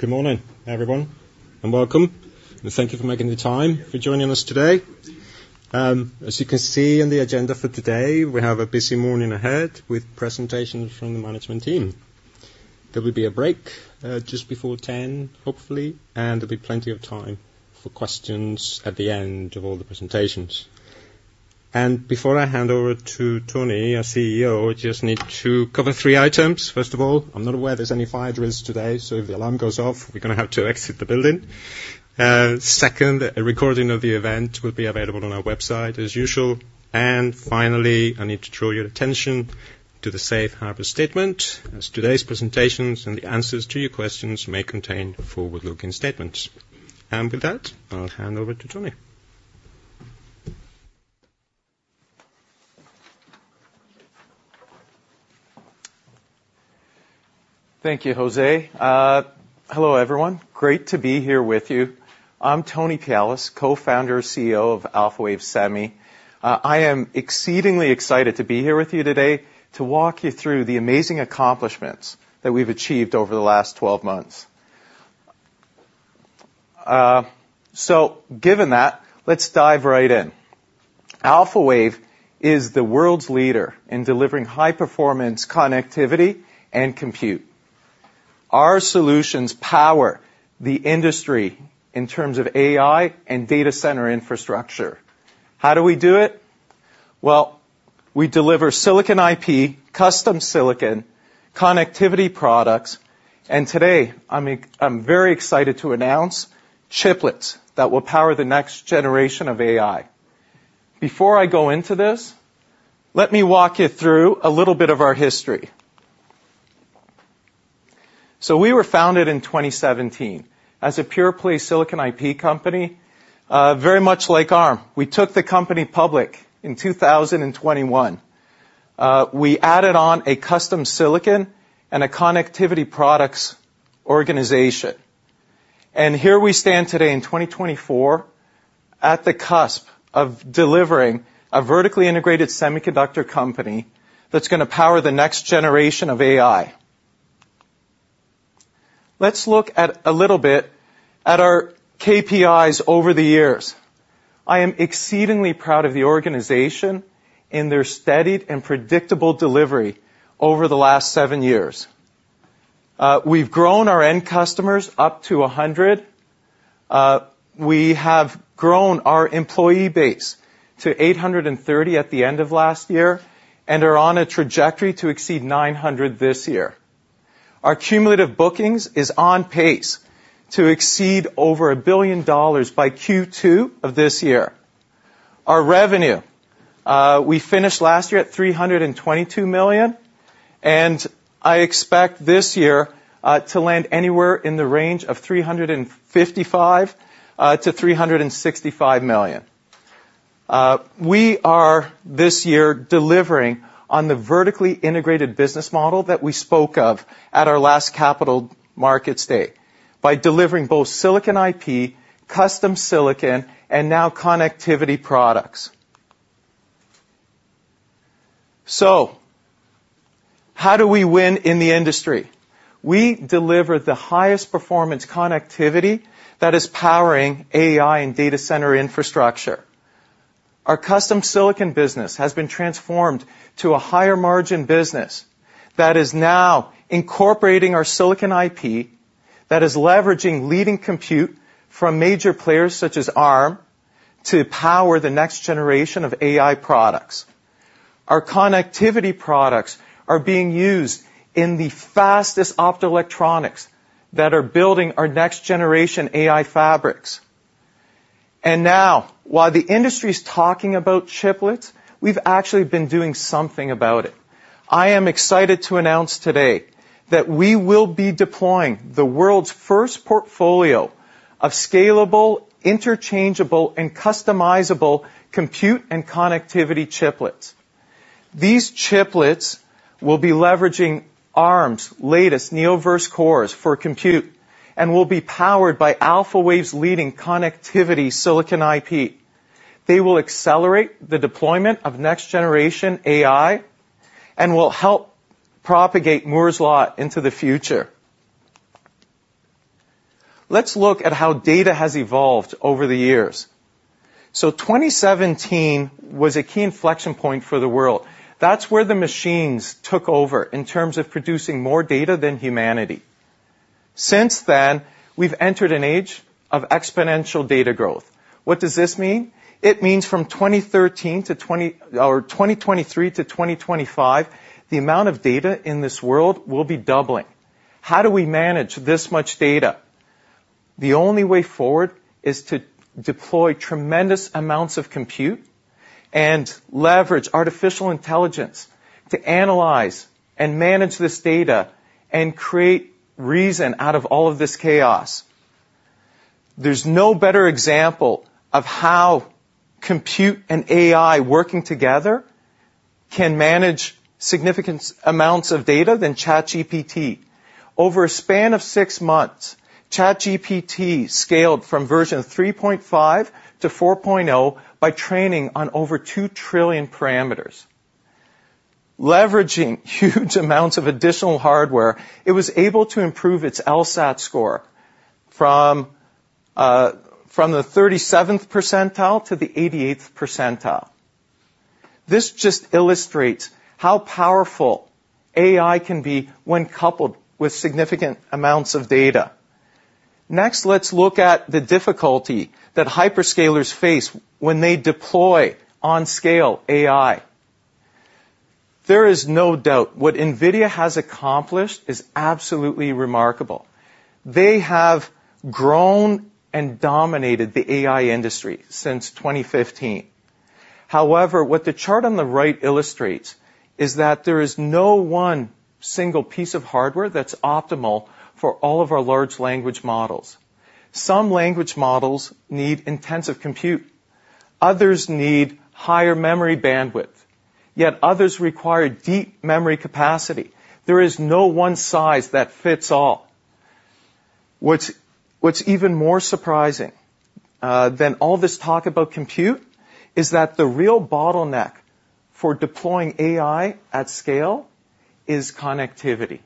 Good morning, everyone, and welcome. Thank you for making the time for joining us today. As you can see in the agenda for today, we have a busy morning ahead with presentations from the management team. There will be a break just before ten, hopefully, and there'll be plenty of time for questions at the end of all the presentations. Before I hand over to Tony, our CEO, I just need to cover three items. First of all, I'm not aware there's any fire drills today, so if the alarm goes off, we're gonna have to exit the building. Second, a recording of the event will be available on our website as usual. Finally, I need to draw your attention to the safe harbor statement, as today's presentations and the answers to your questions may contain forward-looking statements. With that, I'll hand over to Tony. Thank you, Jose. Hello, everyone. Great to be here with you. I'm Tony Pialis, Co-founder and CEO of Alphawave Semi. I am exceedingly excited to be here with you today to walk you through the amazing accomplishments that we've achieved over the last 12 months. So given that, let's dive right in. Alphawave is the world's leader in delivering high-performance connectivity and compute. Our solutions power the industry in terms of AI and data center infrastructure. How do we do it? Well, we deliver silicon IP, custom silicon, connectivity products, and today, I'm very excited to announce chiplets that will power the next generation of AI. Before I go into this, let me walk you through a little bit of our history. So we were founded in 2017 as a pure-play silicon IP company, very much like Arm. We took the company public in 2021. We added on a custom silicon and a connectivity products organization. Here we stand today in 2024, at the cusp of delivering a vertically integrated semiconductor company that's gonna power the next generation of AI. Let's look at a little bit at our KPIs over the years. I am exceedingly proud of the organization and their steady and predictable delivery over the last 7 years. We've grown our end customers up to 100. We have grown our employee base to 830 at the end of last year and are on a trajectory to exceed 900 this year. Our cumulative bookings is on pace to exceed over $1 billion by Q2 of this year. Our revenue, we finished last year at $322 million, and I expect this year to land anywhere in the range of $355 million-$365 million. We are, this year, delivering on the vertically integrated business model that we spoke of at our last Capital Markets Day, by delivering both silicon IP, custom silicon, and now connectivity products. So how do we win in the industry? We deliver the highest performance connectivity that is powering AI and data center infrastructure. Our custom silicon business has been transformed to a higher margin business that is now incorporating our silicon IP, that is leveraging leading compute from major players such as Arm to power the next generation of AI products. Our connectivity products are being used in the fastest optoelectronics that are building our next generation AI fabrics. Now, while the industry is talking about chiplets, we've actually been doing something about it. I am excited to announce today that we will be deploying the world's first portfolio of scalable, interchangeable, and customizable compute and connectivity chiplets. These chiplets will be leveraging Arm's latest Neoverse cores for compute and will be powered by Alphawave's leading connectivity silicon IP. They will accelerate the deployment of next generation AI and will help propagate Moore's Law into the future. Let's look at how data has evolved over the years. 2017 was a key inflection point for the world. That's where the machines took over in terms of producing more data than humanity. Since then, we've entered an age of exponential data growth. What does this mean? It means from 2013 to or 2023 to 2025, the amount of data in this world will be doubling. How do we manage this much data? The only way forward is to deploy tremendous amounts of compute and leverage artificial intelligence to analyze and manage this data and create reason out of all of this chaos. There's no better example of how compute and AI working together can manage significant amounts of data than ChatGPT. Over a span of six months, ChatGPT scaled from version 3.5 to 4.0 by training on over 2 trillion parameters, leveraging huge amounts of additional hardware, it was able to improve its LSAT score from the 37th percentile to the 88th percentile. This just illustrates how powerful AI can be when coupled with significant amounts of data. Next, let's look at the difficulty that hyperscalers face when they deploy on-scale AI. There is no doubt what NVIDIA has accomplished is absolutely remarkable. They have grown and dominated the AI industry since 2015. However, what the chart on the right illustrates is that there is no one single piece of hardware that's optimal for all of our large language models. Some language models need intensive compute, others need higher memory bandwidth, yet others require deep memory capacity. There is no one size that fits all. What's even more surprising than all this talk about compute is that the real bottleneck for deploying AI at scale is connectivity.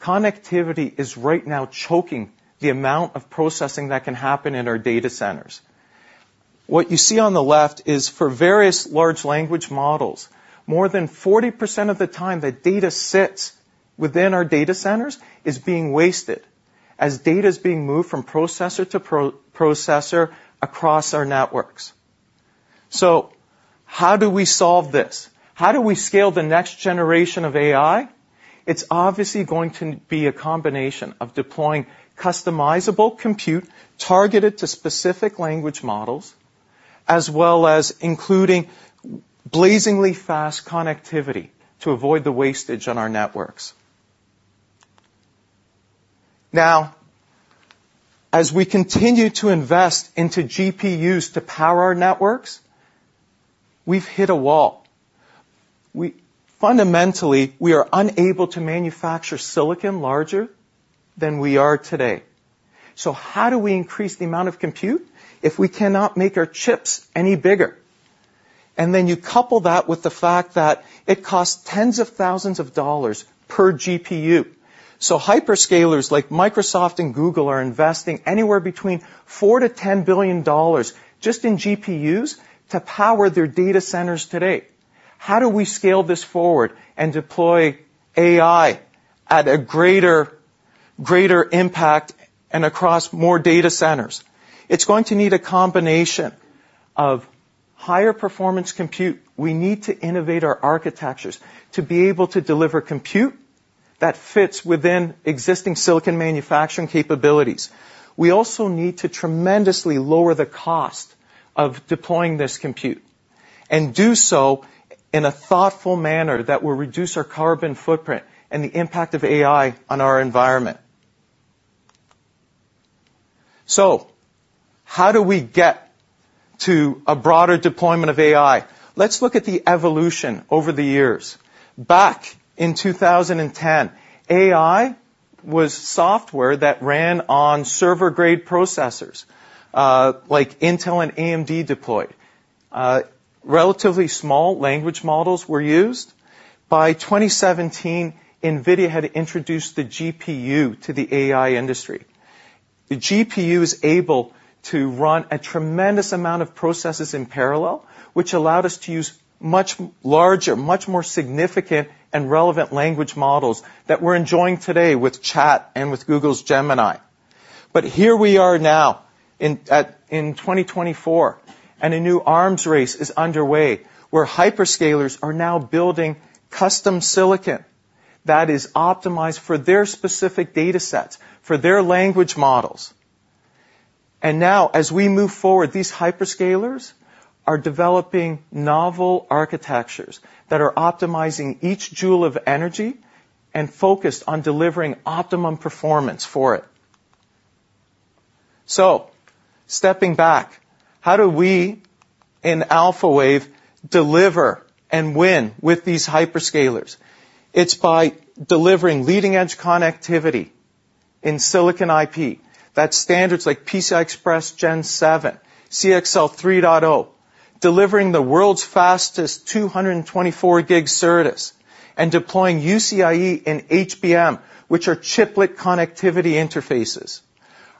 Connectivity is right now choking the amount of processing that can happen in our data centers. What you see on the left is for various large language models, more than 40% of the time, the data sits within our data centers is being wasted, as data is being moved from processor to processor across our networks. So how do we solve this? How do we scale the next generation of AI? It's obviously going to be a combination of deploying customizable compute, targeted to specific language models, as well as including blazingly fast connectivity to avoid the wastage on our networks. Now, as we continue to invest into GPUs to power our networks, we've hit a wall. We, Fundamentally, we are unable to manufacture silicon larger than we are today. So how do we increase the amount of compute if we cannot make our chips any bigger? And then you couple that with the fact that it costs tens of thousands of dollars per GPU. So hyperscalers like Microsoft and Google are investing anywhere between $4 billion-$10 billion just in GPUs to power their data centers today. How do we scale this forward and deploy AI at a greater, greater impact and across more data centers? It's going to need a combination of higher performance compute. We need to innovate our architectures to be able to deliver compute that fits within existing silicon manufacturing capabilities. We also need to tremendously lower the cost of deploying this compute, and do so in a thoughtful manner that will reduce our carbon footprint and the impact of AI on our environment. So how do we get to a broader deployment of AI? Let's look at the evolution over the years. Back in 2010, AI was software that ran on server-grade processors like Intel and AMD deployed. Relatively small language models were used. By 2017, NVIDIA had introduced the GPU to the AI industry. The GPU is able to run a tremendous amount of processes in parallel, which allowed us to use much larger, much more significant and relevant language models that we're enjoying today with ChatGPT and with Google's Gemini. But here we are now in 2024, and a new arms race is underway, where hyperscalers are now building custom silicon that is optimized for their specific datasets, for their language models. And now, as we move forward, these hyperscalers are developing novel architectures that are optimizing each joule of energy and focused on delivering optimum performance for it. So stepping back, how do we, in Alphawave, deliver and win with these hyperscalers? It's by delivering leading-edge connectivity in silicon IP. That's standards like PCI Express Gen 7, CXL 3.0, delivering the world's fastest 224G SerDes, and deploying UCIe and HBM, which are chiplet connectivity interfaces.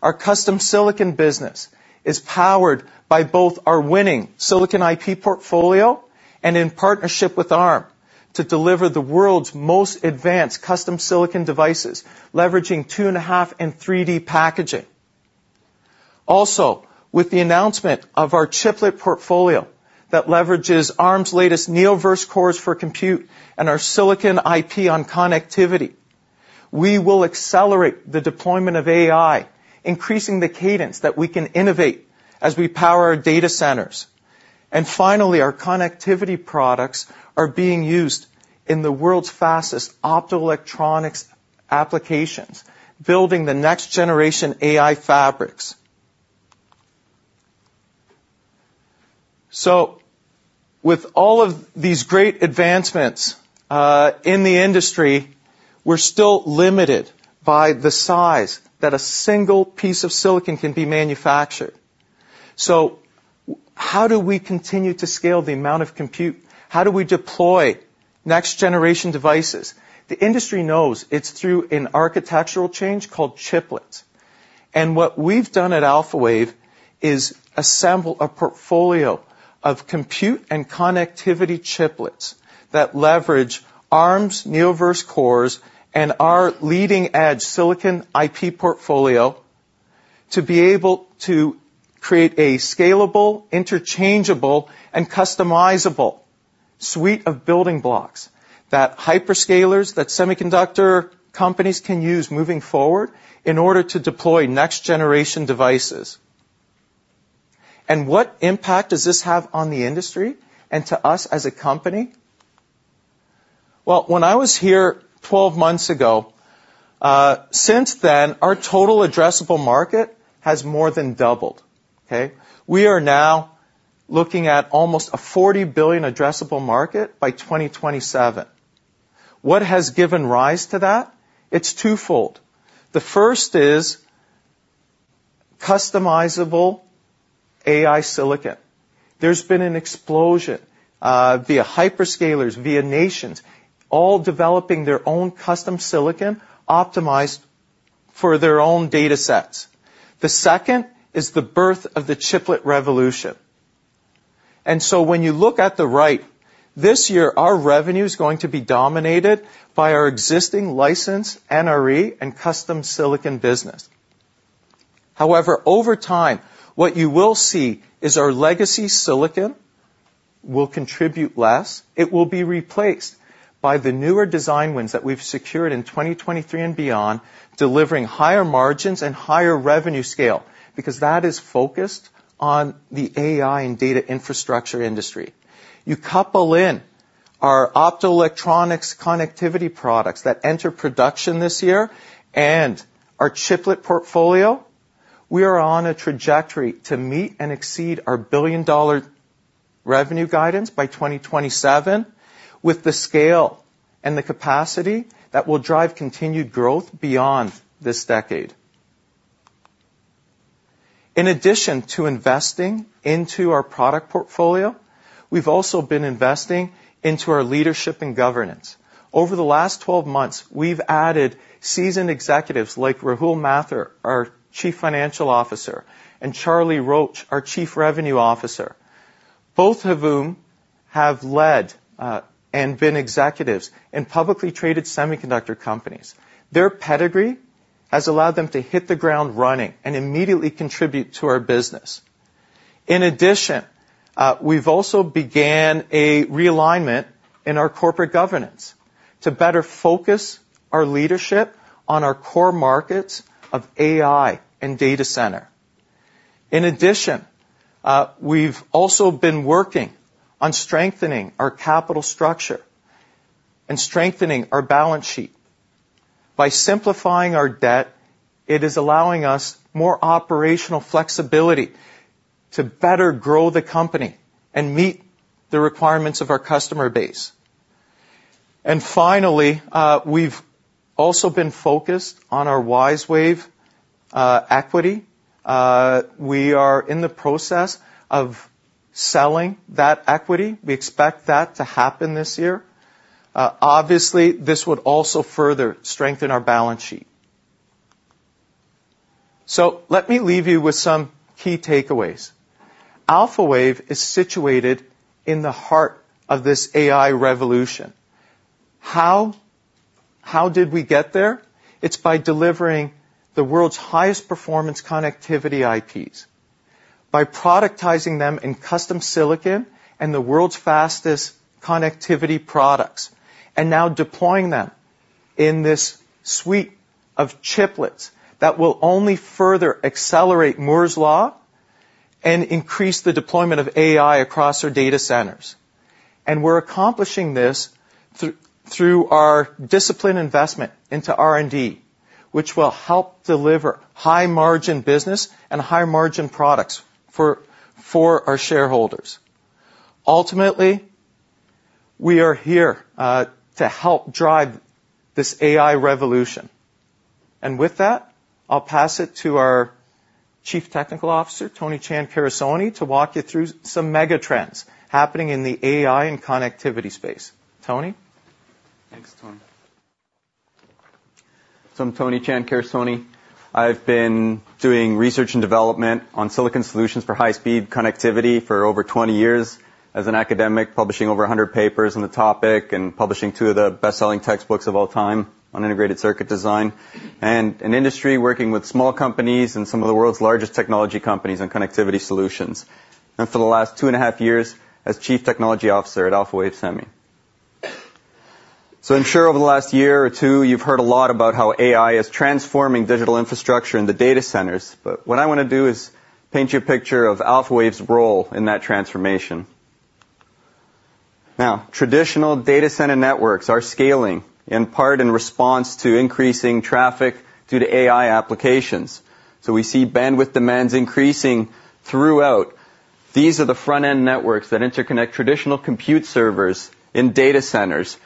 Our custom silicon business is powered by both our winning silicon IP portfolio and in partnership with Arm, to deliver the world's most advanced custom silicon devices, leveraging 2.5D and 3D packaging. Also, with the announcement of our chiplet portfolio that leverages Arm's latest Neoverse cores for compute and our silicon IP on connectivity, we will accelerate the deployment of AI, increasing the cadence that we can innovate as we power our data centers. And finally, our connectivity products are being used in the world's fastest optoelectronics applications, building the next generation AI fabrics. So with all of these great advancements in the industry, we're still limited by the size that a single piece of silicon can be manufactured. So how do we continue to scale the amount of compute? How do we deploy next generation devices? The industry knows it's through an architectural change called chiplets. And what we've done at Alphawave is assemble a portfolio of compute and connectivity chiplets that leverage Arm's Neoverse cores and our leading-edge silicon IP portfolio, to be able to create a scalable, interchangeable, and customizable suite of building blocks that hyperscalers, that semiconductor companies can use moving forward in order to deploy next generation devices. And what impact does this have on the industry and to us as a company? Well, when I was here 12 months ago, since then, our total addressable market has more than doubled. Okay? We are now looking at almost a $40 billion addressable market by 2027. What has given rise to that? It's twofold. The first is customizable AI silicon. There's been an explosion via hyperscalers, via nations, all developing their own custom silicon, optimized for their own datasets. The second is the birth of the chiplet revolution. And so when you look at the right, this year, our revenue is going to be dominated by our existing license, NRE, and custom silicon business. However, over time, what you will see is our legacy silicon will contribute less. It will be replaced by the newer design wins that we've secured in 2023 and beyond, delivering higher margins and higher revenue scale, because that is focused on the AI and data infrastructure industry. You couple in our optoelectronics connectivity products that enter production this year and our chiplet portfolio. We are on a trajectory to meet and exceed our billion-dollar revenue guidance by 2027, with the scale and the capacity that will drive continued growth beyond this decade. In addition to investing into our product portfolio, we've also been investing into our leadership and governance. Over the last 12 months, we've added seasoned executives like Rahul Mathur, our Chief Financial Officer, and Charlie Roach, our Chief Revenue Officer, both of whom have led and been executives in publicly traded semiconductor companies. Their pedigree has allowed them to hit the ground running and immediately contribute to our business. In addition, we've also begun a realignment in our corporate governance to better focus our leadership on our core markets of AI and data center. In addition, we've also been working on strengthening our capital structure and strengthening our balance sheet. By simplifying our debt, it is allowing us more operational flexibility to better grow the company and meet the requirements of our customer base. And finally, we've also been focused on our WiseWave equity. We are in the process of selling that equity. We expect that to happen this year. Obviously, this would also further strengthen our balance sheet. So let me leave you with some key takeaways. Alphawave is situated in the heart of this AI revolution. How? How did we get there? It's by delivering the world's highest performance connectivity IPs, by productizing them in custom silicon and the world's fastest connectivity products, and now deploying them in this suite of chiplets that will only further accelerate Moore's Law and increase the deployment of AI across our data centers. And we're accomplishing this through our disciplined investment into R&D, which will help deliver high-margin business and high-margin products for, for our shareholders. Ultimately, we are here to help drive this AI revolution. And with that, I'll pass it to our Chief Technical Officer, Tony Chan Carusone, to walk you through some mega trends happening in the AI and connectivity space. Tony? Thanks, Tony. So I'm Tony Chan Carusone. I've been doing research and development on silicon solutions for high-speed connectivity for over 20 years as an academic, publishing over 100 papers on the topic and publishing 2 of the best-selling textbooks of all time on integrated circuit design, and in industry, working with small companies and some of the world's largest technology companies on connectivity solutions, and for the last 2 and a half years as Chief Technology Officer at Alphawave Semi. So I'm sure over the last year or 2, you've heard a lot about how AI is transforming digital infrastructure in the data centers, but what I want to do is paint you a picture of Alphawave's role in that transformation. Now, traditional data center networks are scaling, in part in response to increasing traffic due to AI applications. So we see bandwidth demands increasing throughout. These are the front-end networks that interconnect traditional compute servers in data centers.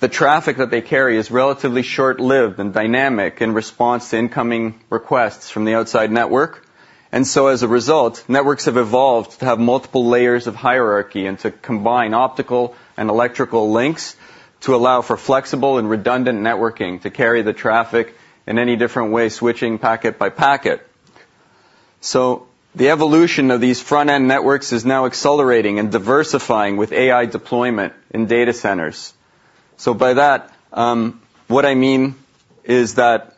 The traffic that they carry is relatively short-lived and dynamic in response to incoming requests from the outside network. And so as a result, networks have evolved to have multiple layers of hierarchy and to combine optical and electrical links to allow for flexible and redundant networking to carry the traffic in any different way, switching packet by packet. So the evolution of these front-end networks is now accelerating and diversifying with AI deployment in data centers. So by that, what I mean is that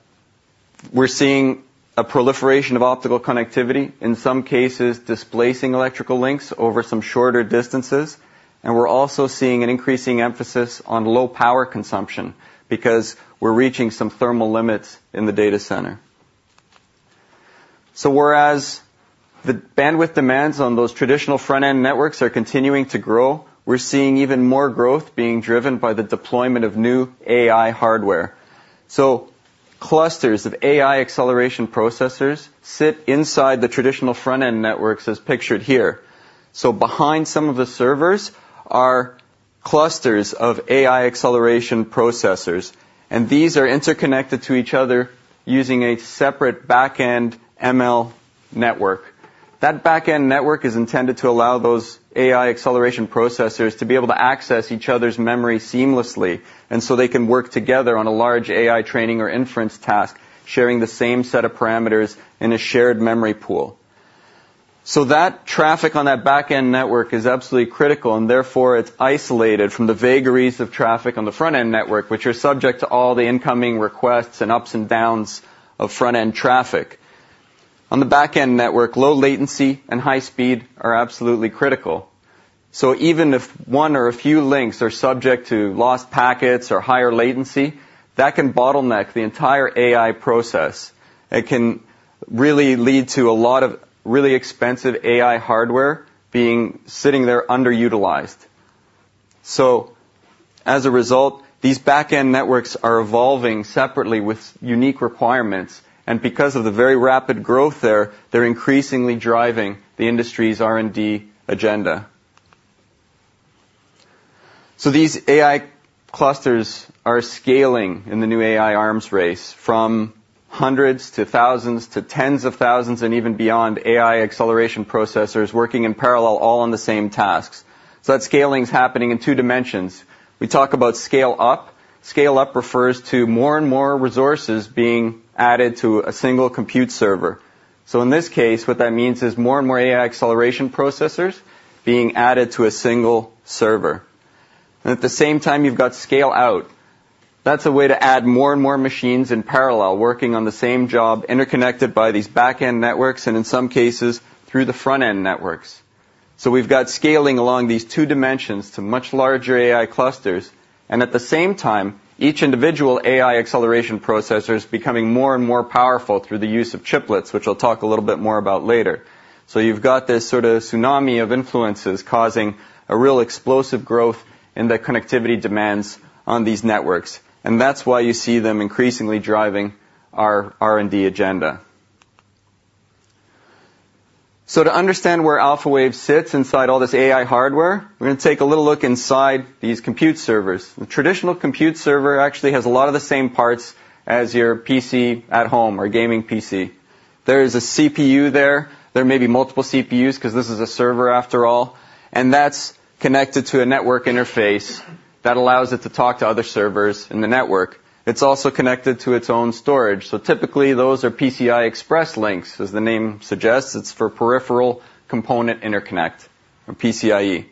we're seeing a proliferation of optical connectivity, in some cases displacing electrical links over some shorter distances, and we're also seeing an increasing emphasis on low power consumption because we're reaching some thermal limits in the data center. Whereas the bandwidth demands on those traditional front-end networks are continuing to grow, we're seeing even more growth being driven by the deployment of new AI hardware. Clusters of AI acceleration processors sit inside the traditional front-end networks, as pictured here. Behind some of the servers are clusters of AI acceleration processors, and these are interconnected to each other using a separate back-end ML network. That back-end network is intended to allow those AI acceleration processors to be able to access each other's memory seamlessly, and so they can work together on a large AI training or inference task, sharing the same set of parameters in a shared memory pool. So that traffic on that back-end network is absolutely critical, and therefore it's isolated from the vagaries of traffic on the front-end network, which are subject to all the incoming requests and ups and downs of front-end traffic. On the back-end network, low latency and high speed are absolutely critical. So even if one or a few links are subject to lost packets or higher latency, that can bottleneck the entire AI process. It can really lead to a lot of really expensive AI hardware being sitting there underutilized. So as a result, these back-end networks are evolving separately with unique requirements, and because of the very rapid growth there, they're increasingly driving the industry's R&D agenda. So these AI clusters are scaling in the new AI arms race from hundreds to thousands to tens of thousands, and even beyond AI acceleration processors working in parallel, all on the same tasks. So that scaling is happening in two dimensions. We talk about scale up. Scale up refers to more and more resources being added to a single compute server. So in this case, what that means is more and more AI acceleration processors being added to a single server. And at the same time, you've got scale out. That's a way to add more and more machines in parallel, working on the same job, interconnected by these back-end networks, and in some cases, through the front-end networks. So we've got scaling along these two dimensions to much larger AI clusters, and at the same time, each individual AI acceleration processor is becoming more and more powerful through the use of chiplets, which I'll talk a little bit more about later. You've got this sort of tsunami of influences causing a real explosive growth in the connectivity demands on these networks, and that's why you see them increasingly driving our R&D agenda. To understand where Alphawave sits inside all this AI hardware, we're going to take a little look inside these compute servers. The traditional compute server actually has a lot of the same parts as your PC at home or gaming PC. There is a CPU there. There may be multiple CPUs because this is a server after all, and that's connected to a network interface that allows it to talk to other servers in the network. It's also connected to its own storage. So typically, those are PCI Express links. As the name suggests, it's for peripheral component interconnect or PCIe.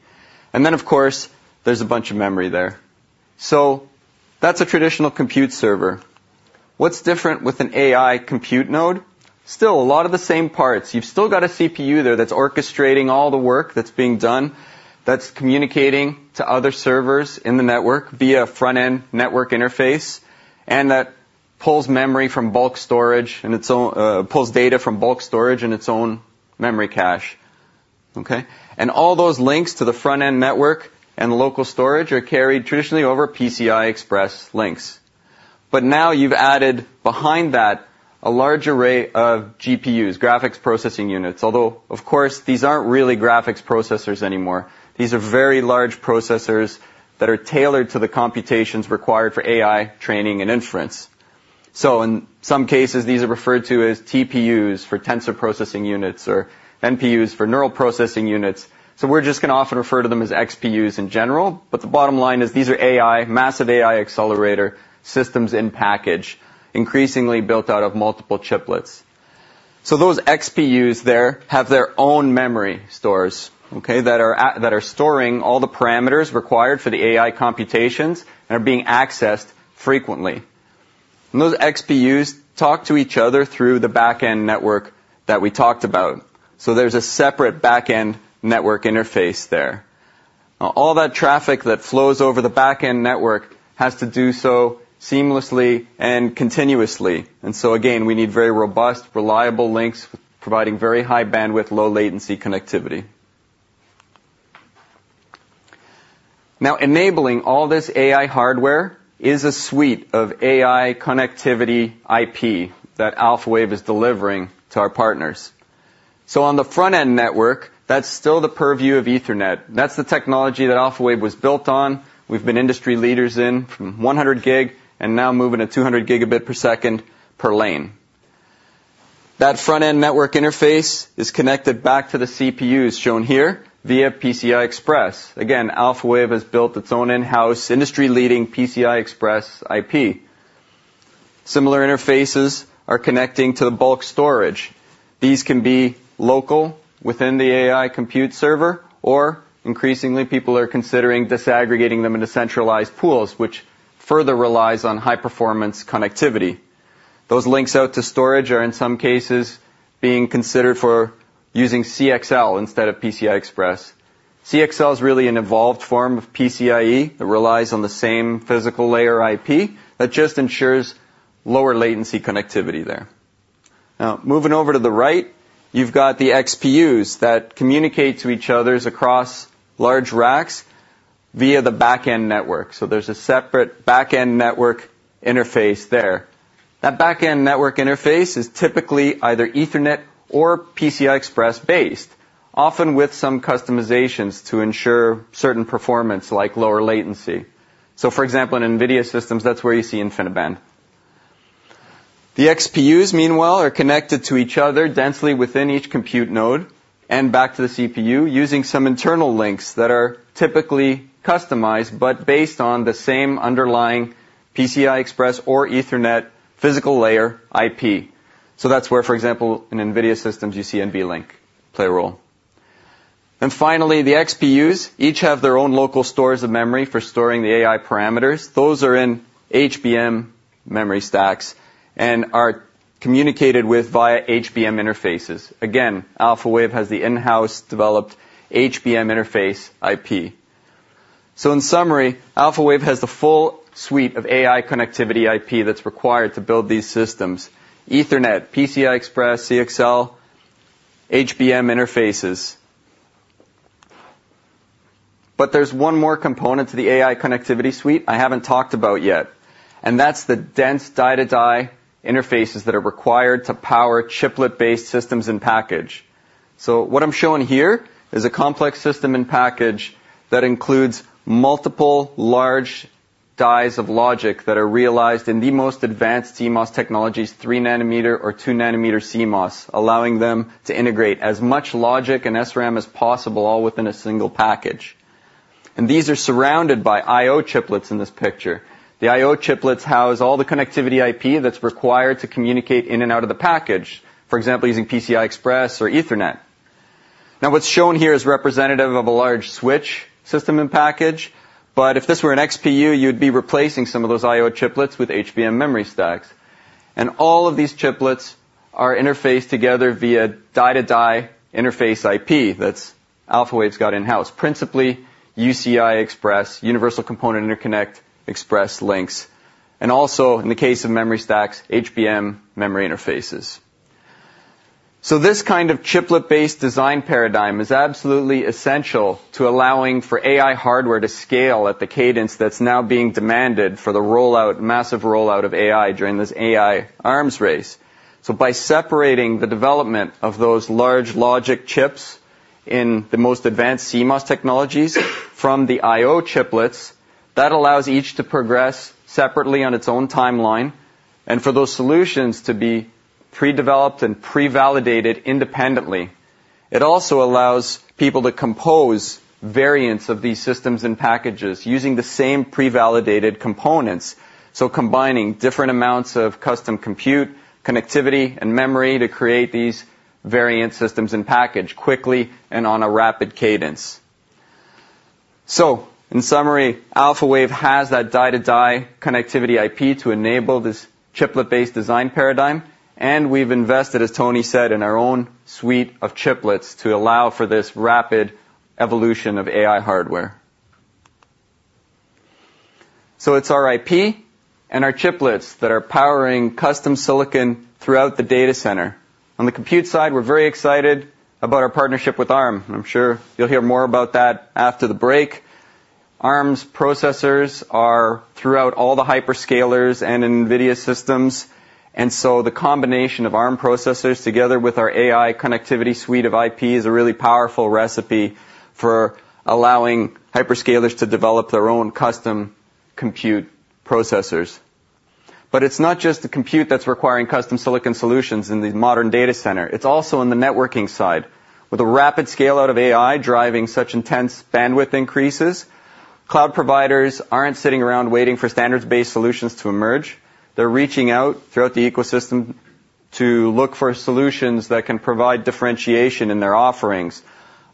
And then, of course, there's a bunch of memory there. So that's a traditional compute server. What's different with an AI compute node? Still a lot of the same parts. You've still got a CPU there that's orchestrating all the work that's being done, that's communicating to other servers in the network via front-end network interface, and that pulls memory from bulk storage and its own pulls data from bulk storage in its own memory cache. Okay? All those links to the front-end network and local storage are carried traditionally over PCI Express links. But now you've added behind that a large array of GPUs, graphics processing units. Although, of course, these aren't really graphics processors anymore. These are very large processors that are tailored to the computations required for AI training and inference. So in some cases, these are referred to as TPUs for tensor processing units, or NPUs for neural processing units. So we're just going to often refer to them as XPUs in general. But the bottom line is these are AI, massive AI accelerator systems in package, increasingly built out of multiple chiplets. So those XPUs there have their own memory stores, okay, that are storing all the parameters required for the AI computations and are being accessed frequently. Those XPUs talk to each other through the back-end network that we talked about. So there's a separate back-end network interface there. Now, all that traffic that flows over the back-end network has to do so seamlessly and continuously. And so again, we need very robust, reliable links, providing very high bandwidth, low latency connectivity. Now, enabling all this AI hardware is a suite of AI connectivity IP that Alphawave is delivering to our partners... So on the front-end network, that's still the purview of Ethernet. That's the technology that Alphawave was built on. We've been industry leaders in from 100 gig, and now moving to 200 gigabit per second per lane. That front-end network interface is connected back to the CPUs, shown here, via PCI Express. Again, Alphawave has built its own in-house, industry-leading PCI Express IP. Similar interfaces are connecting to the bulk storage. These can be local within the AI compute server, or increasingly, people are considering disaggregating them into centralized pools, which further relies on high-performance connectivity. Those links out to storage are, in some cases, being considered for using CXL instead of PCI Express. CXL is really an evolved form of PCIe that relies on the same physical layer IP, that just ensures lower latency connectivity there. Now, moving over to the right, you've got the XPUs that communicate to each other across large racks via the back-end network. So there's a separate back-end network interface there. That back-end network interface is typically either Ethernet or PCI Express based, often with some customizations to ensure certain performance, like lower latency. So for example, in NVIDIA systems, that's where you see InfiniBand. The XPUs, meanwhile, are connected to each other densely within each compute node and back to the CPU, using some internal links that are typically customized, but based on the same underlying PCI Express or Ethernet physical layer IP. So that's where, for example, in NVIDIA systems, you see NVLink play a role. Finally, the XPUs each have their own local stores of memory for storing the AI parameters. Those are in HBM memory stacks and are communicated with via HBM interfaces. Again, Alphawave has the in-house developed HBM interface IP. In summary, Alphawave has the full suite of AI connectivity IP that's required to build these systems: Ethernet, PCI Express, CXL, HBM interfaces. But there's one more component to the AI connectivity suite I haven't talked about yet, and that's the dense die-to-die interfaces that are required to power chiplet-based Systems-in-Package. So what I'm showing here is a complex System-in-Package that includes multiple large dies of logic that are realized in the most advanced CMOS technologies, 3nm or 2nm CMOS, allowing them to integrate as much logic and SRAM as possible, all within a single package. And these are surrounded by IO chiplets in this picture. The IO chiplets house all the connectivity IP that's required to communicate in and out of the package, for example, using PCI Express or Ethernet. Now, what's shown here is representative of a large switch System-in-Package, but if this were an XPU, you'd be replacing some of those IO chiplets with HBM memory stacks. And all of these chiplets are interfaced together via die-to-die interface IP, that's Alphawave's got in-house, principally, UCIe, Universal Chiplet Interconnect Express links, and also, in the case of memory stacks, HBM memory interfaces. So this kind of chiplet-based design paradigm is absolutely essential to allowing for AI hardware to scale at the cadence that's now being demanded for the rollout, massive rollout of AI during this AI arms race. So by separating the development of those large logic chips in the most advanced CMOS technologies from the I/O chiplets, that allows each to progress separately on its own timeline, and for those solutions to be pre-developed and pre-validated independently. It also allows people to compose variants of these Systems-in-Packages using the same pre-validated components. So combining different amounts of custom compute, connectivity, and memory to create these variant Systems-in-Package quickly and on a rapid cadence. So in summary, Alphawave has that die-to-die connectivity IP to enable this chiplet-based design paradigm, and we've invested, as Tony said, in our own suite of chiplets to allow for this rapid evolution of AI hardware. So it's our IP and our chiplets that are powering custom silicon throughout the data center. On the compute side, we're very excited about our partnership with Arm, and I'm sure you'll hear more about that after the break. Arm's processors are throughout all the hyperscalers and NVIDIA systems, and so the combination of Arm processors, together with our AI connectivity suite of IP, is a really powerful recipe for allowing hyperscalers to develop their own custom compute processors. But it's not just the compute that's requiring custom silicon solutions in the modern data center, it's also on the networking side. With a rapid scale out of AI, driving such intense bandwidth increases, cloud providers aren't sitting around waiting for standards-based solutions to emerge. They're reaching out throughout the ecosystem to look for solutions that can provide differentiation in their offerings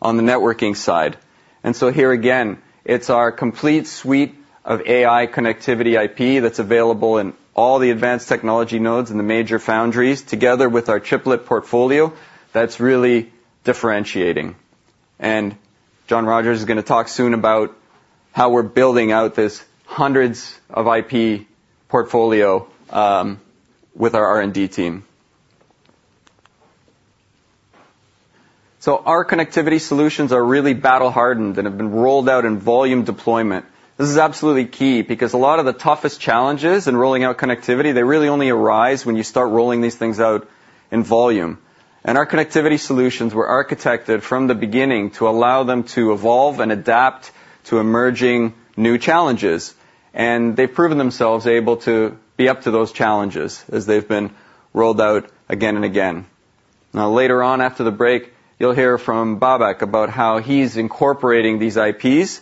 on the networking side. And so here again, it's our complete suite of AI connectivity IP that's available in all the advanced technology nodes in the major foundries, together with our chiplet portfolio, that's really differentiating. And John Rogers is gonna talk soon about how we're building out this hundreds of IP portfolio with our R&D team. So our connectivity solutions are really battle-hardened and have been rolled out in volume deployment. This is absolutely key because a lot of the toughest challenges in rolling out connectivity, they really only arise when you start rolling these things out in volume. Our connectivity solutions were architected from the beginning to allow them to evolve and adapt to emerging new challenges. They've proven themselves able to be up to those challenges as they've been rolled out again and again. Now, later on, after the break, you'll hear from Babak about how he's incorporating these IPs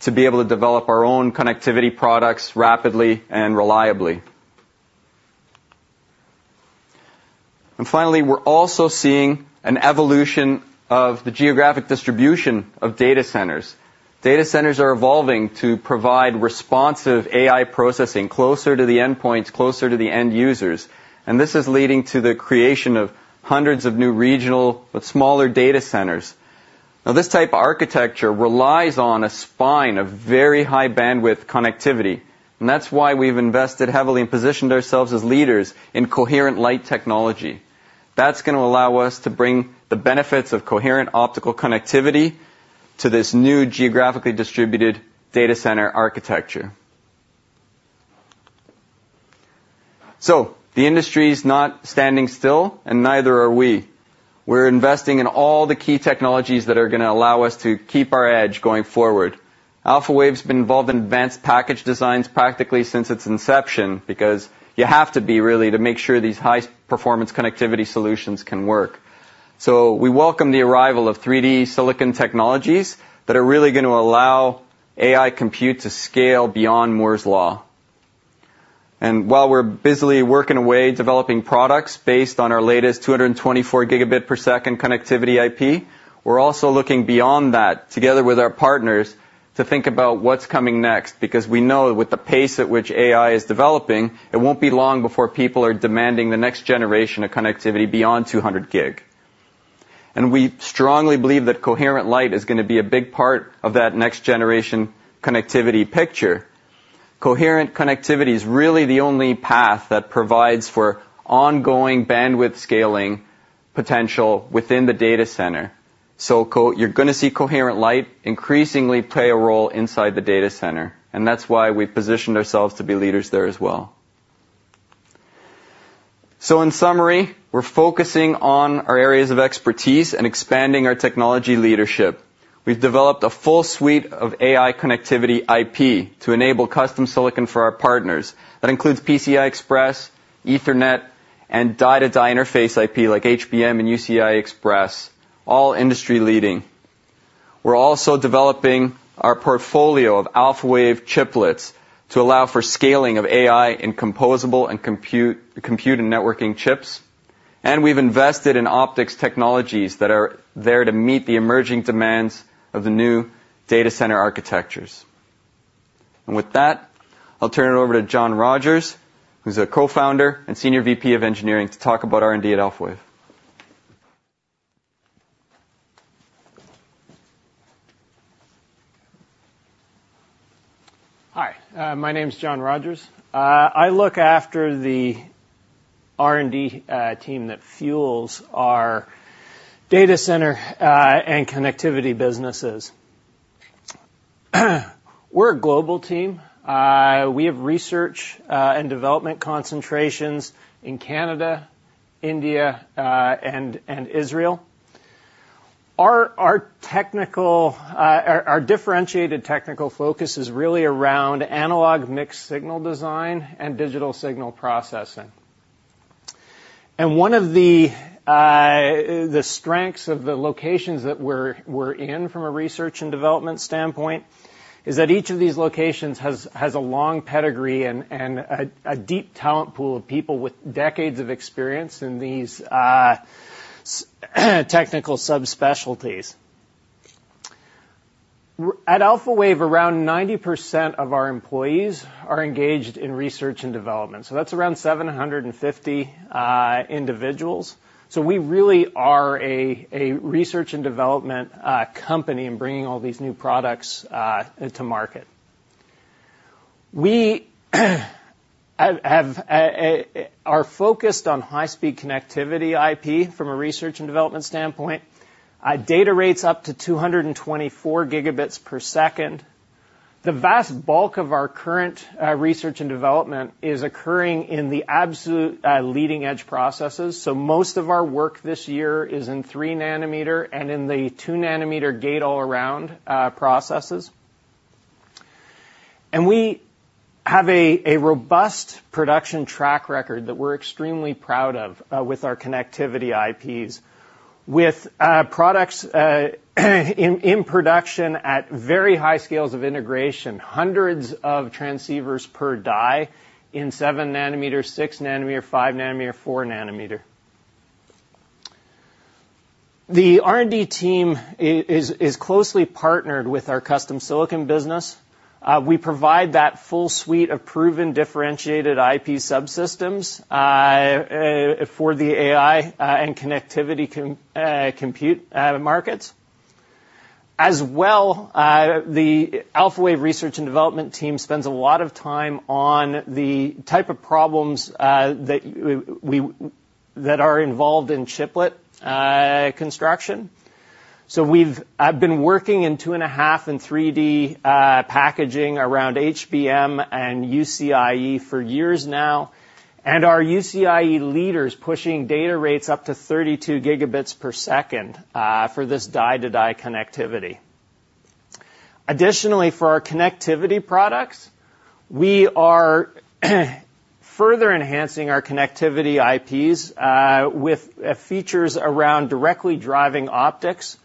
to be able to develop our own connectivity products rapidly and reliably. Finally, we're also seeing an evolution of the geographic distribution of data centers. Data centers are evolving to provide responsive AI processing closer to the endpoints, closer to the end users, and this is leading to the creation of hundreds of new regional, but smaller data centers. This type of architecture relies on a spine of very high bandwidth connectivity, and that's why we've invested heavily and positioned ourselves as leaders in coherent light technology. That's gonna allow us to bring the benefits of coherent optical connectivity to this new geographically distributed data center architecture. So the industry is not standing still, and neither are we. We're investing in all the key technologies that are gonna allow us to keep our edge going forward. Alphawave's been involved in advanced package designs practically since its inception, because you have to be really, to make sure these high performance connectivity solutions can work. So we welcome the arrival of 3D silicon technologies that are really gonna allow AI compute to scale beyond Moore's Law. And while we're busily working away, developing products based on our latest 224 gigabit per second connectivity IP, we're also looking beyond that, together with our partners, to think about what's coming next, because we know with the pace at which AI is developing, it won't be long before people are demanding the next generation of connectivity beyond 200 gig. And we strongly believe that coherent light is gonna be a big part of that next generation connectivity picture. Coherent connectivity is really the only path that provides for ongoing bandwidth scaling potential within the data center. So you're gonna see coherent light increasingly play a role inside the data center, and that's why we've positioned ourselves to be leaders there as well. So in summary, we're focusing on our areas of expertise and expanding our technology leadership. We've developed a full suite of AI connectivity IP to enable custom silicon for our partners. That includes PCI Express, Ethernet, and die-to-die interface IP like HBM and UCIe, all industry leading. We're also developing our portfolio of Alphawave chiplets to allow for scaling of AI in composable and compute, compute and networking chips. We've invested in optics technologies that are there to meet the emerging demands of the new data center architectures. With that, I'll turn it over to John Rogers, who's a co-founder and Senior VP of Engineering, to talk about R&D at Alphawave. Hi, my name is John Rogers. I look after the R&D team that fuels our data center and connectivity businesses. We're a global team. We have research and development concentrations in Canada, India, and Israel. Our differentiated technical focus is really around analog mixed signal design and digital signal processing. And one of the strengths of the locations that we're in from a research and development standpoint is that each of these locations has a long pedigree and a deep talent pool of people with decades of experience in these technical subspecialties. At Alphawave, around 90% of our employees are engaged in research and development, so that's around 750 individuals. So we really are a research and development company in bringing all these new products to market. We are focused on high-speed connectivity IP from a research and development standpoint. Data rates up to 224 Gb per second. The vast bulk of our current research and development is occurring in the absolute leading edge processes. So most of our work this year is in 3 nm and in the 2 nm gate-all-around processes. And we have a robust production track record that we're extremely proud of with our connectivity IPs, with products in production at very high scales of integration, hundreds of transceivers per die in 7 nm, 6 nm, 5 nm, 4 nm. The R&D team is closely partnered with our custom silicon business. We provide that full suite of proven, differentiated IP subsystems for the AI and connectivity compute markets. As well, the Alphawave research and development team spends a lot of time on the type of problems that we, that are involved in chiplet construction. So I've been working in 2.5D and 3D packaging around HBM and UCIe for years now, and our UCIe leader is pushing data rates up to 32 Gbps for this die-to-die connectivity. Additionally, for our connectivity products, we are further enhancing our connectivity IPs with features around directly driving optics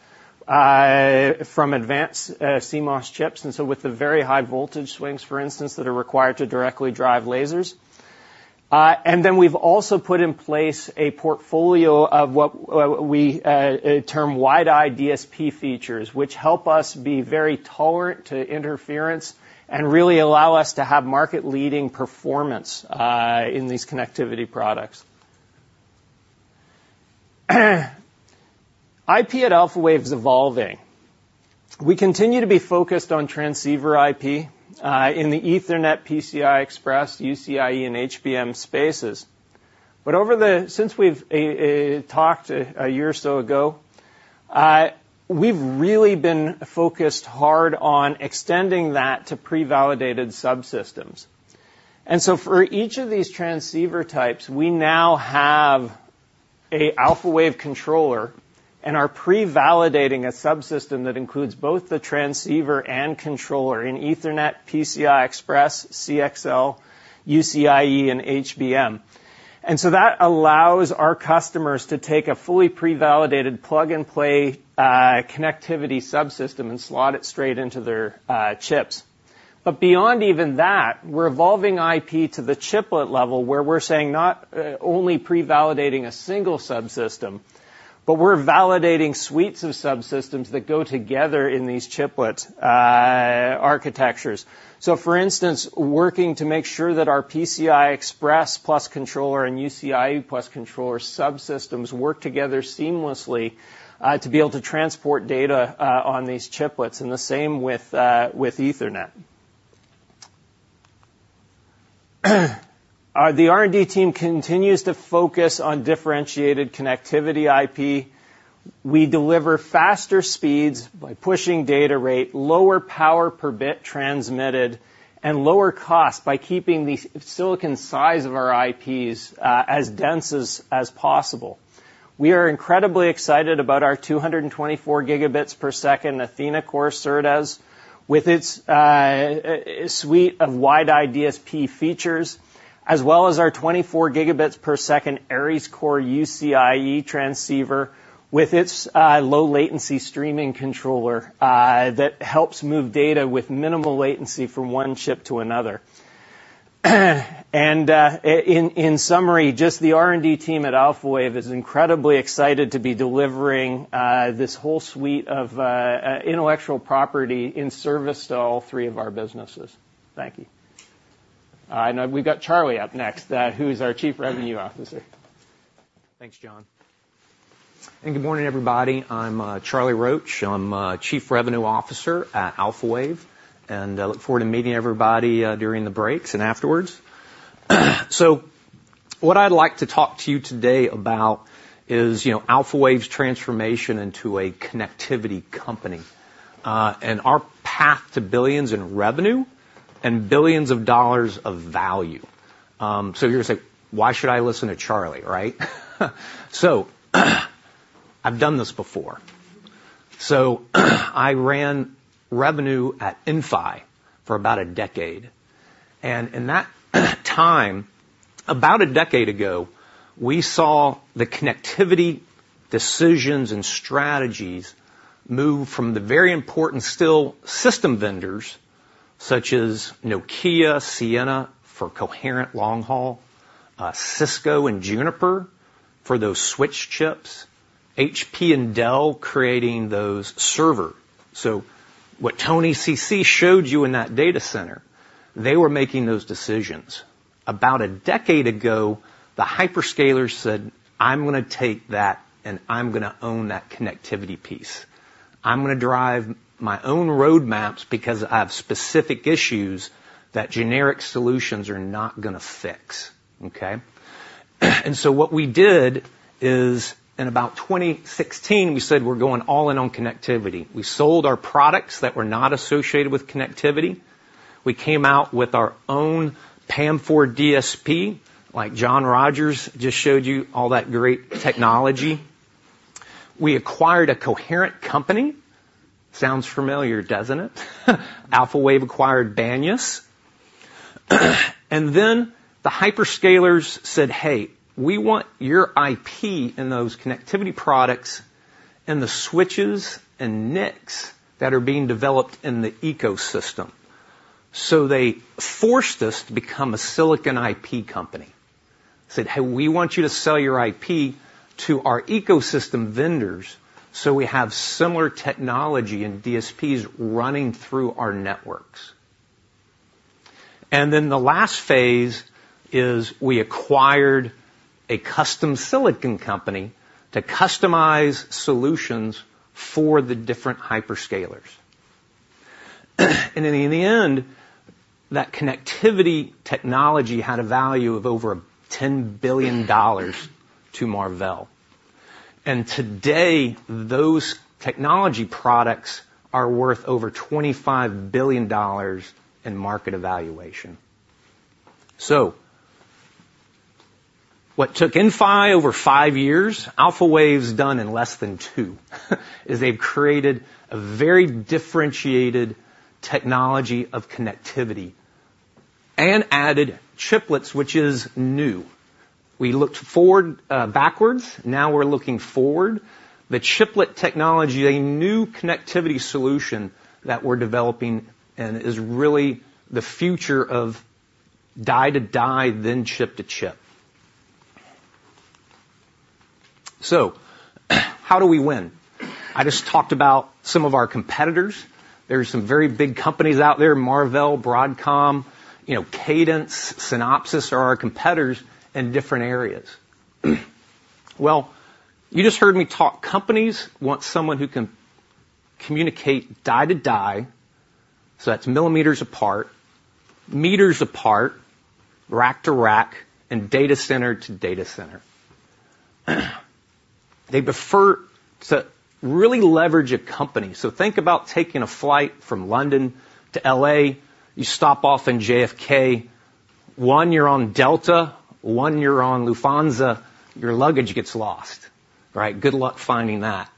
from advanced CMOS chips, and so with the very high voltage swings, for instance, that are required to directly drive lasers. And then we've also put in place a portfolio of what we term WidEye DSP features, which help us be very tolerant to interference and really allow us to have market-leading performance in these connectivity products. IP at Alphawave is evolving. We continue to be focused on transceiver IP in the Ethernet PCI Express, UCIe, and HBM spaces. Since we've talked a year or so ago, we've really been focused hard on extending that to pre-validated subsystems. And so for each of these transceiver types, we now have an Alphawave controller and are pre-validating a subsystem that includes both the transceiver and controller in Ethernet, PCI Express, CXL, UCIe, and HBM. And so that allows our customers to take a fully pre-validated, plug-and-play connectivity subsystem and slot it straight into their chips. But beyond even that, we're evolving IP to the chiplet level, where we're saying not only pre-validating a single subsystem, but we're validating suites of subsystems that go together in these chiplet architectures. So for instance, working to make sure that our PCI Express plus controller and UCIe plus controller subsystems work together seamlessly to be able to transport data on these chiplets, and the same with Ethernet. The R&D team continues to focus on differentiated connectivity IP. We deliver faster speeds by pushing data rate, lower power per bit transmitted, and lower cost by keeping the silicon size of our IPs as dense as possible. We are incredibly excited about our 224 Gb per second Athena core SerDes, with its suite of WidEye DSP features, as well as our 24 Gb per second Ares core UCIe transceiver, with its low latency streaming controller that helps move data with minimal latency from one chip to another. In summary, just the R&D team at Alphawave is incredibly excited to be delivering this whole suite of intellectual property in service to all three of our businesses. Thank you. Now we've got Charlie up next, who is our Chief Revenue Officer. Thanks, John. And good morning, everybody. I'm Charlie Roach. I'm Chief Revenue Officer at Alphawave, and I look forward to meeting everybody during the breaks and afterwards. So what I'd like to talk to you today about is, you know, Alphawave's transformation into a connectivity company, and our path to billions in revenue and billions of dollars of value. So you're going to say, "Why should I listen to Charlie?" Right? So I've done this before. So I ran revenue at Inphi for about a decade, and in that time, about a decade ago, we saw the connectivity decisions and strategies move from the very important still system vendors such as Nokia, Ciena for coherent long haul, Cisco and Juniper for those switch chips, HP and Dell creating those server. So what Tony C.C. showed you in that data center, they were making those decisions. About a decade ago, the hyperscalers said, "I'm going to take that, and I'm going to own that connectivity piece. I'm going to drive my own roadmaps because I have specific issues that generic solutions are not gonna fix." Okay? And so what we did is, in about 2016, we said we're going all in on connectivity. We sold our products that were not associated with connectivity. We came out with our own PAM4 DSP, like John Rogers just showed you all that great technology. We acquired a coherent company. Sounds familiar, doesn't it? Alphawave acquired Banias. And then the hyperscalers said, "Hey, we want your IP and those connectivity products and the switches and NICs that are being developed in the ecosystem." So they forced us to become a silicon IP company. Hey, we want you to sell your IP to our ecosystem vendors, so we have similar technology and DSPs running through our networks. And then the last phase is we acquired a custom silicon company to customize solutions for the different hyperscalers. And in the end, that connectivity technology had a value of over $10 billion to Marvell. And today, those technology products are worth over $25 billion in market valuation. So what took Inphi over 5 years, Alphawave's done in less than 2, is they've created a very differentiated technology of connectivity and added chiplets, which is new. We looked forward, backwards, now we're looking forward. The chiplet technology, a new connectivity solution that we're developing, and is really the future of die-to-die, then chip-to-chip. So how do we win? I just talked about some of our competitors. There are some very big companies out there, Marvell, Broadcom, you know, Cadence, Synopsys are our competitors in different areas. Well, you just heard me talk. Companies want someone who can communicate die-to-die, so that's millimeters apart, meters apart, rack-to-rack, and data center to data center. They prefer to really leverage a company. So think about taking a flight from London to L.A. You stop off in JFK. One, you're on Delta, one, you're on Lufthansa. Your luggage gets lost, right? Good luck finding that.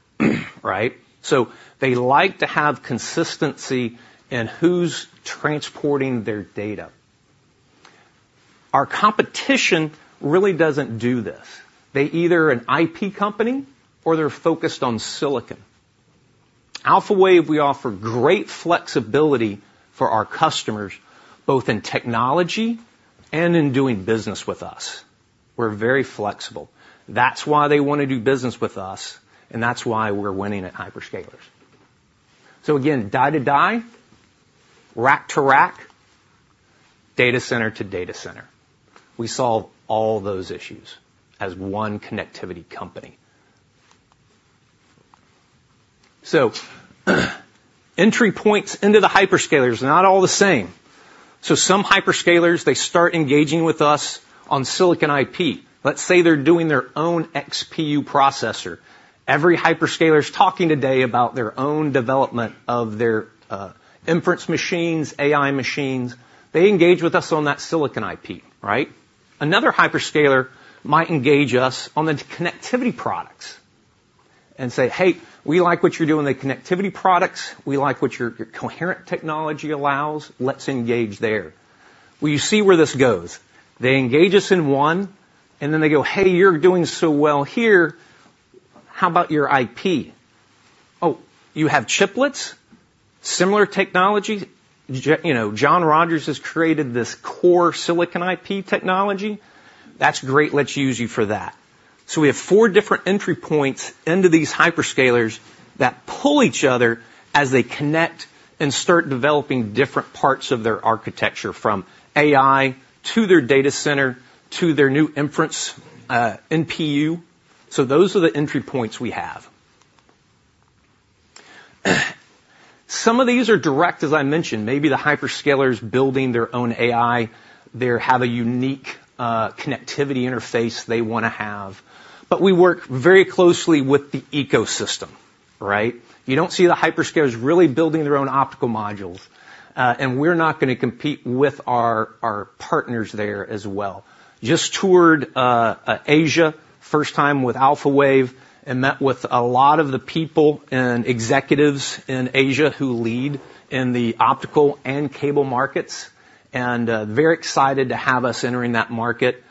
Right? So they like to have consistency in who's transporting their data. Our competition really doesn't do this. They either are an IP company or they're focused on silicon. Alphawave, we offer great flexibility for our customers, both in technology and in doing business with us. We're very flexible. That's why they want to do business with us, and that's why we're winning at hyperscalers. So again, die-to-die, rack-to-rack, data center to data center. We solve all those issues as one connectivity company. So, entry points into the hyperscalers, not all the same. So some hyperscalers, they start engaging with us on silicon IP. Let's say they're doing their own XPU processor. Every hyperscaler's talking today about their own development of their, inference machines, AI machines. They engage with us on that silicon IP, right? Another hyperscaler might engage us on the connectivity products and say, "Hey, we like what you're doing with the connectivity products. We like what your, your coherent technology allows. Let's engage there." Well, you see where this goes. They engage us in one, and then they go, "Hey, you're doing so well here. How about your IP? Oh, you have chiplets, similar technology? J you know, John Rogers has created this core silicon IP technology. That's great. Let's use you for that." So we have four different entry points into these hyperscalers that pull each other as they connect and start developing different parts of their architecture, from AI to their data center, to their new inference, NPU. So those are the entry points we have. Some of these are direct, as I mentioned, maybe the hyperscalers building their own AI. They have a unique connectivity interface they wanna have. But we work very closely with the ecosystem, right? You don't see the hyperscalers really building their own optical modules, and we're not gonna compete with our partners there as well. Just toured Asia, first time with Alphawave, and met with a lot of the people and executives in Asia who lead in the optical and cable markets, and very excited to have us entering that market.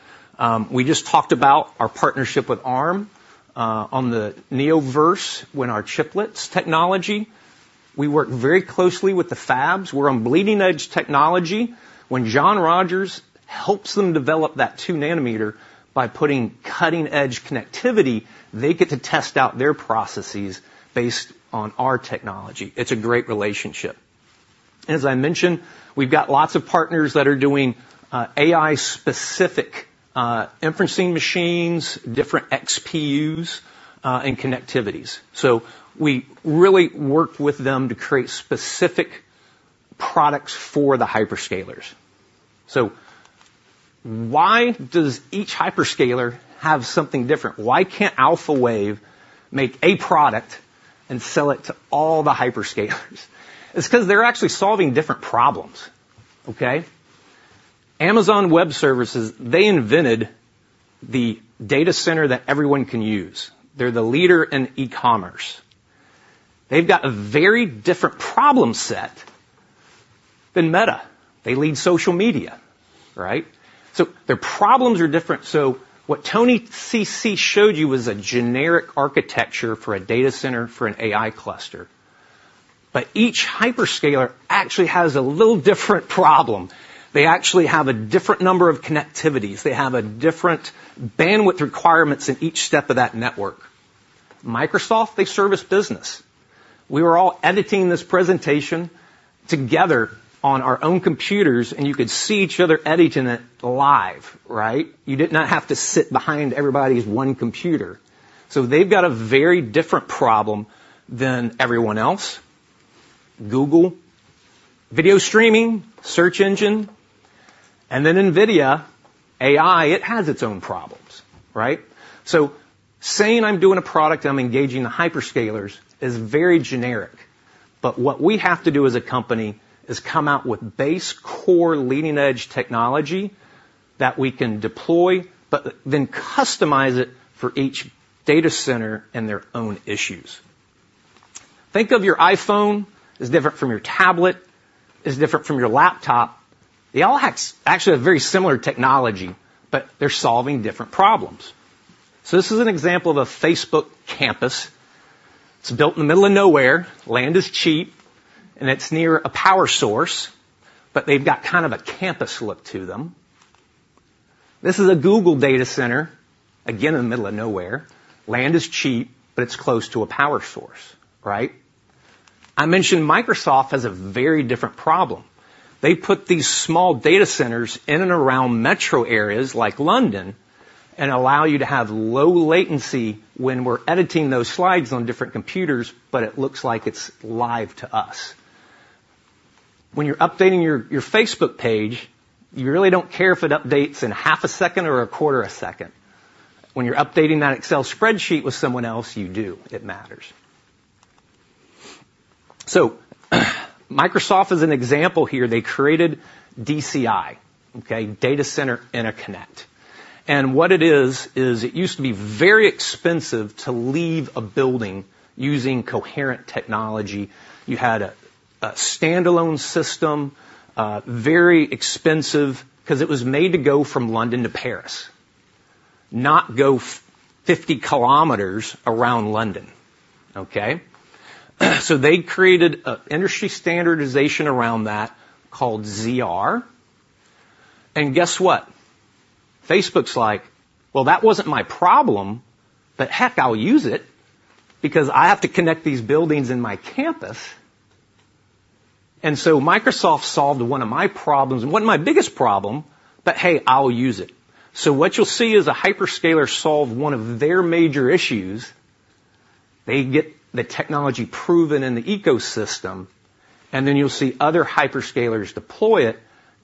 We just talked about our partnership with Arm on the Neoverse when our chiplets technology. We work very closely with the fabs. We're on bleeding-edge technology. When John Rogers helps them develop that 2 nm by putting cutting-edge connectivity, they get to test out their processes based on our technology. It's a great relationship. As I mentioned, we've got lots of partners that are doing AI-specific inferencing machines, different XPUs, and connectivities. So we really work with them to create specific products for the hyperscalers. So why does each hyperscaler have something different? Why can't Alphawave make a product and sell it to all the hyperscalers? It's 'cause they're actually solving different problems, okay? Amazon Web Services, they invented the data center that everyone can use. They're the leader in e-commerce. They've got a very different problem set than Meta. They lead social media, right? So their problems are different. So what Tony CC showed you was a generic architecture for a data center, for an AI cluster. But each hyperscaler actually has a little different problem. They actually have a different number of connectivities. They have a different bandwidth requirements in each step of that network. Microsoft, they service business. We were all editing this presentation together on our own computers, and you could see each other editing it live, right? You did not have to sit behind everybody's one computer. So they've got a very different problem than everyone else. Google, video streaming, search engine, and then NVIDIA, AI, it has its own problems, right? So saying I'm doing a product, I'm engaging the hyperscalers, is very generic, but what we have to do as a company is come out with base, core, leading-edge technology that we can deploy, but then customize it for each data center and their own issues. Think of your iPhone is different from your tablet, is different from your laptop. They all have actually a very similar technology, but they're solving different problems. So this is an example of a Facebook campus. It's built in the middle of nowhere, land is cheap, and it's near a power source, but they've got kind of a campus look to them. This is a Google data center, again, in the middle of nowhere. Land is cheap, but it's close to a power source, right? I mentioned Microsoft has a very different problem. They put these small data centers in and around metro areas like London, and allow you to have low latency when we're editing those slides on different computers, but it looks like it's live to us. When you're updating your Facebook page, you really don't care if it updates in half a second or a quarter a second. When you're updating that Excel spreadsheet with someone else, you do. It matters. So Microsoft is an example here. They created DCI, okay? Data Center Interconnect. And what it is, is it used to be very expensive to leave a building using coherent technology. You had a standalone system, very expensive, because it was made to go from London to Paris, not go 50 kilometers around London, okay? So they created an industry standardization around that called ZR. And guess what? Facebook's like: "Well, that wasn't my problem, but heck, I'll use it because I have to connect these buildings in my campus. And so Microsoft solved one of my problems, it wasn't my biggest problem, but hey, I'll use it." So what you'll see is a hyperscaler solve one of their major issues. They get the technology proven in the ecosystem, and then you'll see other hyperscalers deploy it,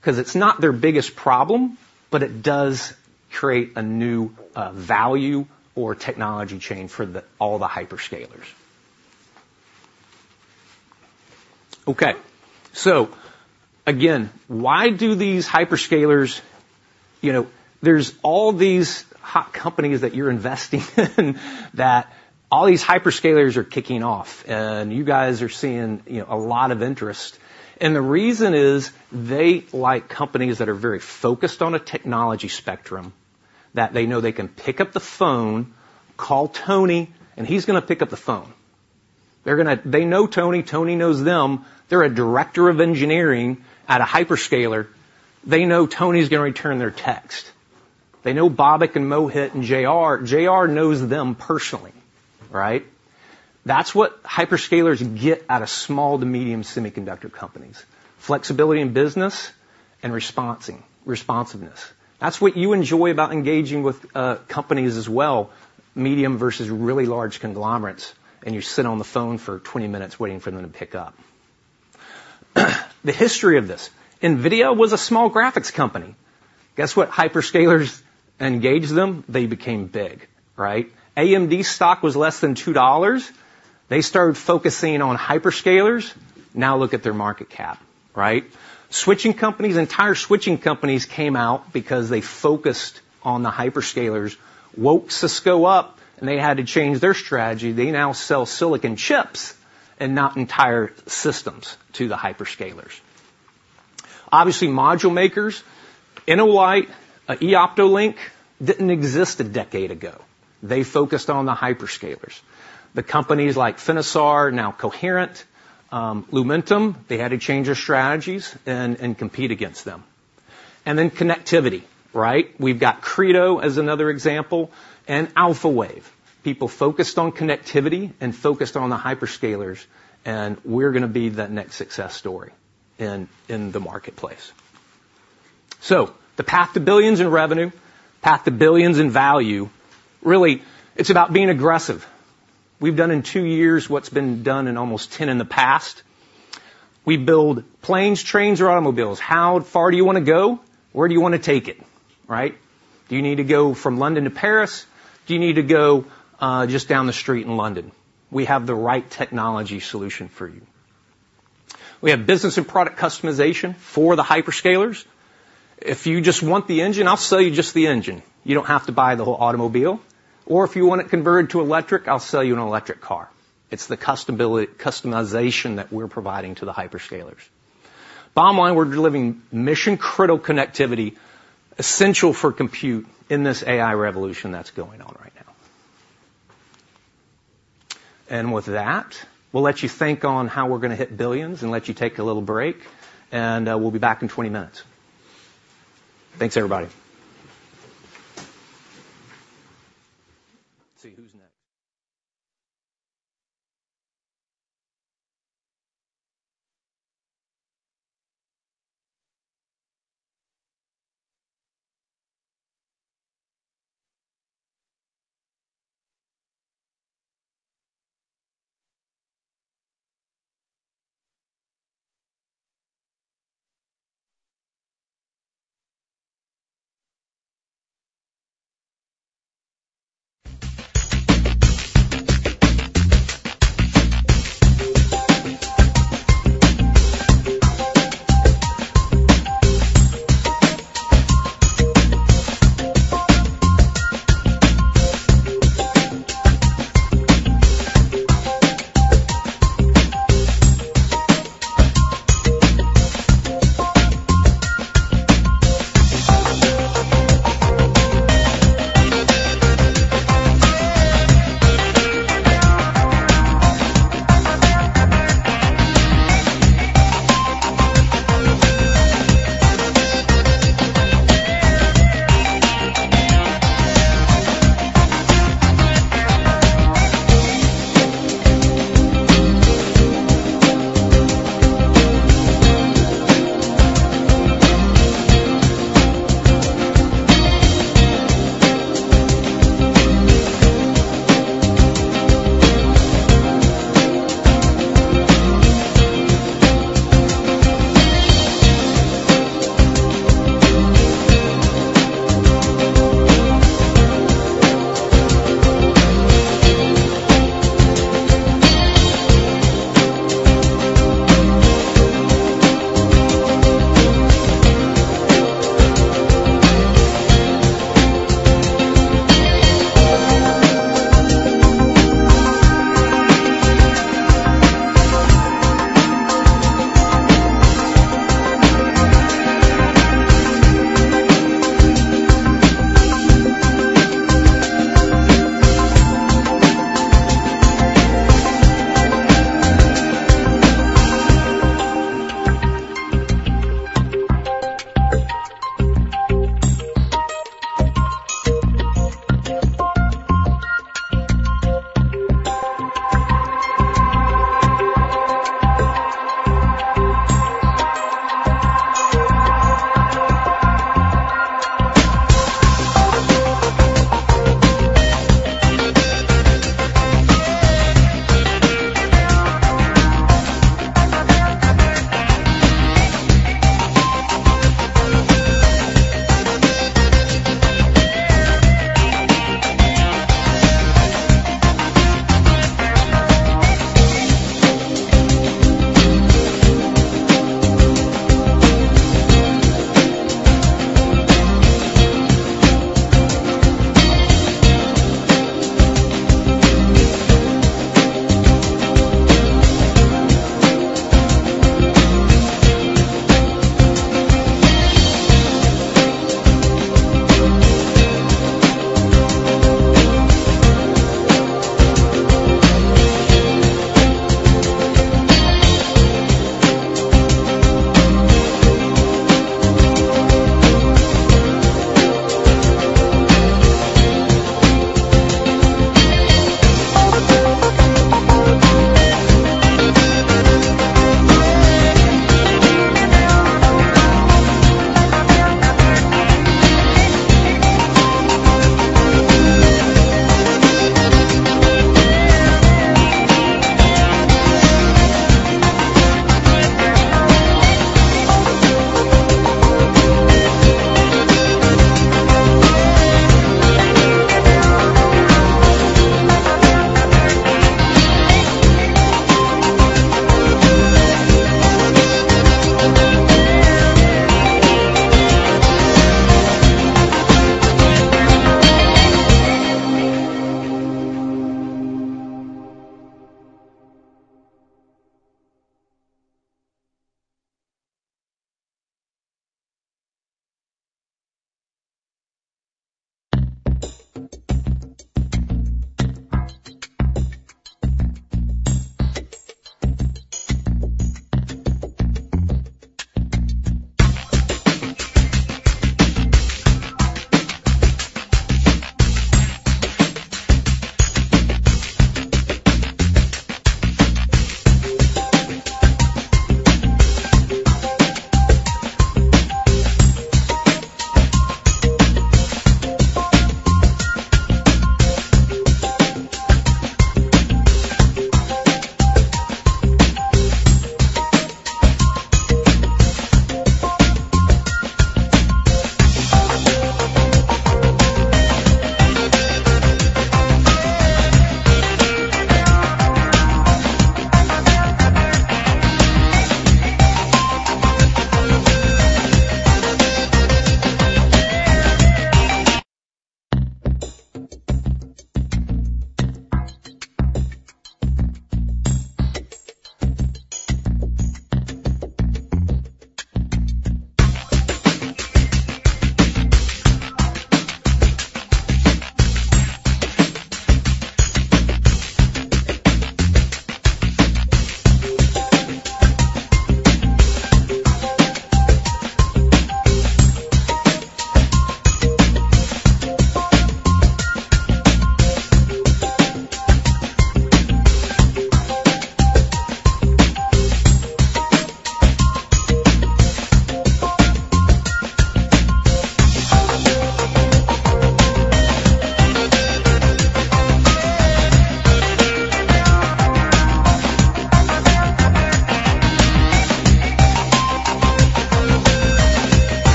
because it's not their biggest problem, but it does create a new value or technology chain for all the hyperscalers. Okay, so again, why do these hyperscalers... You know, there's all these hot companies that you're investing in, that all these hyperscalers are kicking off, and you guys are seeing, you know, a lot of interest. And the reason is, they like companies that are very focused on a technology spectrum, that they know they can pick up the phone, call Tony, and he's going to pick up the phone. They're gonna. They know Tony, Tony knows them. They're a director of engineering at a hyperscaler. They know Tony's going to return their text. They know Babak and Mohit and JR. JR knows them personally, right? That's what hyperscalers get out of small to medium semiconductor companies, flexibility in business and responsiveness. That's what you enjoy about engaging with companies as well, medium versus really large conglomerates, and you sit on the phone for 20 minutes waiting for them to pick up. The history of this. NVIDIA was a small graphics company. Guess what? Hyperscalers engaged them, they became big, right? AMD stock was less than $2. They started focusing on hyperscalers. Now look at their market cap, right? Switching companies, entire switching companies came out because they focused on the hyperscalers, woke Cisco up, and they had to change their strategy. They now sell silicon chips and not entire systems to the hyperscalers. Obviously, module makers, InnoLight, Eoptolink, didn't exist a decade ago. They focused on the hyperscalers. The companies like Finisar, now Coherent, Lumentum, they had to change their strategies and compete against them. And then connectivity, right? We've got Credo as another example and Alphawave. People focused on connectivity and focused on the hyperscalers, and we're going to be that next success story in the marketplace. So the path to billions in revenue, path to billions in value, really, it's about being aggressive. We've done in two years what's been done in almost 10 in the past. We build planes, trains, or automobiles. How far do you want to go? Where do you want to take it, right? Do you need to go from London to Paris? Do you need to go just down the street in London? We have the right technology solution for you. We have business and product customization for the hyperscalers. If you just want the engine, I'll sell you just the engine. You don't have to buy the whole automobile. Or if you want it converted to electric, I'll sell you an electric car. It's the customization that we're providing to the hyperscalers. Bottom line, we're delivering mission-critical connectivity, essential for compute in this AI revolution that's going on right now. And with that, we'll let you think on how we're going to hit billions and let you take a little break, and we'll be back in 20 minutes. Thanks, everybody!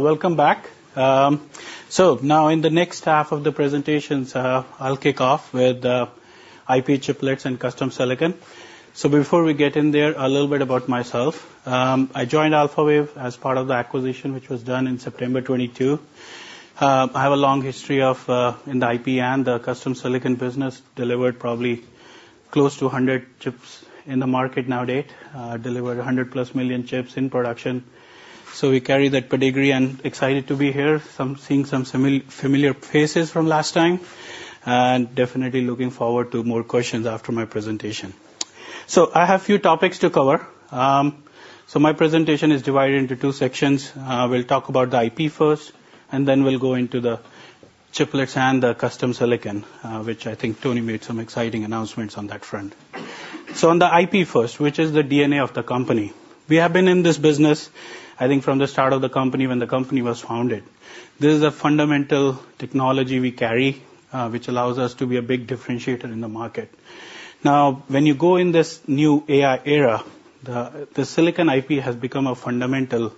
All right, welcome back. So now in the next half of the presentations, I'll kick off with IP chiplets and custom silicon. So before we get in there, a little bit about myself. I joined Alphawave as part of the acquisition, which was done in September 2022. I have a long history in the IP and the custom silicon business, delivered probably close to 100 chips in the market nowadays, delivered 100+ million chips in production. So we carry that pedigree, and excited to be here. Seeing some familiar faces from last time, and definitely looking forward to more questions after my presentation. So I have a few topics to cover. So my presentation is divided into two sections. We'll talk about the IP first, and then we'll go into the chiplets and the custom silicon, which I think Tony made some exciting announcements on that front. So on the IP first, which is the DNA of the company, we have been in this business, I think, from the start of the company when the company was founded. This is a fundamental technology we carry, which allows us to be a big differentiator in the market. Now, when you go in this new AI era, the silicon IP has become a fundamental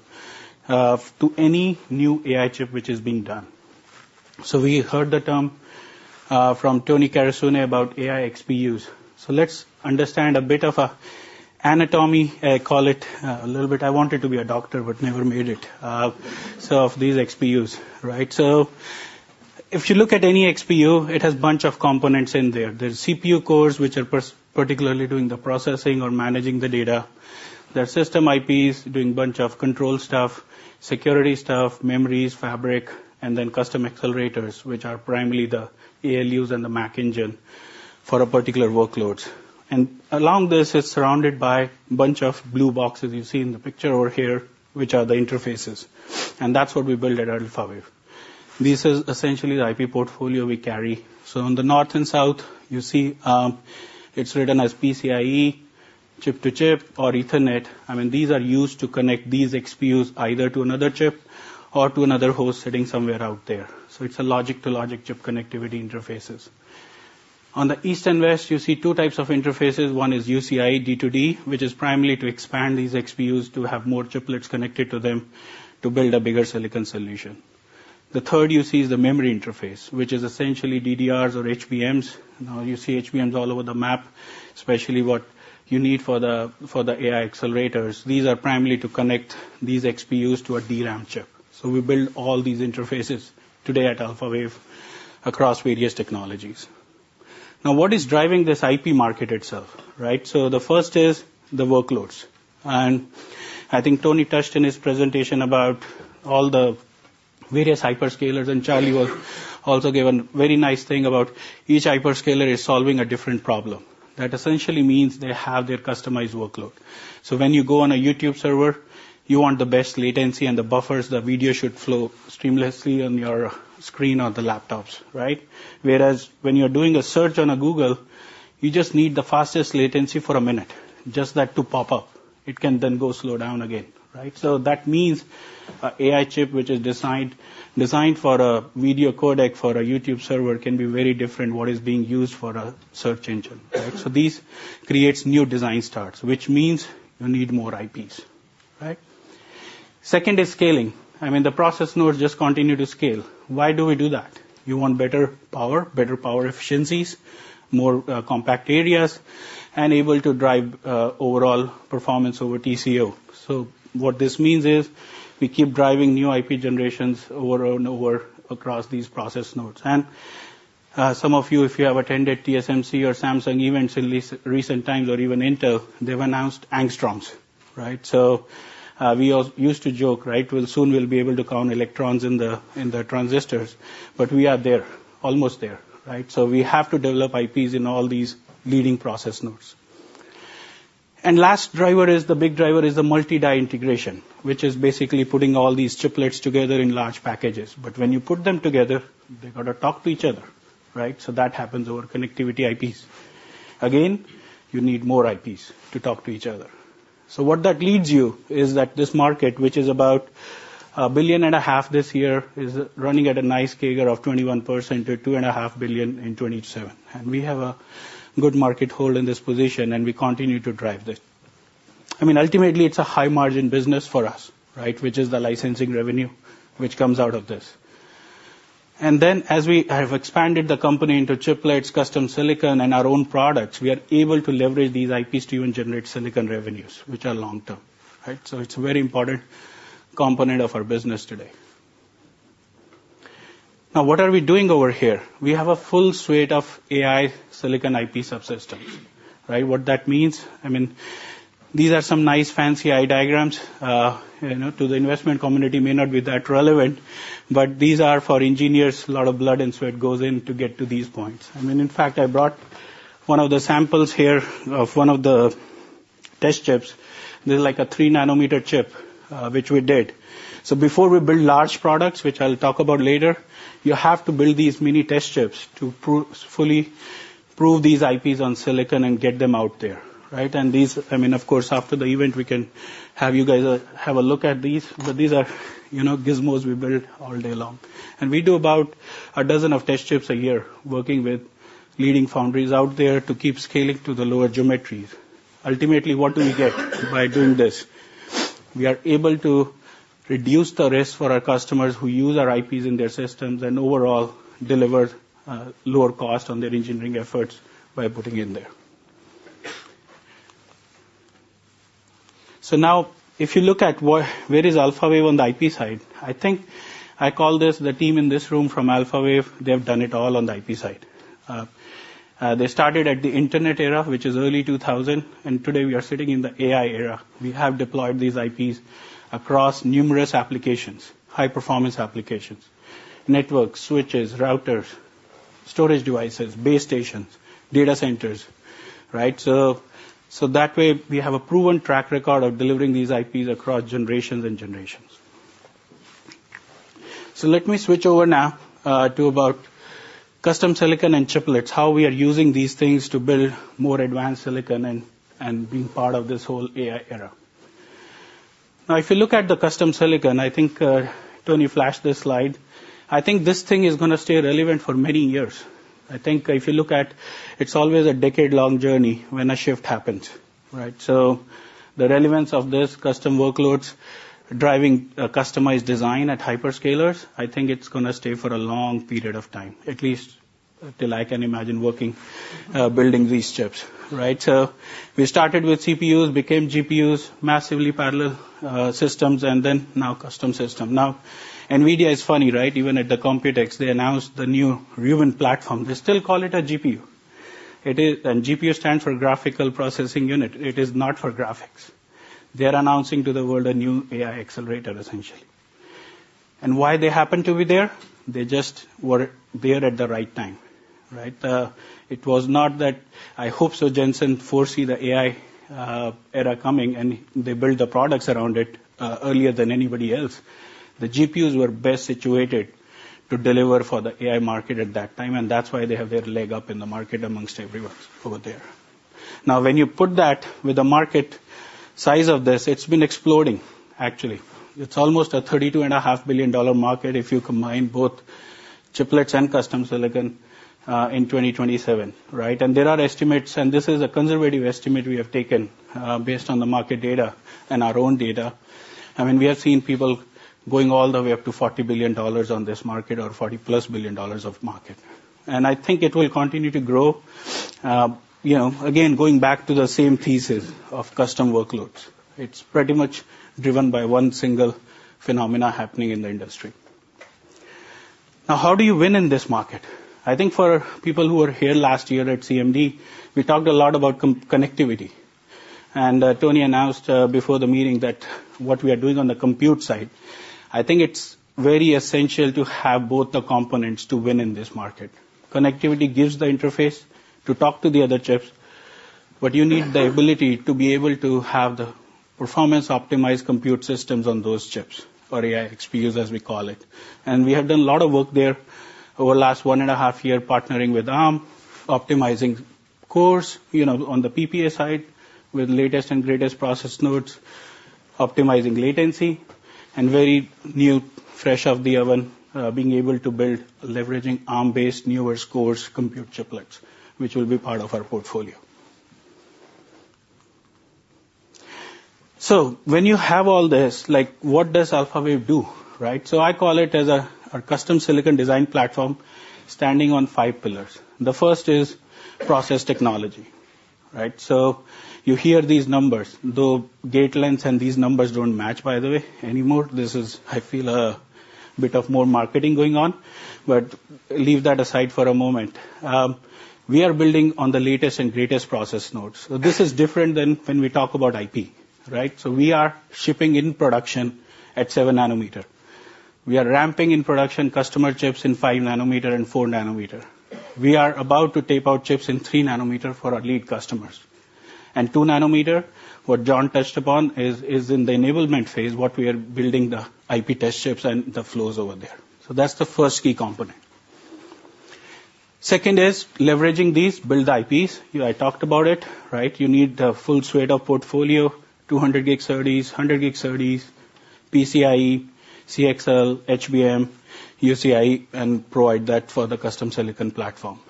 to any new AI chip which is being done. So we heard the term from Tony Carusone about AI XPUs. So let's understand a bit of an anatomy, call it, a little bit. I wanted to be a doctor, but never made it. So of these XPUs, right? So if you look at any XPU, it has a bunch of components in there. There's CPU cores, which are particularly doing the processing or managing the data. There are system IPs doing a bunch of control stuff, security stuff, memories, fabric, and then custom accelerators, which are primarily the ALUs and the MAC engine for a particular workload. And along this, it's surrounded by a bunch of blue boxes you see in the picture over here, which are the interfaces, and that's what we build at Alphawave. This is essentially the IP portfolio we carry. So on the north and south, you see, it's written as PCIe, chip-to-chip or Ethernet. I mean, these are used to connect these XPUs either to another chip or to another host sitting somewhere out there. So it's a logic-to-logic chip connectivity interfaces. On the east and west, you see two types of interfaces. One is UCIe D-to-D, which is primarily to expand these XPUs to have more chiplets connected to them to build a bigger silicon solution. The third you see is the memory interface, which is essentially DDRs or HBMs. Now, you see HBMs all over the map, especially what you need for the, for the AI accelerators. These are primarily to connect these XPUs to a DRAM chip. So we build all these interfaces today at Alphawave across various technologies. Now, what is driving this IP market itself, right? So the first is the workloads, and I think Tony touched in his presentation about all the various hyperscalers, and Charlie also gave a very nice thing about each hyperscaler is solving a different problem. That essentially means they have their customized workload. So when you go on a YouTube server, you want the best latency and the buffers, the video should flow seamlessly on your screen or the laptops, right? Whereas when you're doing a search on a Google, you just need the fastest latency for a minute, just that to pop up. It can then go slow down again, right? So that means a AI chip, which is designed for a video codec for a YouTube server, can be very different what is being used for a search engine, right? So these creates new design starts, which means you need more IPs, right? Second is scaling. I mean, the process nodes just continue to scale. Why do we do that? You want better power, better power efficiencies, more compact areas, and able to drive overall performance over TCO. So what this means is we keep driving new IP generations over and over across these process nodes. And, some of you, if you have attended TSMC or Samsung events in recent times, or even Intel, they've announced angstroms, right? So, we all used to joke, right, well, soon we'll be able to count electrons in the, in the transistors, but we are there, almost there, right? So we have to develop IPs in all these leading process nodes. And last driver is the big driver, is the multi-die integration, which is basically putting all these chiplets together in large packages. But when you put them together, they've got to talk to each other, right? So that happens over connectivity IPs. Again, you need more IPs to talk to each other. So what that leads you is that this market, which is about $1.5 billion this year, is running at a nice CAGR of 21% to $2.5 billion in 2027. And we have a good market hold in this position, and we continue to drive this. I mean, ultimately, it's a high-margin business for us, right, which is the licensing revenue, which comes out of this. And then as we have expanded the company into chiplets, custom silicon, and our own products, we are able to leverage these IPs to even generate silicon revenues, which are long term, right? So it's a very important component of our business today. Now, what are we doing over here? We have a full suite of AI silicon IP subsystems, right? What that means, I mean, these are some nice fancy eye diagrams. You know, to the investment community, may not be that relevant, but these are for engineers. A lot of blood and sweat goes in to get to these points. I mean, in fact, I brought one of the samples here of one of the test chips. This is like a 3nm chip, which we did. So before we build large products, which I'll talk about later, you have to build these mini test chips to properly prove these IPs on silicon and get them out there, right? And these... I mean, of course, after the event, we can have you guys have a look at these, but these are, you know, gizmos we build all day long. And we do about 12 test chips a year, working with leading foundries out there to keep scaling to the lower geometries. Ultimately, what do we get by doing this? We are able to reduce the risk for our customers who use our IPs in their systems and overall deliver lower cost on their engineering efforts by putting it in there. So now, if you look at where, where is Alphawave on the IP side, I think I call this the team in this room from Alphawave, they have done it all on the IP side. They started at the internet era, which is early 2000, and today we are sitting in the AI era. We have deployed these IPs across numerous applications, high-performance applications, network switches, routers, storage devices, base stations, data centers, right? So, so that way, we have a proven track record of delivering these IPs across generations and generations. So let me switch over now, to about custom silicon and chiplets, how we are using these things to build more advanced silicon and, and being part of this whole AI era. Now, if you look at the custom silicon, I think, Tony flashed this slide. I think this thing is going to stay relevant for many years. I think if you look at it, it's always a decade-long journey when a shift happens, right? So the relevance of this custom workloads driving a customized design at hyperscalers, I think it's gonna stay for a long period of time, at least till I can imagine working, building these chips, right? So we started with CPUs, became GPUs, massively parallel, systems, and then now custom system. Now, NVIDIA is funny, right? Even at the Computex, they announced the new Rubin platform. They still call it a GPU. It is and GPU stands for graphical processing unit. It is not for graphics. They are announcing to the world a new AI accelerator, essentially. And why they happen to be there? They just were there at the right time, right? It was not that I hope so Jensen foresee the AI era coming, and they build the products around it earlier than anybody else. The GPUs were best situated to deliver for the AI market at that time, and that's why they have their leg up in the market amongst everyone over there. Now, when you put that with the market size of this, it's been exploding, actually. It's almost a $32.5 billion market if you combine both chiplets and custom silicon in 2027, right? There are estimates, and this is a conservative estimate we have taken, based on the market data and our own data. I mean, we have seen people going all the way up to $40 billion on this market or $40+ billion of market. And I think it will continue to grow. You know, again, going back to the same thesis of custom workloads, it's pretty much driven by one single phenomena happening in the industry. Now, how do you win in this market? I think for people who were here last year at CMD, we talked a lot about connectivity, and Tony announced before the meeting that what we are doing on the compute side, I think it's very essential to have both the components to win in this market. Connectivity gives the interface to talk to the other chips, but you need the ability to be able to have the performance-optimized compute systems on those chips for AI XPUs, as we call it. We have done a lot of work there over the last 1.5 years, partnering with Arm, optimizing cores, you know, on the PPA side, with latest and greatest process nodes, optimizing latency, and very new, fresh out of the oven, being able to build leveraging Arm-based, newest cores, compute chiplets, which will be part of our portfolio. So when you have all this, like, what does Alphawave do, right? So I call it as a, a custom silicon design platform standing on 5 pillars. The first is process technology, right? So you hear these numbers, though, gate lengths and these numbers don't match, by the way, anymore. This is, I feel, a bit of more marketing going on, but leave that aside for a moment. We are building on the latest and greatest process nodes. So this is different than when we talk about IP, right? So we are shipping in production at 7 nm. We are ramping in production customer chips in 5 nm and 4 nm. We are about to tape out chips in 3 nm for our lead customers. And 2 nm, what John touched upon, is in the enablement phase, what we are building the IP test chips and the flows over there. So that's the first key component. Second is leveraging these build IPs. You I talked about it, right? You need a full suite of portfolio, 200 gig SerDes, 100 gig SerDes, PCIe, CXL, HBM, UCIe, and provide that for the custom silicon platform.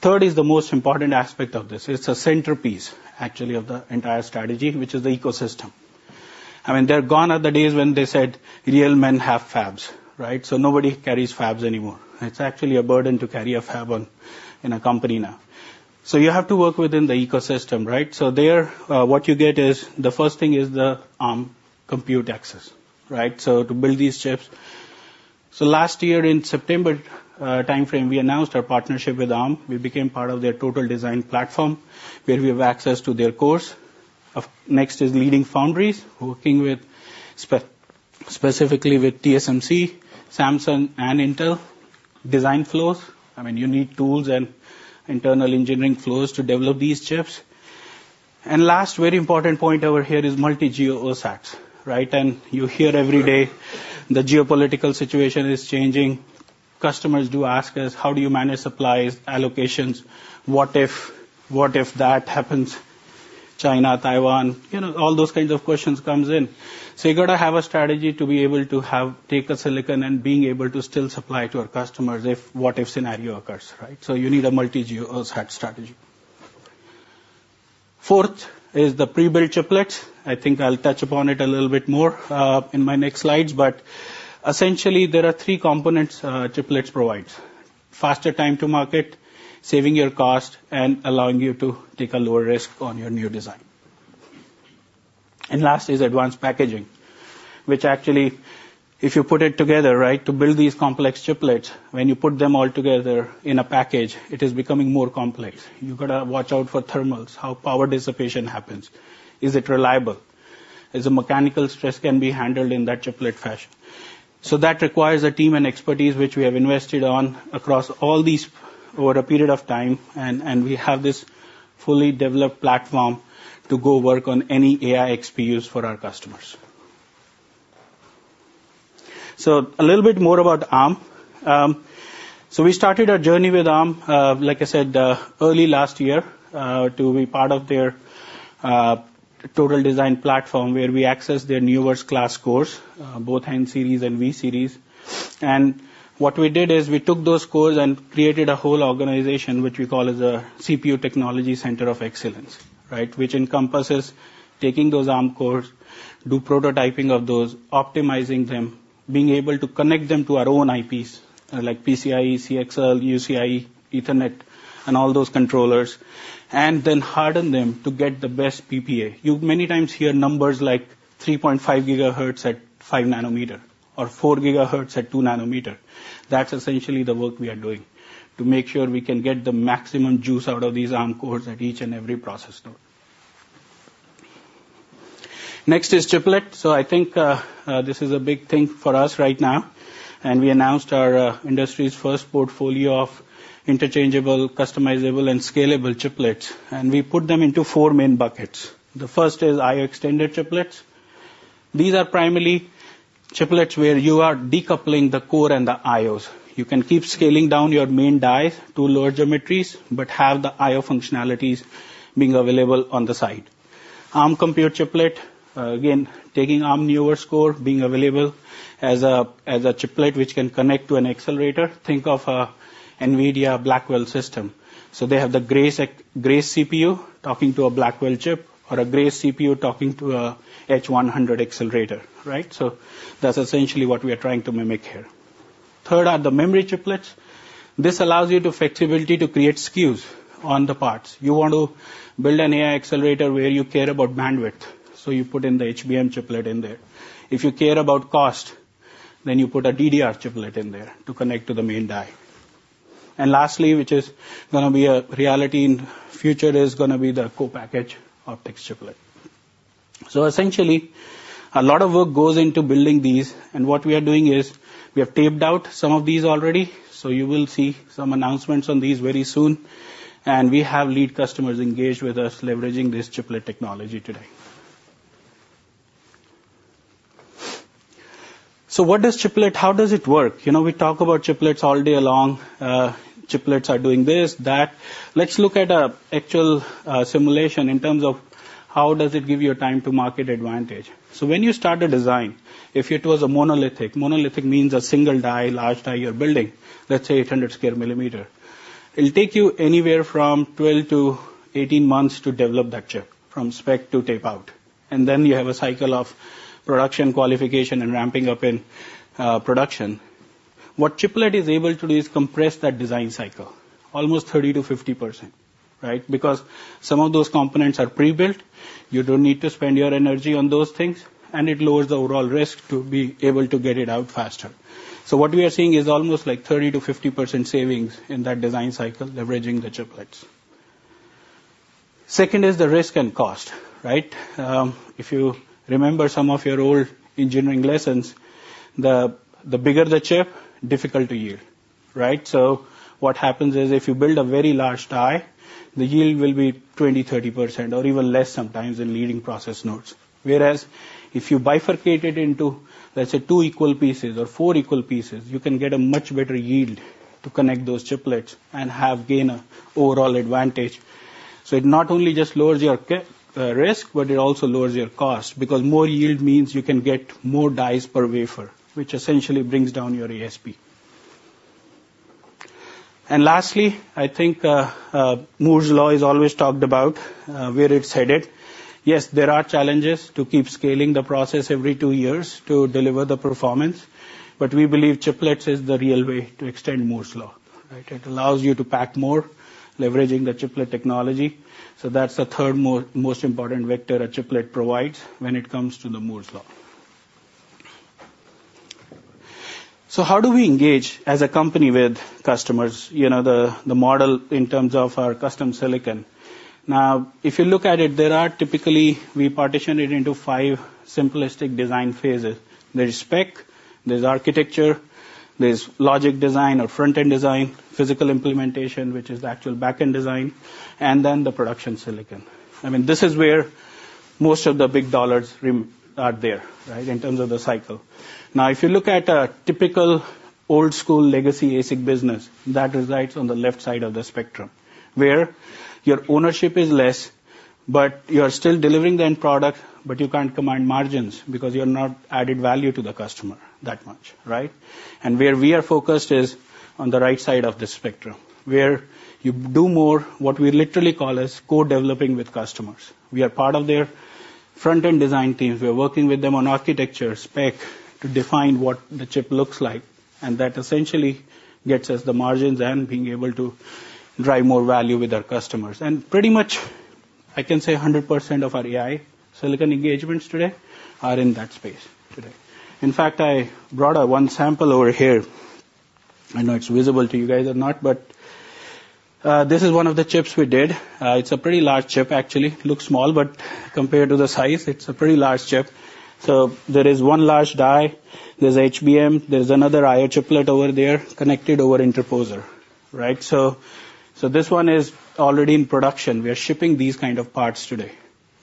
Third, is the most important aspect of this. It's a centerpiece, actually, of the entire strategy, which is the ecosystem. I mean, they're gone are the days when they said, "Real men have fabs," right? So nobody carries fabs anymore. It's actually a burden to carry a fab on in a company now. So you have to work within the ecosystem, right? So there, what you get is, the first thing is the, compute access, right? So to build these chips. So last year, in September, timeframe, we announced our partnership with Arm. We became part of theirTotal Design platform, where we have access to their cores. Of next is leading foundries, working with specifically with TSMC, Samsung, and Intel design flows. I mean, you need tools and internal engineering flows to develop these chips. Last very important point over here is multi-geo OSATs, right? You hear every day the geopolitical situation is changing. Customers do ask us, "How do you manage supplies, allocations? What if, what if that happens, China, Taiwan?" You know, all those kinds of questions comes in. So you got to have a strategy to be able to have take a silicon and being able to still supply to our customers if what if scenario occurs, right? So you need a multi-geo OSAT strategy. Fourth is the pre-built chiplets. I think I'll touch upon it a little bit more, in my next slides, but essentially, there are three components, chiplets provides: faster time to market, saving your cost, and allowing you to take a lower risk on your new design. Last is advanced packaging, which actually, if you put it together, right, to build these complex chiplets, when you put them all together in a package, it is becoming more complex. You've got to watch out for thermals, how power dissipation happens. Is it reliable? Is the mechanical stress can be handled in that chiplet fashion? So that requires a team and expertise which we have invested on across all these over a period of time, and we have this fully developed platform to go work on any ASICs for our customers. A little bit more about Arm. So we started our journey with Arm, like I said, early last year, to be part of their Total Design platform, where we access their newest class cores, both N series and V series. What we did is we took those cores and created a whole organization, which we call as a CPU Technology Center of Excellence, right? Which encompasses taking those ARM cores, do prototyping of those, optimizing them, being able to connect them to our own IPs, like PCIe, CXL, UCIe, Ethernet, and all those controllers, and then harden them to get the best PPA. You many times hear numbers like 3.5 GHz at 5nm or 4 GHz at 2nm. That's essentially the work we are doing, to make sure we can get the maximum juice out of these ARM cores at each and every process node. Next is chiplet. So I think this is a big thing for us right now, and we announced our industry's first portfolio of interchangeable, customizable, and scalable chiplets, and we put them into four main buckets. The first is I/O extended chiplets. These are primarily chiplets where you are decoupling the core and the I/Os. You can keep scaling down your main die to lower geometries, but have the I/O functionalities being available on the side. Arm Compute chiplet, again, taking Arm Neoverse core, being available as a chiplet, which can connect to an accelerator. Think of a NVIDIA Blackwell system. So they have the Grace, Grace CPU talking to a Blackwell chip, or a Grace CPU talking to a H100 accelerator, right? So that's essentially what we are trying to mimic here. Third are the memory chiplets. This allows you the flexibility to create SKUs on the parts. You want to build an AI accelerator where you care about bandwidth, so you put in the HBM chiplet in there. If you care about cost, then you put a DDR chiplet in there to connect to the main die. And lastly, which is gonna be a reality in future, is gonna be the co-package optics chiplet. So essentially, a lot of work goes into building these, and what we are doing is we have taped out some of these already, so you will see some announcements on these very soon. We have lead customers engaged with us, leveraging this chiplet technology today. So what does chiplet- how does it work? You know, we talk about chiplets all day long, chiplets are doing this, that. Let's look at an actual simulation in terms of how does it give you a time to market advantage? So when you start a design, if it was a monolithic, monolithic means a single die, large die you're building, let's say 100 square millimeter. It'll take you anywhere from 12-18 months to develop that chip, from spec to tape out, and then you have a cycle of production, qualification, and ramping up in production. What chiplet is able to do is compress that design cycle almost 30%-50%, right? Because some of those components are pre-built, you don't need to spend your energy on those things, and it lowers the overall risk to be able to get it out faster. So what we are seeing is almost like 30%-50% savings in that design cycle, leveraging the chiplets. Second is the risk and cost, right? If you remember some of your old engineering lessons, the bigger the chip, difficult to yield, right? So what happens is, if you build a very large die, the yield will be 20, 30%, or even less, sometimes in leading process nodes. Whereas if you bifurcate it into, let's say, two equal pieces or four equal pieces, you can get a much better yield to connect those chiplets and gain an overall advantage. So it not only just lowers your risk, but it also lowers your cost, because more yield means you can get more dies per wafer, which essentially brings down your ASP. And lastly, I think, Moore's Law is always talked about, where it's headed. Yes, there are challenges to keep scaling the process every two years to deliver the performance, but we believe chiplets is the real way to extend Moore's Law, right? It allows you to pack more, leveraging the chiplet technology. So that's the third most important vector a chiplet provides when it comes to the Moore's Law. So how do we engage as a company with customers, you know, the model in terms of our custom silicon? Now, if you look at it, there are typically we partition it into five simplistic design phases. There's spec, there's architecture, there's logic design or front-end design, physical implementation, which is the actual back-end design, and then the production silicon. I mean, this is where most of the big dollars are there, right? In terms of the cycle. Now, if you look at a typical old-school legacy ASIC business, that resides on the left side of the spectrum, where your ownership is less, but you are still delivering the end product, but you can't command margins because you're not adding value to the customer that much, right? And where we are focused is on the right side of the spectrum, where you do more, what we literally call as co-developing with customers. We are part of their front-end design teams. We are working with them on architecture, spec, to define what the chip looks like, and that essentially gets us the margins and being able to drive more value with our customers. And pretty much, I can say 100% of our AI silicon engagements today are in that space today. In fact, I brought out one sample over here. I don't know if it's visible to you guys or not, but this is one of the chips we did. It's a pretty large chip actually. Looks small, but compared to the size, it's a pretty large chip. So there is one large die, there's HBM, there's another I/O chiplet over there, connected over interposer, right? So this one is already in production. We are shipping these kind of parts today,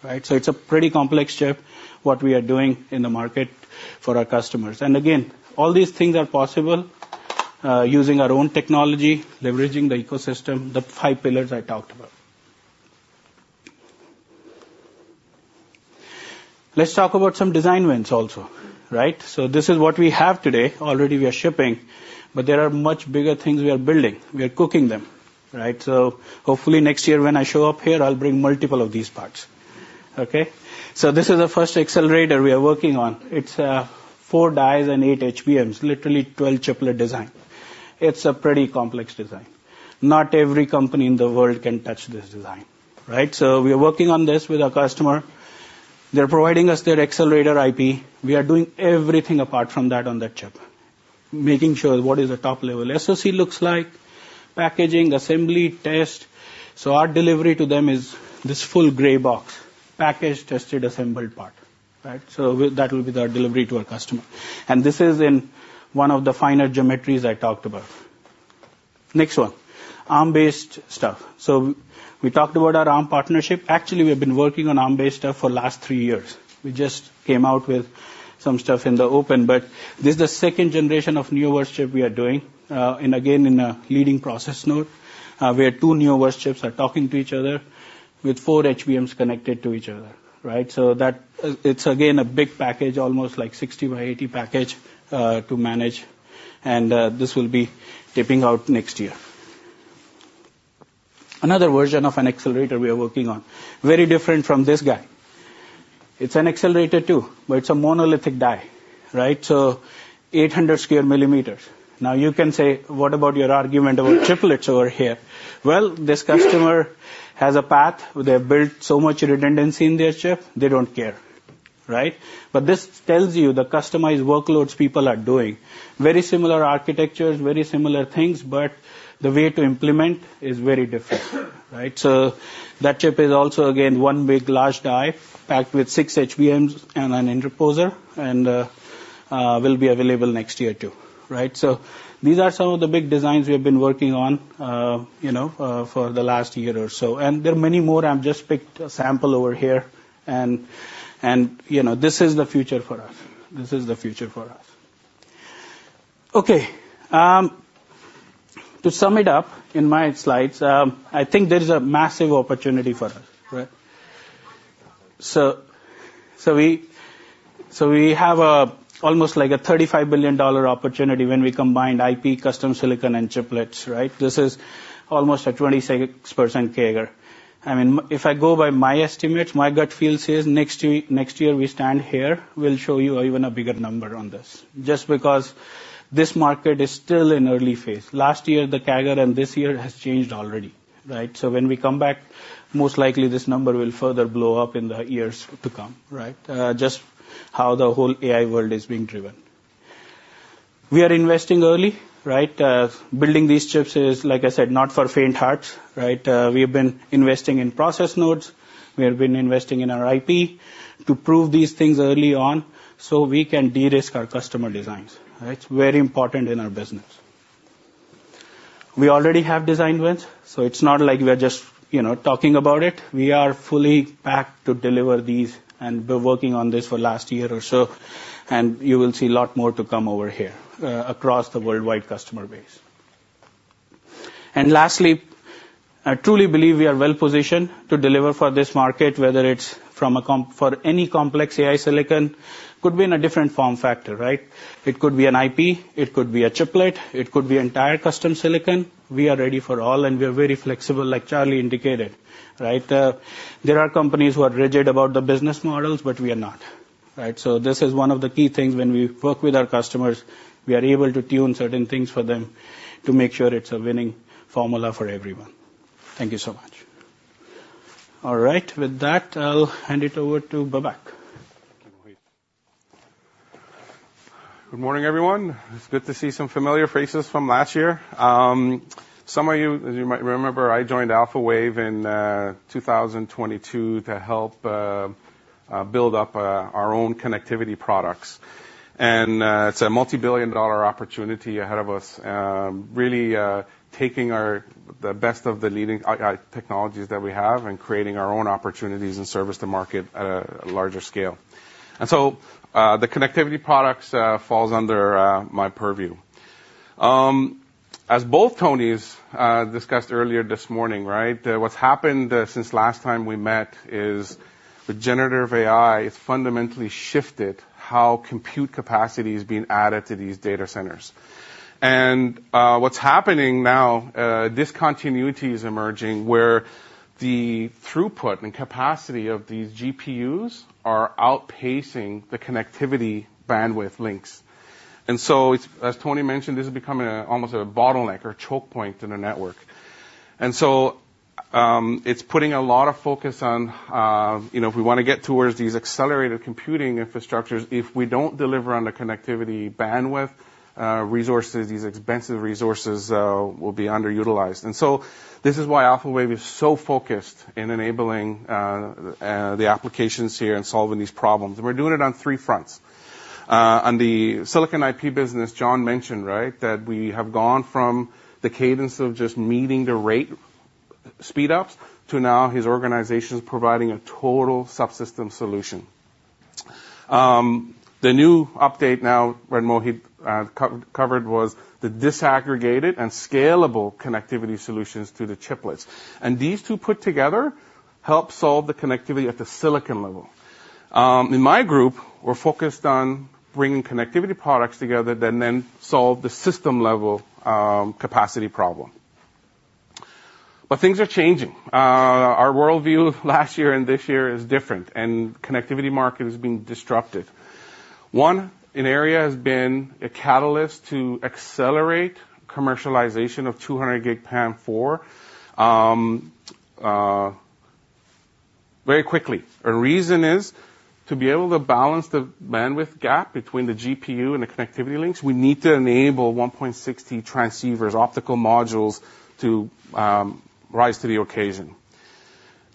right? So it's a pretty complex chip, what we are doing in the market for our customers. And again, all these things are possible, using our own technology, leveraging the ecosystem, the five pillars I talked about. Let's talk about some design wins also, right? So this is what we have today. Already we are shipping, but there are much bigger things we are building. We are cooking them, right? So hopefully next year when I show up here, I'll bring multiple of these parts. Okay? So this is the first accelerator we are working on. It's 4 dies and 8 HBMs, literally 12 chiplet design. It's a pretty complex design. Not every company in the world can touch this design, right? So we are working on this with our customer. They're providing us their accelerator IP. We are doing everything apart from that on that chip, making sure what is a top-level SoC looks like, packaging, assembly, test. So our delivery to them is this full gray box, packaged, tested, assembled part, right? So that will be our delivery to our customer, and this is in one of the finer geometries I talked about. Next one, Arm-based stuff. So we talked about our Arm partnership. Actually, we have been working on Arm-based stuff for the last three years. We just came out with some stuff in the open, but this is the second generation of Neoverse chip we are doing, and again, in a leading process node, where two Neoverse chips are talking to each other with four HBMs connected to each other, right? So that, it's, again, a big package, almost like 60 by 80 package, to manage, and, this will be shipping out next year. Another version of an accelerator we are working on, very different from this guy. It's an accelerator, too, but it's a monolithic die, right? So 800 square mm. Now, you can say, "What about your argument about chiplets over here?" Well, this customer has a path. They have built so much redundancy in their chip, they don't care, right? But this tells you the customized workloads people are doing. Very similar architectures, very similar things, but the way to implement is very different, right? So that chip is also, again, one big large die, packed with six HBMs and an interposer, and will be available next year, too, right? So these are some of the big designs we have been working on, you know, for the last year or so. And there are many more. I've just picked a sample over here, and you know, this is the future for us. This is the future for us. Okay, to sum it up, in my slides, I think there is a massive opportunity for us, right? So, so we, so we have almost, like, a $35 billion opportunity when we combined IP, custom silicon, and chiplets, right? This is almost a 26% CAGR. I mean, if I go by my estimates, my gut feel says next year, next year we stand here, we'll show you even a bigger number on this. Just because this market is still in early phase. Last year, the CAGR and this year has changed already, right? So when we come back, most likely, this number will further blow up in the years to come, right? Just how the whole AI world is being driven. We are investing early, right? Building these chips is, like I said, not for faint hearts, right? We have been investing in process nodes. We have been investing in our IP to prove these things early on so we can de-risk our customer designs. It's very important in our business. We already have design wins, so it's not like we're just, you know, talking about it. We are fully packed to deliver these, and we're working on this for last year or so, and you will see a lot more to come over here across the worldwide customer base. And lastly, I truly believe we are well positioned to deliver for this market, whether it's for any complex AI silicon, could be in a different form factor, right? It could be an IP, it could be a chiplet, it could be entire custom silicon. We are ready for all, and we are very flexible, like Charlie indicated, right? There are companies who are rigid about the business models, but we are not, right? So this is one of the key things. When we work with our customers, we are able to tune certain things for them to make sure it's a winning formula for everyone. Thank you so much. All right, with that, I'll hand it over to Babak. Good morning, everyone. It's good to see some familiar faces from last year. Some of you, as you might remember, I joined Alphawave in 2022 to help build up our own connectivity products. It's a multibillion-dollar opportunity ahead of us, really taking the best of the leading AI technologies that we have and creating our own opportunities and service to market at a larger scale. So the connectivity products falls under my purview. As both Tonys discussed earlier this morning, right, what's happened since last time we met is the generative AI has fundamentally shifted how compute capacity is being added to these data centers. What's happening now, discontinuity is emerging where the throughput and capacity of these GPUs are outpacing the connectivity bandwidth links. It's, as Tony mentioned, this is becoming almost a bottleneck or choke point in the network. And so it's putting a lot of focus on, you know, if we wanna get towards these accelerated computing infrastructures, if we don't deliver on the connectivity bandwidth resources, these expensive resources will be underutilized. And so this is why Alphawave is so focused in enabling the applications here and solving these problems. We're doing it on three fronts. On the silicon IP business, John mentioned, right, that we have gone from the cadence of just meeting the rate speedups to now his organization's providing a total subsystem solution. The new update now, when Mohit covered, was the disaggregated and scalable connectivity solutions to the chiplets. And these two put together help solve the connectivity at the silicon level. In my group, we're focused on bringing connectivity products together that then solve the system-level capacity problem. But things are changing. Our worldview last year and this year is different, and connectivity market is being disrupted. AI, an area has been a catalyst to accelerate commercialization of 200G PAM4 very quickly. A reason is, to be able to balance the bandwidth gap between the GPU and the connectivity links, we need to enable 1.6T transceivers, optical modules, to rise to the occasion.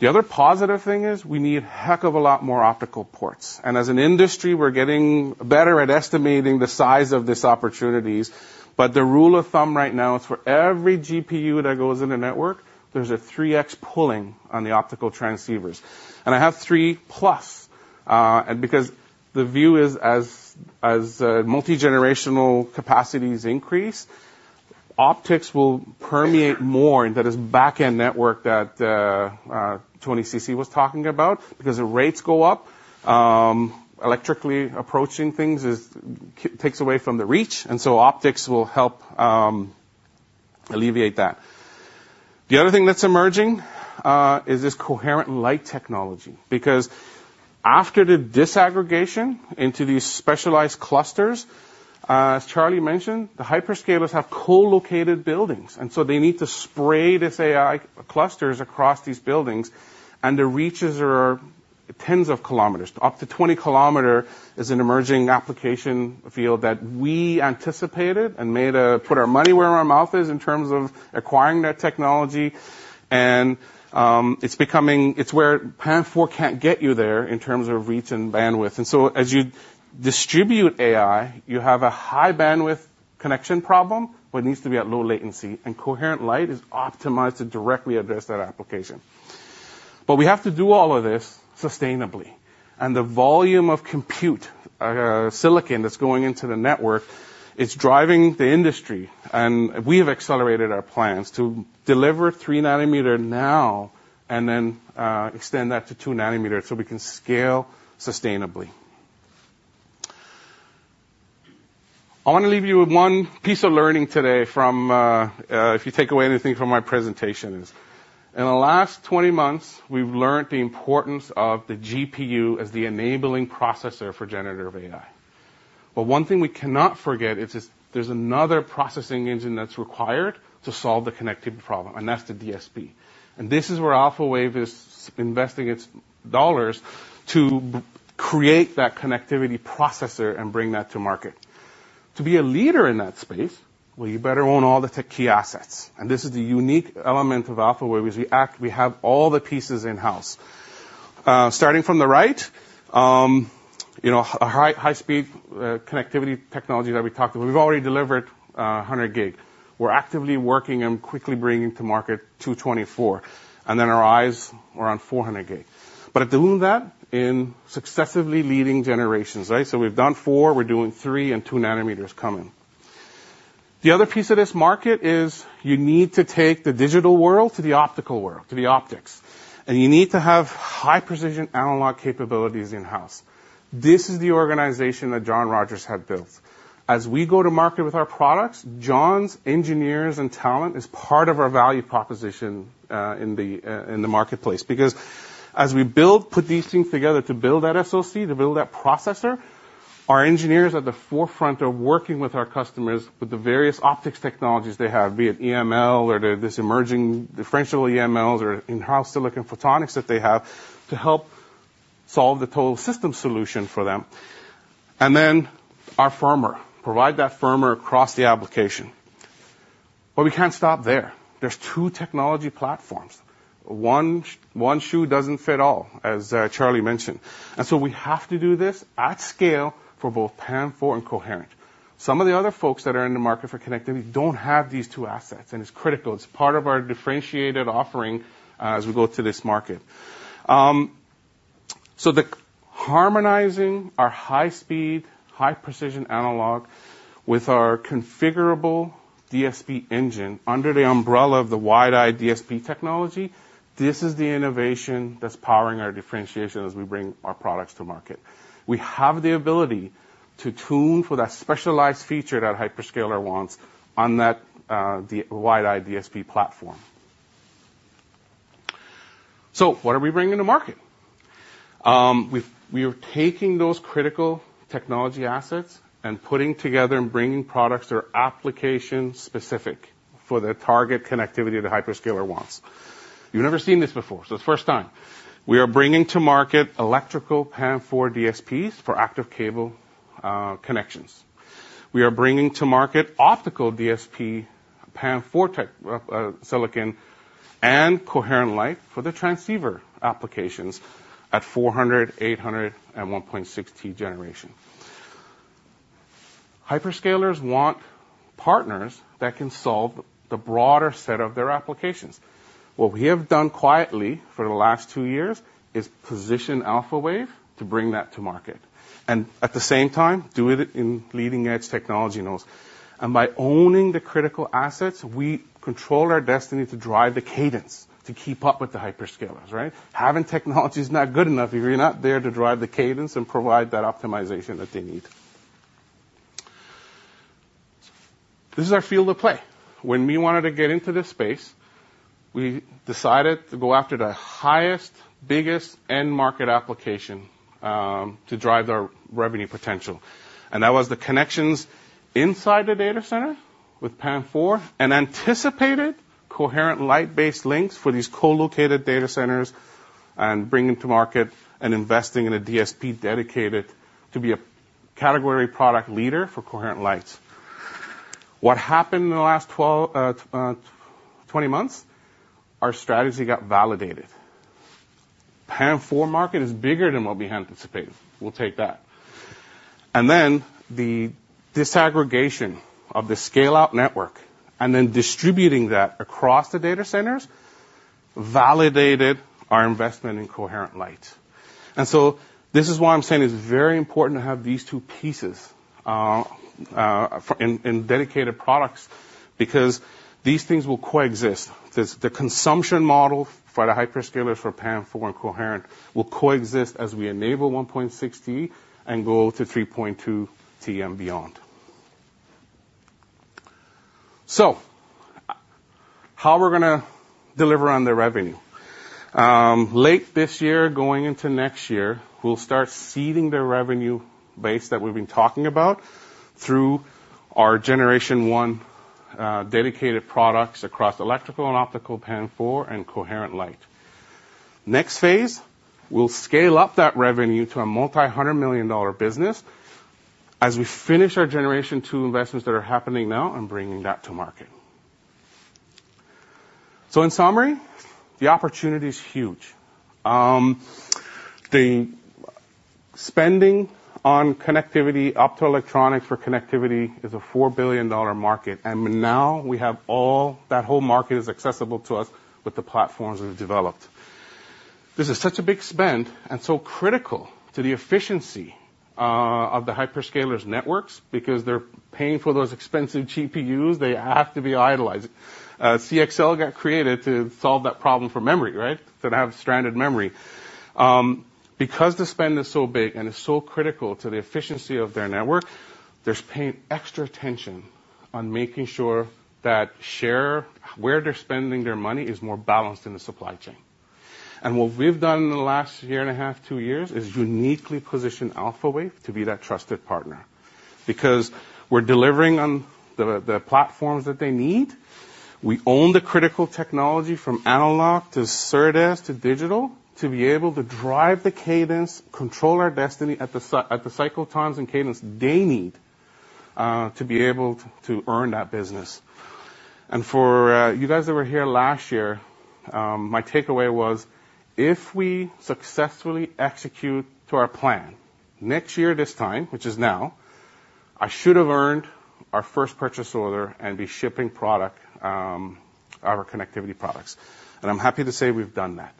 The other positive thing is we need a heck of a lot more optical ports. And as an industry, we're getting better at estimating the size of these opportunities. But the rule of thumb right now is for every GPU that goes in a network, there's a 3x pulling on the optical transceivers. I have 3 plus, and because the view is multi-generational capacities increase, optics will permeate more, and that is back-end network that Tony Pialis was talking about. Because the rates go up, electrically approaching things takes away from the reach, and so optics will help alleviate that. The other thing that's emerging is this coherent light technology, because after the disaggregation into these specialized clusters, as Charlie mentioned, the hyperscalers have co-located buildings, and so they need to spray these AI clusters across these buildings, and the reaches are tens of kilometers. Up to 20 kilometer is an emerging application field that we anticipated and put our money where our mouth is in terms of acquiring that technology. And it's where PAM4 can't get you there in terms of reach and bandwidth. And so as you distribute AI, you have a high bandwidth connection problem, but it needs to be at low latency, and coherent light is optimized to directly address that application. But we have to do all of this sustainably, and the volume of compute, silicon that's going into the network is driving the industry. And we have accelerated our plans to deliver 3nm now and then extend that to 2nm so we can scale sustainably. I want to leave you with one piece of learning today from... If you take away anything from my presentations. In the last 20 months, we've learned the importance of the GPU as the enabling processor for generative AI. But one thing we cannot forget is there's another processing engine that's required to solve the connectivity problem, and that's the DSP. This is where Alphawave is investing its dollars to create that connectivity processor and bring that to market. To be a leader in that space, well, you better own all the tech key assets, and this is the unique element of Alphawave, is we act, we have all the pieces in-house. Starting from the right, you know, a high, high speed, connectivity technology that we talked about. We've already delivered, 100 gig. We're actively working and quickly bringing to market 224, and then our eyes are on 400 gig. But doing that in successively leading generations, right? So we've done 4, we're doing 3, and 2 nms coming. The other piece of this market is you need to take the digital world to the optical world, to the optics, and you need to have high precision analog capabilities in-house. This is the organization that John Rogers had built. As we go to market with our products, John's engineers and talent is part of our value proposition in the marketplace. Because as we build, put these things together to build that SoC, to build that processor, our engineers at the forefront are working with our customers with the various optics technologies they have, be it EML or this emerging differentiable EMLs or in-house silicon photonics that they have, to help solve the total system solution for them. And then our IP provide that IP across the application. But we can't stop there. There's two technology platforms. One shoe doesn't fit all, as Charlie mentioned, and so we have to do this at scale for both PAM4 and coherent. Some of the other folks that are in the market for connectivity don't have these two assets, and it's critical. It's part of our differentiated offering, as we go to this market. So the harmonizing our high speed, high precision analog with our configurable DSP engine under the umbrella of the WidEye DSP technology, this is the innovation that's powering our differentiation as we bring our products to market. We have the ability to tune for that specialized feature that hyperscaler wants on that, the WidEye DSP platform. So what are we bringing to market? We are taking those critical technology assets and putting together and bringing products that are application-specific for the target connectivity the hyperscaler wants. You've never seen this before, so it's the first time. We are bringing to market electrical PAM4 DSPs for active cable connections. We are bringing to market optical DSP, PAM4 tech, silicon, and coherent light for the transceiver applications at 400, 800, and 1.6 T generation. Hyperscalers want partners that can solve the broader set of their applications. What we have done quietly for the last 2 years is position Alphawave to bring that to market, and at the same time, do it in leading-edge technology nodes. By owning the critical assets, we control our destiny to drive the cadence, to keep up with the hyperscalers, right? Having technology is not good enough if you're not there to drive the cadence and provide that optimization that they need. This is our field of play. When we wanted to get into this space, we decided to go after the highest, biggest end-market application to drive our revenue potential. And that was the connections inside the data center with PAM4 and anticipated coherent light-based links for these co-located data centers and bringing to market and investing in a DSP dedicated to be a category product leader for coherent light. What happened in the last 12, 20 months? Our strategy got validated. PAM4 market is bigger than what we anticipated. We'll take that. And then the disaggregation of the scale-out network, and then distributing that across the data centers, validated our investment in coherent light. And so this is why I'm saying it's very important to have these two pieces, for, in, in dedicated products, because these things will coexist. This, the consumption model for the hyperscalers, for PAM4 and coherent, will coexist as we enable 1.6 T and go to 3.2 T and beyond. So how we're gonna deliver on the revenue? Late this year, going into next year, we'll start seeding the revenue base that we've been talking about through our generation one, dedicated products across electrical and optical PAM-4 and coherent light. Next phase, we'll scale up that revenue to a multi-hundred million dollar business as we finish our generation two investments that are happening now and bringing that to market. So in summary, the opportunity is huge. The spending on connectivity, optical electronics for connectivity is a $4 billion market, and now we have all that whole market is accessible to us with the platforms we've developed. This is such a big spend and so critical to the efficiency, of the hyperscalers networks because they're paying for those expensive GPUs, they have to be idling. CXL got created to solve that problem for memory, right? To have stranded memory. Because the spend is so big and it's so critical to the efficiency of their network, they're paying extra attention on making sure that share, where they're spending their money is more balanced in the supply chain. And what we've done in the last year and a half, 2 years, is uniquely position Alphawave to be that trusted partner, because we're delivering on the, the platforms that they need. We own the critical technology, from analog to SerDes to digital, to be able to drive the cadence, control our destiny at the cycle times and cadence they need, to be able to earn that business. For you guys that were here last year, my takeaway was, if we successfully execute to our plan, next year, this time, which is now, I should have earned our first purchase order and be shipping product, our connectivity products. I'm happy to say we've done that.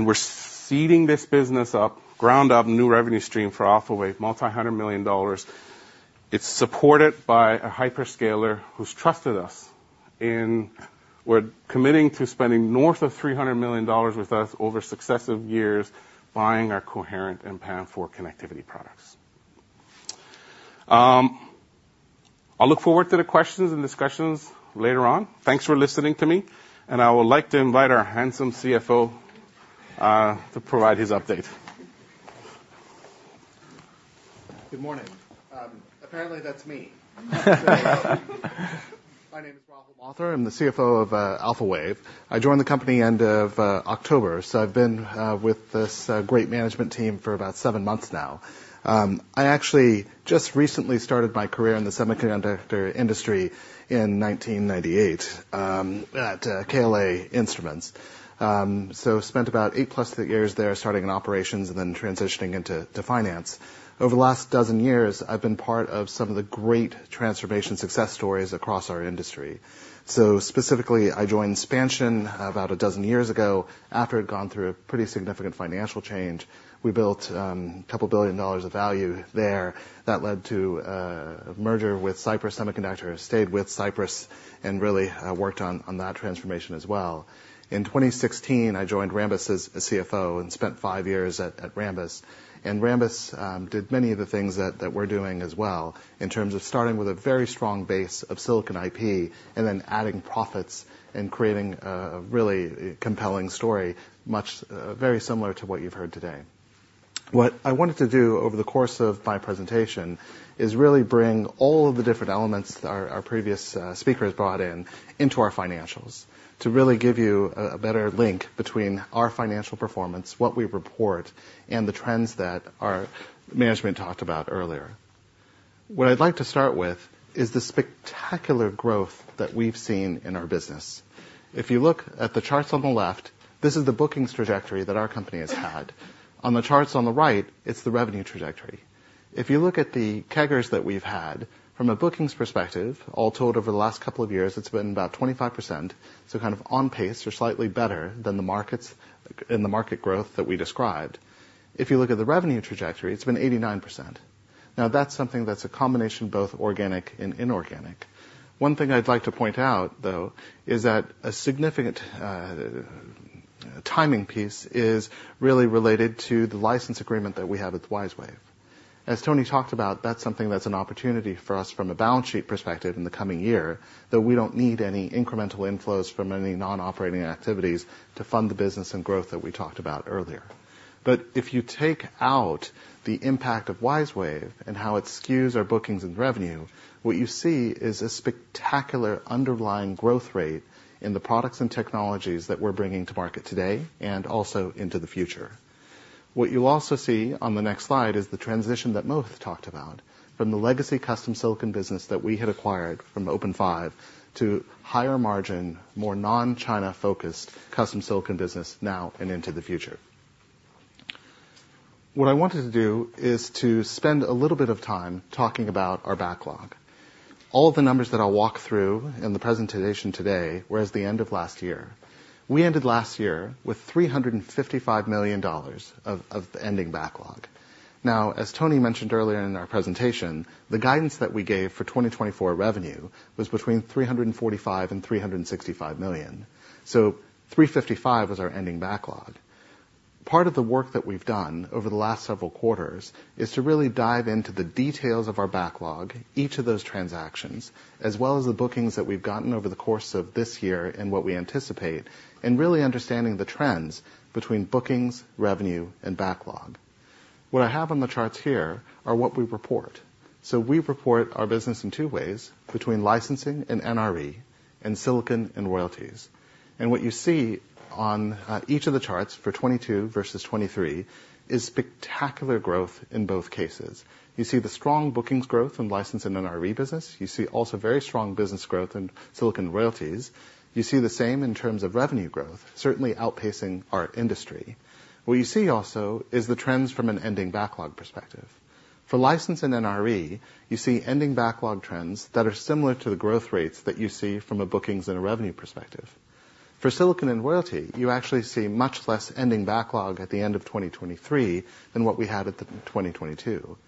We're seeding this business up, ground up, new revenue stream for Alphawave, multi-hundred million dollars. It's supported by a hyperscaler who's trusted us in... We're committing to spending north of $300 million with us over successive years, buying our coherent and PAM-4 connectivity products. I'll look forward to the questions and discussions later on. Thanks for listening to me, and I would like to invite our handsome CFO to provide his update. Good morning. Apparently, that's me. My name is Rahul Mathur. I'm the CFO of Alphawave. I joined the company end of October, so I've been with this great management team for about seven months now. I actually just recently started my career in the semiconductor industry in 1998 at KLA Instruments. So spent about eight plus years there, starting in operations and then transitioning into finance. Over the last dozen years, I've been part of some of the great transformation success stories across our industry. So specifically, I joined Spansion about a dozen years ago, after it had gone through a pretty significant financial change. We built $2 billion of value there. That led to a merger with Cypress Semiconductor. I stayed with Cypress and really worked on that transformation as well. In 2016, I joined Rambus as CFO and spent five years at Rambus. Rambus did many of the things that we're doing as well in terms of starting with a very strong base of silicon IP and then adding profits and creating a really compelling story, much, very similar to what you've heard today. What I wanted to do over the course of my presentation is really bring all of the different elements that our previous speakers brought in, into our financials, to really give you a better link between our financial performance, what we report, and the trends that our management talked about earlier. What I'd like to start with is the spectacular growth that we've seen in our business. If you look at the charts on the left, this is the bookings trajectory that our company has had. On the charts on the right, it's the revenue trajectory. If you look at the CAGRs that we've had, from a bookings perspective, all told over the last couple of years, it's been about 25%, so kind of on pace or slightly better than the markets, in the market growth that we described. If you look at the revenue trajectory, it's been 89%. Now, that's something that's a combination, both organic and inorganic. One thing I'd like to point out, though, is that a significant timing piece is really related to the license agreement that we have with WiseWave. As Tony talked about, that's something that's an opportunity for us from a balance sheet perspective in the coming year, that we don't need any incremental inflows from any non-operating activities to fund the business and growth that we talked about earlier. But if you take out the impact of WiseWave and how it skews our bookings and revenue, what you see is a spectacular underlying growth rate in the products and technologies that we're bringing to market today and also into the future. What you'll also see on the next slide is the transition that Mohit talked about from the legacy custom silicon business that we had acquired from OpenFive to higher margin, more non-China focused custom silicon business now and into the future. What I wanted to do is to spend a little bit of time talking about our backlog. All of the numbers that I'll walk through in the presentation today were as at the end of last year. We ended last year with $355 million of the ending backlog. Now, as Tony mentioned earlier in our presentation, the guidance that we gave for 2024 revenue was between $345 million and $365 million. So $355 million was our ending backlog. Part of the work that we've done over the last several quarters is to really dive into the details of our backlog, each of those transactions, as well as the bookings that we've gotten over the course of this year and what we anticipate, and really understanding the trends between bookings, revenue, and backlog. What I have on the charts here are what we report. So we report our business in two ways, between licensing and NRE, and silicon and royalties. And what you see on, each of the charts for 2022 versus 2023 is spectacular growth in both cases. You see the strong bookings growth in license and NRE business. You see also very strong business growth in silicon royalties. You see the same in terms of revenue growth, certainly outpacing our industry. What you see also is the trends from an ending backlog perspective. For license and NRE, you see ending backlog trends that are similar to the growth rates that you see from a bookings and a revenue perspective. For silicon and royalty, you actually see much less ending backlog at the end of 2023 than what we had at the 2022.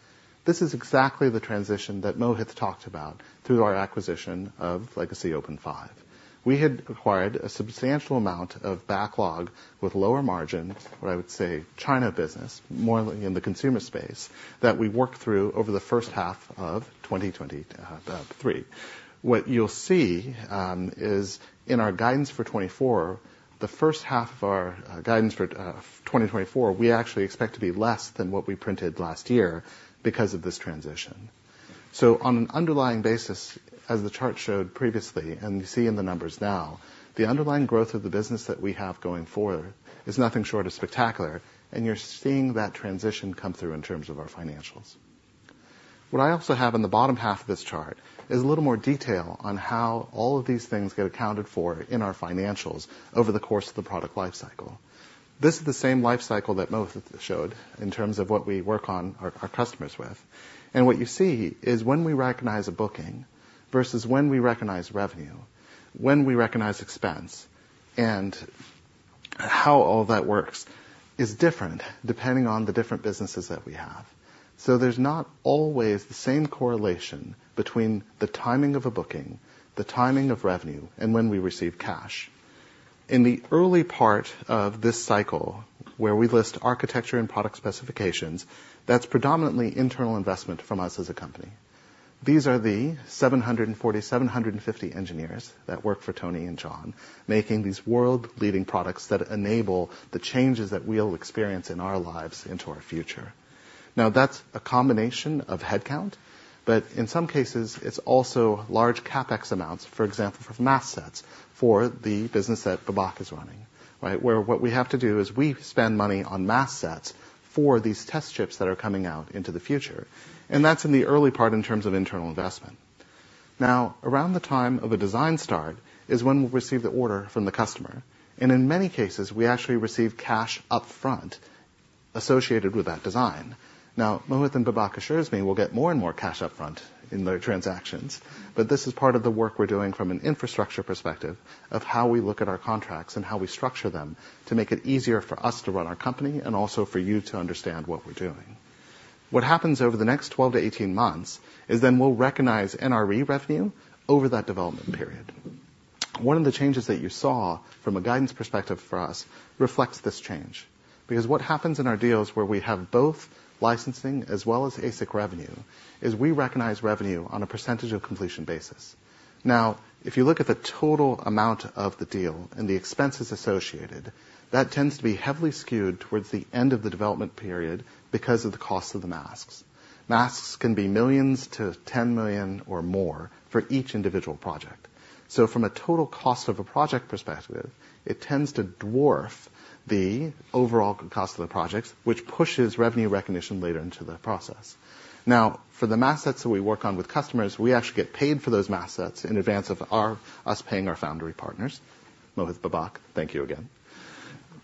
This is exactly the transition that Mohit talked about through our acquisition of legacy OpenFive. We had acquired a substantial amount of backlog with lower margin, what I would say, China business, more in the consumer space, that we worked through over the first half of 2023. What you'll see is in our guidance for 2024, the first half of our guidance for 2024, we actually expect to be less than what we printed last year because of this transition. So on an underlying basis, as the chart showed previously, and you see in the numbers now, the underlying growth of the business that we have going forward is nothing short of spectacular, and you're seeing that transition come through in terms of our financials. What I also have in the bottom half of this chart is a little more detail on how all of these things get accounted for in our financials over the course of the product life cycle. This is the same life cycle that Mohit showed in terms of what we work on our customers with. What you see is when we recognize a booking versus when we recognize revenue, when we recognize expense, and how all that works is different depending on the different businesses that we have. So there's not always the same correlation between the timing of a booking, the timing of revenue, and when we receive cash. In the early part of this cycle, where we list architecture and product specifications, that's predominantly internal investment from us as a company. These are the 740-750 engineers that work for Tony and John, making these world-leading products that enable the changes that we'll experience in our lives into our future. Now, that's a combination of headcount, but in some cases, it's also large CapEx amounts, for example, for mask sets, for the business that Babak is running, right? Where what we have to do is we spend money on mask sets for these test chips that are coming out into the future, and that's in the early part in terms of internal investment. Now, around the time of a design start is when we receive the order from the customer, and in many cases, we actually receive cash upfront associated with that design. Now, Mohit and Babak assures me we'll get more and more cash upfront in their transactions, but this is part of the work we're doing from an infrastructure perspective of how we look at our contracts and how we structure them to make it easier for us to run our company and also for you to understand what we're doing. What happens over the next 12-18 months is then we'll recognize NRE revenue over that development period. One of the changes that you saw from a guidance perspective for us reflects this change, because what happens in our deals where we have both licensing as well as ASIC revenue, is we recognize revenue on a percentage of completion basis. Now, if you look at the total amount of the deal and the expenses associated, that tends to be heavily skewed towards the end of the development period because of the cost of the masks. Masks can be millions to $10 million or more for each individual project. So from a total cost of a project perspective, it tends to dwarf the overall cost of the projects, which pushes revenue recognition later into the process. Now, for the mask sets that we work on with customers, we actually get paid for those mask sets in advance of us paying our foundry partners. Mohit, Babak, thank you again.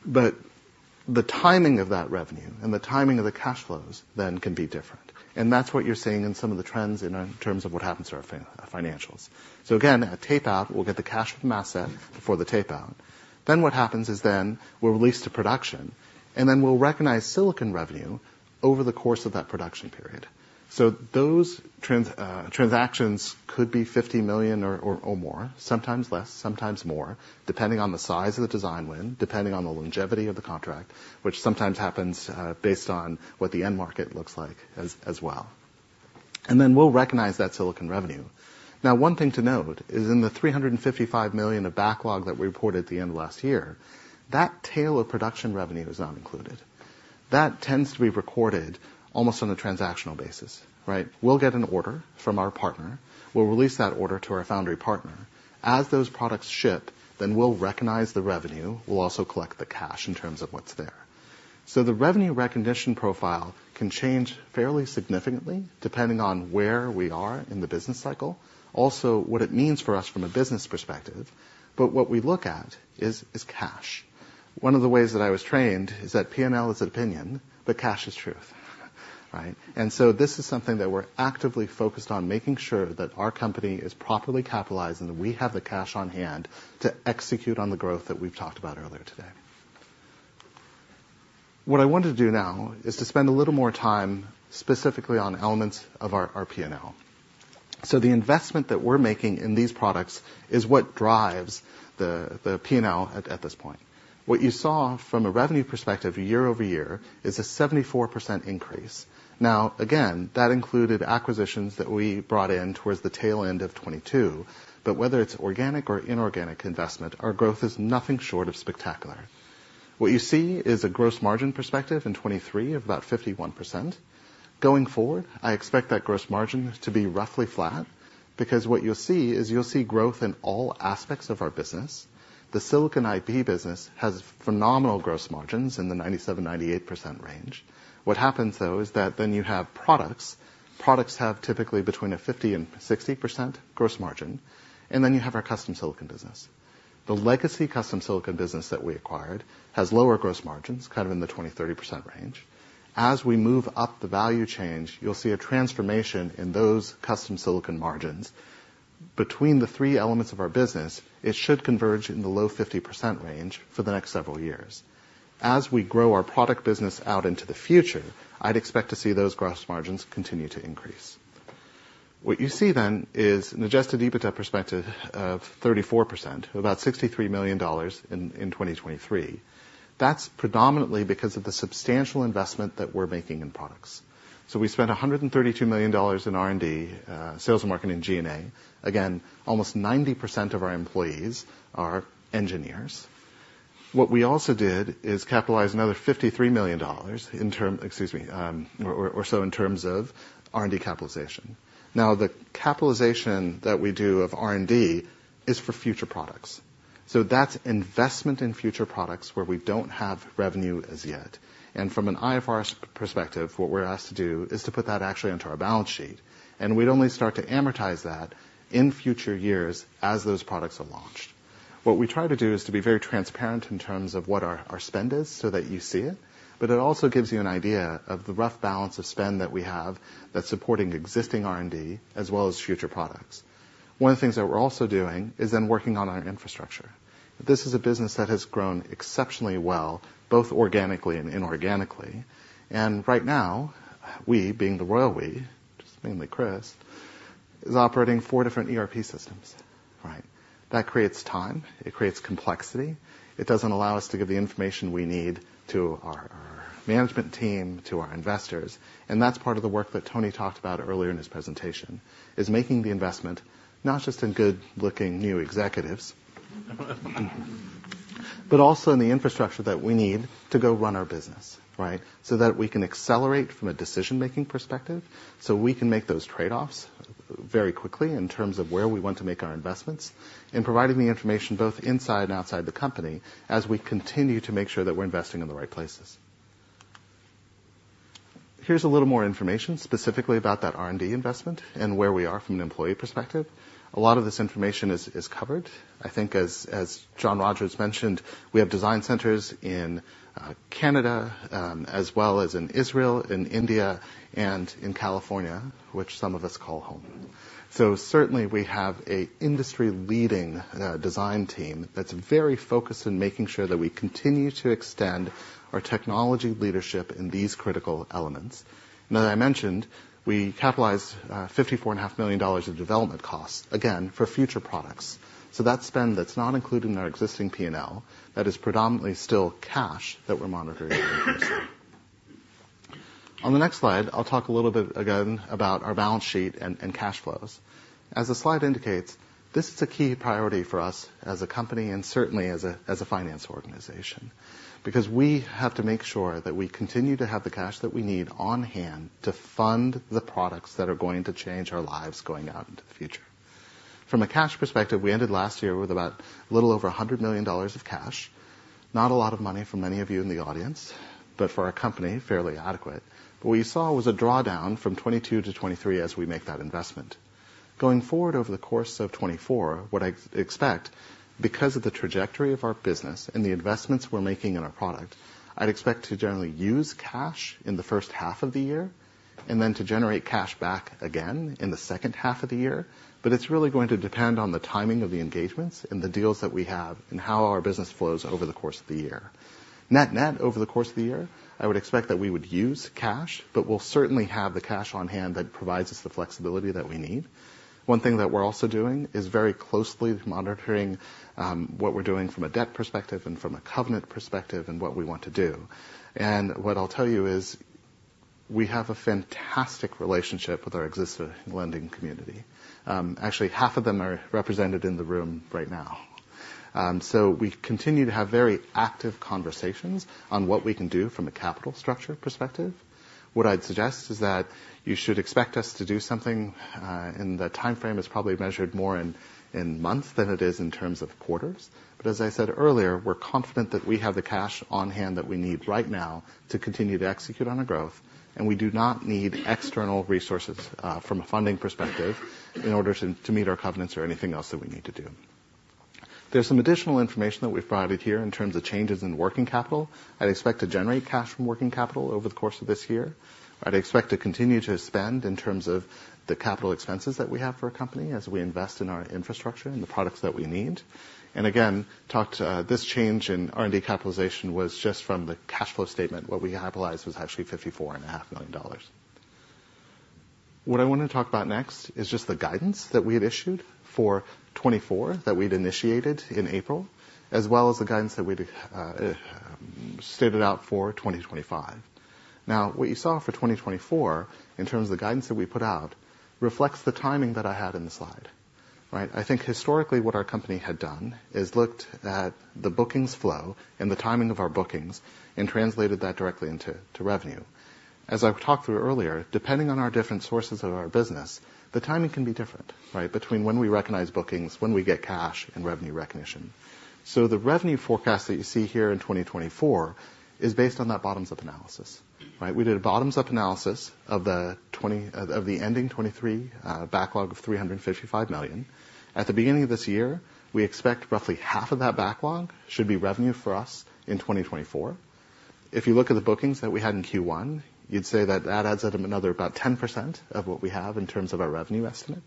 But the timing of that revenue and the timing of the cash flows then can be different. And that's what you're seeing in some of the trends in terms of what happens to our financials. So again, at tape-out, we'll get the cash from mask set before the tape-out. Then what happens is then we'll release to production, and then we'll recognize silicon revenue over the course of that production period. So those transactions could be $50 million or more, sometimes less, sometimes more, depending on the size of the design win, depending on the longevity of the contract, which sometimes happens based on what the end market looks like as well. And then we'll recognize that silicon revenue. Now, one thing to note is in the $355 million of backlog that we reported at the end of last year, that tail of production revenue is not included. That tends to be recorded almost on a transactional basis, right? We'll get an order from our partner. We'll release that order to our foundry partner. As those products ship, then we'll recognize the revenue. We'll also collect the cash in terms of what's there. So the revenue recognition profile can change fairly significantly, depending on where we are in the business cycle. Also, what it means for us from a business perspective, but what we look at is, is cash. One of the ways that I was trained is that P&L is an opinion, but cash is truth. Right? And so this is something that we're actively focused on, making sure that our company is properly capitalized, and that we have the cash on hand to execute on the growth that we've talked about earlier today. What I want to do now is to spend a little more time specifically on elements of our, our P&L. So the investment that we're making in these products is what drives the, the P&L at, at this point. What you saw from a revenue perspective, year-over-year, is a 74% increase. Now, again, that included acquisitions that we brought in towards the tail end of 2022, but whether it's organic or inorganic investment, our growth is nothing short of spectacular. What you see is a gross margin perspective in 2023 of about 51%. Going forward, I expect that gross margin to be roughly flat, because what you'll see is you'll see growth in all aspects of our business. The Silicon IP business has phenomenal gross margins in the 97%-98% range. What happens, though, is that then you have products. Products have typically between a 50%-60% gross margin, and then you have our custom silicon business. The legacy custom silicon business that we acquired has lower gross margins, kind of in the 20%-30% range. As we move up the value chain, you'll see a transformation in those custom silicon margins. Between the three elements of our business, it should converge in the low 50% range for the next several years. As we grow our product business out into the future, I'd expect to see those gross margins continue to increase. What you see then is an adjusted EBITDA perspective of 34%, about $63 million in 2023. That's predominantly because of the substantial investment that we're making in products. So we spent $132 million in R&D, sales and marketing, G&A. Again, almost 90% of our employees are engineers. What we also did is capitalize another $53 million or so in terms of R&D capitalization. Now, the capitalization that we do of R&D is for future products. So that's investment in future products where we don't have revenue as yet. And from an IFRS perspective, what we're asked to do is to put that actually onto our balance sheet, and we'd only start to amortize that in future years as those products are launched. What we try to do is to be very transparent in terms of what our, our spend is, so that you see it, but it also gives you an idea of the rough balance of spend that we have that's supporting existing R&D, as well as future products. One of the things that we're also doing is then working on our infrastructure. This is a business that has grown exceptionally well, both organically and inorganically, and right now, we, being the royal we, which is mainly Chris, is operating four different ERP systems, right? That creates time, it creates complexity. It doesn't allow us to give the information we need to our management team, to our investors, and that's part of the work that Tony talked about earlier in his presentation, is making the investment, not just in good-looking new executives, but also in the infrastructure that we need to go run our business, right? So that we can accelerate from a decision-making perspective, so we can make those trade-offs very quickly in terms of where we want to make our investments, and providing the information both inside and outside the company, as we continue to make sure that we're investing in the right places. Here's a little more information, specifically about that R&D investment and where we are from an employee perspective. A lot of this information is covered. I think as, as John Rogers mentioned, we have design centers in Canada, as well as in Israel, in India, and in California, which some of us call home. So certainly, we have a industry-leading design team that's very focused in making sure that we continue to extend our technology leadership in these critical elements. Now, as I mentioned, we capitalized $54.5 million of development costs, again, for future products. So that's spend that's not included in our existing P&L. That is predominantly still cash that we're monitoring. On the next slide, I'll talk a little bit again about our balance sheet and, and cash flows. As the slide indicates, this is a key priority for us as a company and certainly as a, as a finance organization, because we have to make sure that we continue to have the cash that we need on hand to fund the products that are going to change our lives going out into the future. From a cash perspective, we ended last year with about a little over $100 million of cash. Not a lot of money for many of you in the audience, but for our company, fairly adequate. What you saw was a drawdown from 2022 to 2023 as we make that investment. Going forward over the course of 2024, what I expect, because of the trajectory of our business and the investments we're making in our product, I'd expect to generally use cash in the first half of the year, and then to generate cash back again in the second half of the year. But it's really going to depend on the timing of the engagements and the deals that we have and how our business flows over the course of the year. Net-net, over the course of the year, I would expect that we would use cash, but we'll certainly have the cash on hand that provides us the flexibility that we need. One thing that we're also doing is very closely monitoring what we're doing from a debt perspective and from a covenant perspective, and what we want to do. What I'll tell you is, we have a fantastic relationship with our existing lending community. Actually, half of them are represented in the room right now. So we continue to have very active conversations on what we can do from a capital structure perspective. What I'd suggest is that you should expect us to do something, and the timeframe is probably measured more in months than it is in terms of quarters. But as I said earlier, we're confident that we have the cash on hand that we need right now to continue to execute on our growth, and we do not need external resources, from a funding perspective, in order to meet our covenants or anything else that we need to do. There's some additional information that we've provided here in terms of changes in working capital. I'd expect to generate cash from working capital over the course of this year. I'd expect to continue to spend in terms of the capital expenses that we have for a company as we invest in our infrastructure and the products that we need. And again, talked, this change in R&D capitalization was just from the cash flow statement. What we capitalized was actually $54.5 million. What I want to talk about next is just the guidance that we had issued for 2024, that we'd initiated in April, as well as the guidance that we'd stated out for 2025. Now, what you saw for 2024, in terms of the guidance that we put out, reflects the timing that I had in the slide, right? I think historically, what our company had done is looked at the bookings flow and the timing of our bookings and translated that directly into, to revenue. As I've talked through earlier, depending on our different sources of our business, the timing can be different, right? Between when we recognize bookings, when we get cash, and revenue recognition. So the revenue forecast that you see here in 2024 is based on that bottoms-up analysis, right? We did a bottoms-up analysis of the ending 2023 backlog of $355 million. At the beginning of this year, we expect roughly half of that backlog should be revenue for us in 2024. If you look at the bookings that we had in Q1, you'd say that that adds up to another about 10% of what we have in terms of our revenue estimate.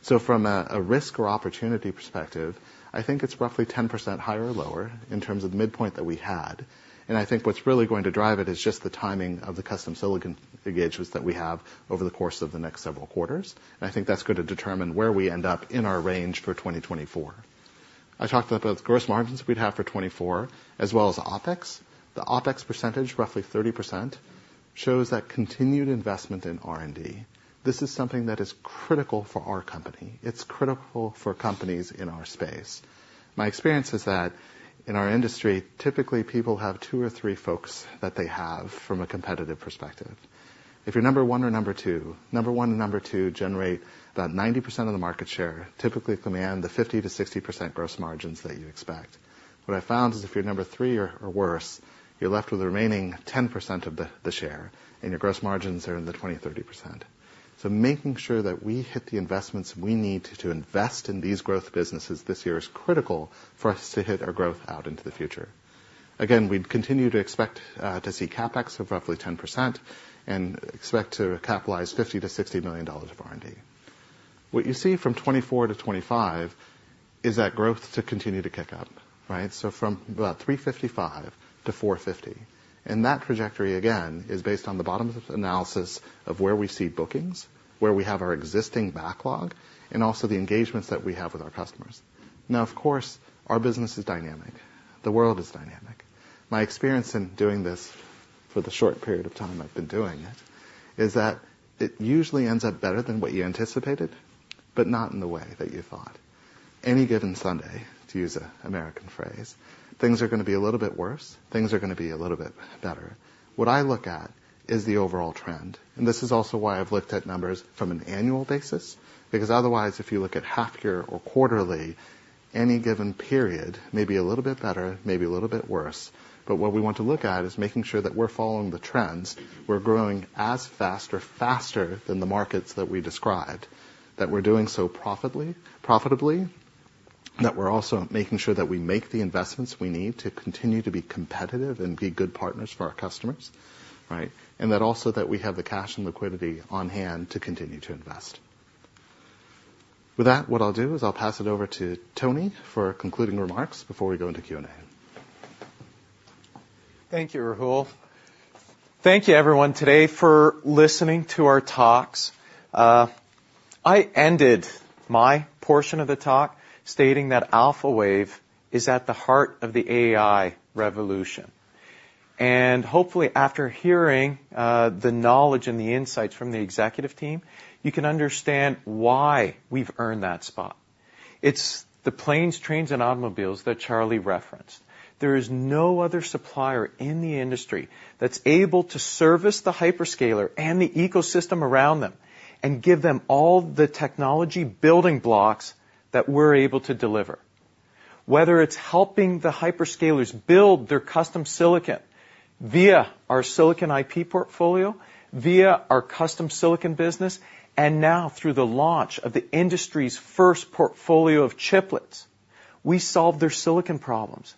So from a risk or opportunity perspective, I think it's roughly 10% higher or lower in terms of the midpoint that we had. And I think what's really going to drive it is just the timing of the custom silicon engagements that we have over the course of the next several quarters. And I think that's going to determine where we end up in our range for 2024. I talked about the gross margins we'd have for 2024, as well as OpEx. The OpEx percentage, roughly 30%, shows that continued investment in R&D. This is something that is critical for our company. It's critical for companies in our space. My experience is that in our industry, typically, people have two or three folks that they have from a competitive perspective. If you're number one or number two, number one and number two generate about 90% of the market share, typically command the 50%-60% gross margins that you expect. What I found is if you're number three or worse, you're left with the remaining 10% of the share, and your gross margins are in the 20%-30%. So making sure that we hit the investments we need to invest in these growth businesses this year is critical for us to hit our growth out into the future. Again, we'd continue to expect to see CapEx of roughly 10% and expect to capitalize $50 million-$60 million of R&D. What you see from 2024 to 2025 is that growth to continue to kick up, right? So from about $355 to $450, and that trajectory, again, is based on the bottoms-up analysis of where we see bookings, where we have our existing backlog, and also the engagements that we have with our customers. Now, of course, our business is dynamic. The world is dynamic. My experience in doing this for the short period of time I've been doing it, is that it usually ends up better than what you anticipated, but not in the way that you thought. Any given Sunday, to use an American phrase, things are gonna be a little bit worse, things are gonna be a little bit better. What I look at is the overall trend, and this is also why I've looked at numbers from an annual basis, because otherwise, if you look at half year or quarterly, any given period, maybe a little bit better, maybe a little bit worse. But what we want to look at is making sure that we're following the trends, we're growing as fast or faster than the markets that we described, that we're doing so profitably, profitably, that we're also making sure that we make the investments we need to continue to be competitive and be good partners for our customers, right? And that also that we have the cash and liquidity on hand to continue to invest. With that, what I'll do is I'll pass it over to Tony for concluding remarks before we go into Q&A. Thank you, Rahul. Thank you, everyone, today for listening to our talks. I ended my portion of the talk stating that Alphawave is at the heart of the AI revolution, and hopefully, after hearing the knowledge and the insights from the executive team, you can understand why we've earned that spot. It's the planes, trains, and automobiles that Charlie referenced. There is no other supplier in the industry that's able to service the hyperscaler and the ecosystem around them and give them all the technology building blocks that we're able to deliver. Whether it's helping the hyperscalers build their custom silicon via our silicon IP portfolio, via our custom silicon business, and now through the launch of the industry's first portfolio of chiplets, we solve their silicon problems.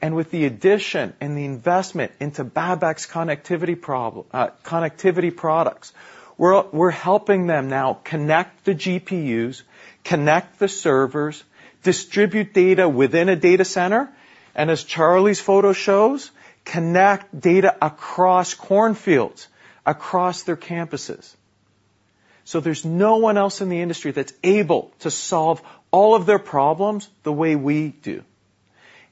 And with the addition and the investment into Babak's connectivity pro... Connectivity products, we're, we're helping them now connect the GPUs, connect the servers, distribute data within a data center, and as Charlie's photo shows, connect data across cornfields, across their campuses. So there's no one else in the industry that's able to solve all of their problems the way we do,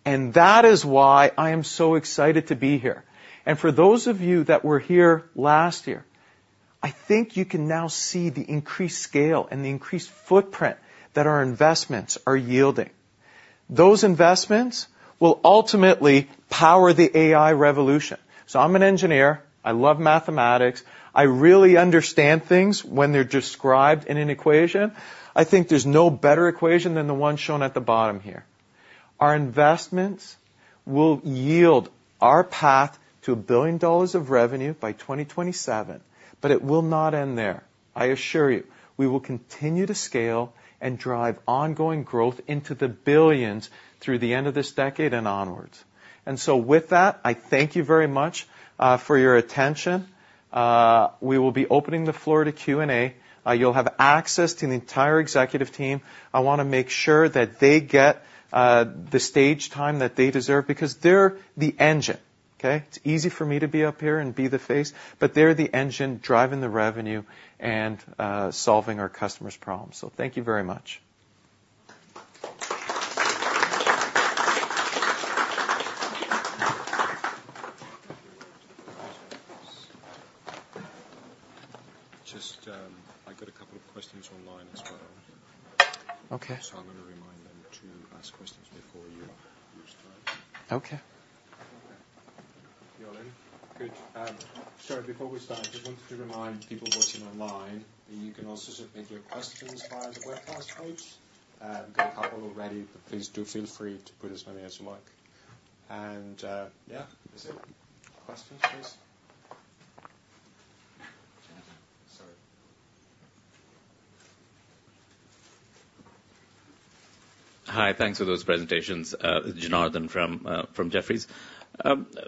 and that is why I am so excited to be here. For those of you that were here last year, I think you can now see the increased scale and the increased footprint that our investments are yielding. Those investments will ultimately power the AI revolution. I'm an engineer, I love mathematics. I really understand things when they're described in an equation. I think there's no better equation than the one shown at the bottom here. Our investments will yield our path to $1 billion of revenue by 2027, but it will not end there. I assure you, we will continue to scale and drive ongoing growth into the billions through the end of this decade and onwards. And so with that, I thank you very much for your attention. We will be opening the floor to Q&A. You'll have access to the entire executive team. I wanna make sure that they get the stage time that they deserve because they're the engine, okay? It's easy for me to be up here and be the face, but they're the engine driving the revenue and solving our customers' problems. So thank you very much. Just, I got a couple of questions online as well. Okay. I'm gonna remind them to ask questions before you start. Okay. You're in? Good. Sorry, before we start, I just wanted to remind people watching online that you can also submit your questions via the webcast page. Got a couple already, but please do feel free to put as many as you like. And, yeah, that's it. Questions, please. Sorry. Hi, thanks for those presentations. Janardan from Jefferies.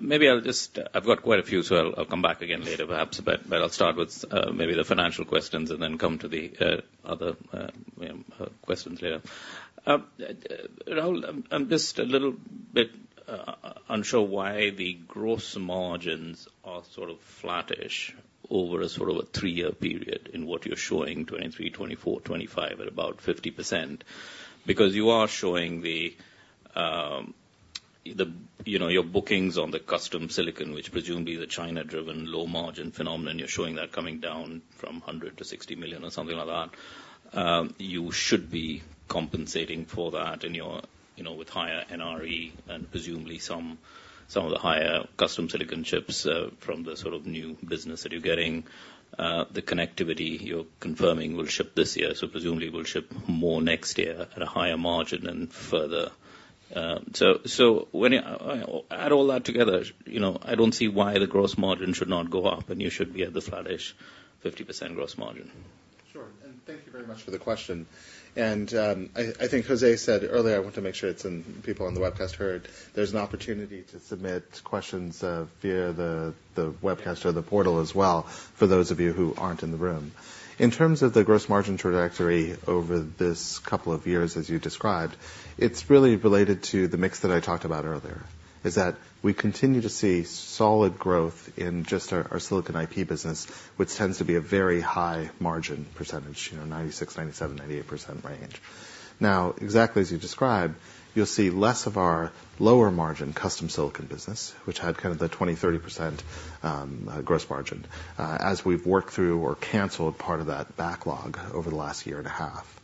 Maybe I'll just. I've got quite a few, so I'll come back again later, perhaps, but I'll start with maybe the financial questions and then come to the other questions later. Rahul, I'm just a little bit unsure why the gross margins are sort of flattish over a sort of a three-year period in what you're showing, 2023, 2024, 2025 at about 50%. Because you are showing the, you know, your bookings on the custom silicon, which presumably is a China-driven, low-margin phenomenon, you're showing that coming down from $100 million to $60 million or something like that. You should be compensating for that in your, you know, with higher NRE and presumably some of the higher custom silicon chips from the sort of new business that you're getting, the connectivity you're confirming will ship this year, so presumably will ship more next year at a higher margin and further. So when you add all that together, you know, I don't see why the gross margin should not go up, and you should be at the flattish 50% gross margin. Sure. Thank you very much for the question. I think Jose said earlier, I want to make sure that people on the webcast heard, there's an opportunity to submit questions via the webcast or the portal as well, for those of you who aren't in the room. In terms of the gross margin trajectory over this couple of years, as you described, it's really related to the mix that I talked about earlier, is that we continue to see solid growth in just our Silicon IP business, which tends to be a very high margin percentage, you know, 96%-98% range. Now, exactly as you described, you'll see less of our lower margin custom silicon business, which had kind of the 20%-30% gross margin, as we've worked through or canceled part of that backlog over the last year and a half.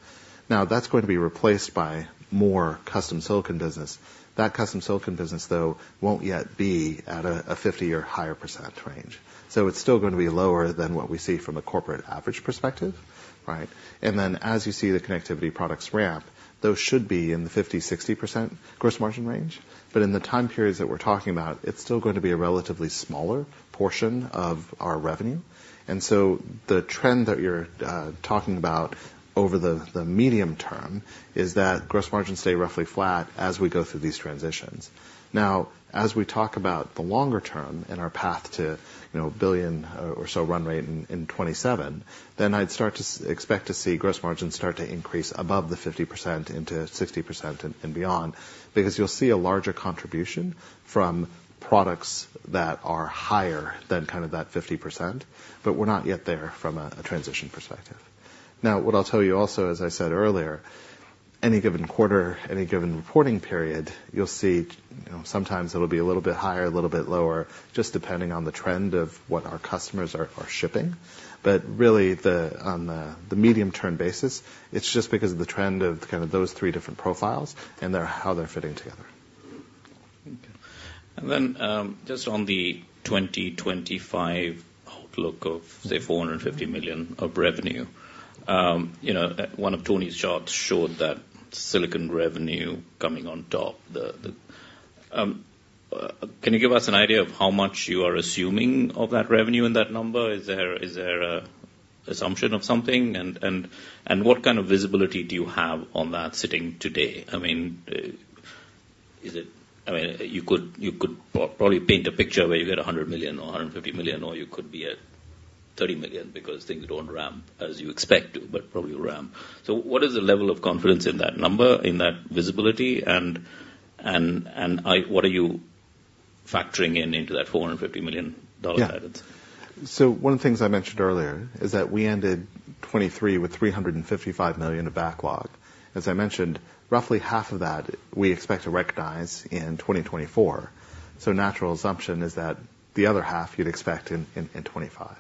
Now, that's going to be replaced by more custom silicon business. That custom silicon business, though, won't yet be at a 50% or higher percent range. So it's still gonna be lower than what we see from a corporate average perspective, right? And then, as you see the connectivity products ramp, those should be in the 50%-60% gross margin range. But in the time periods that we're talking about, it's still going to be a relatively smaller portion of our revenue. The trend that you're talking about over the medium term is that gross margins stay roughly flat as we go through these transitions. Now, as we talk about the longer term and our path to, you know, a $1 billion or so run rate in 2027, then I'd start to expect to see gross margins start to increase above the 50% into 60% and beyond. Because you'll see a larger contribution from products that are higher than kind of that 50%, but we're not yet there from a transition perspective. Now, what I'll tell you also, as I said earlier, any given quarter, any given reporting period, you'll see, you know, sometimes it'll be a little bit higher, a little bit lower, just depending on the trend of what our customers are shipping. But really, on the medium-term basis, it's just because of the trend of kind of those three different profiles and how they're fitting together. Okay. And then, just on the 2025 outlook of, say, $450 million of revenue, you know, one of Tony's charts showed that silicon revenue coming on top. The, can you give us an idea of how much you are assuming of that revenue in that number? Is there, is there an assumption of something? And, and, and what kind of visibility do you have on that sitting today? I mean, is it I mean, you could, you could probably paint a picture where you get $100 million or $150 million, or you could be at $30 million because things don't ramp as you expect to, but probably will ramp. So what is the level of confidence in that number, in that visibility, and what are you factoring in into that $450 million items? Yeah. So one of the things I mentioned earlier is that we ended 2023 with $355 million of backlog. As I mentioned, roughly half of that we expect to recognize in 2024. So natural assumption is that the other half you'd expect in 2025,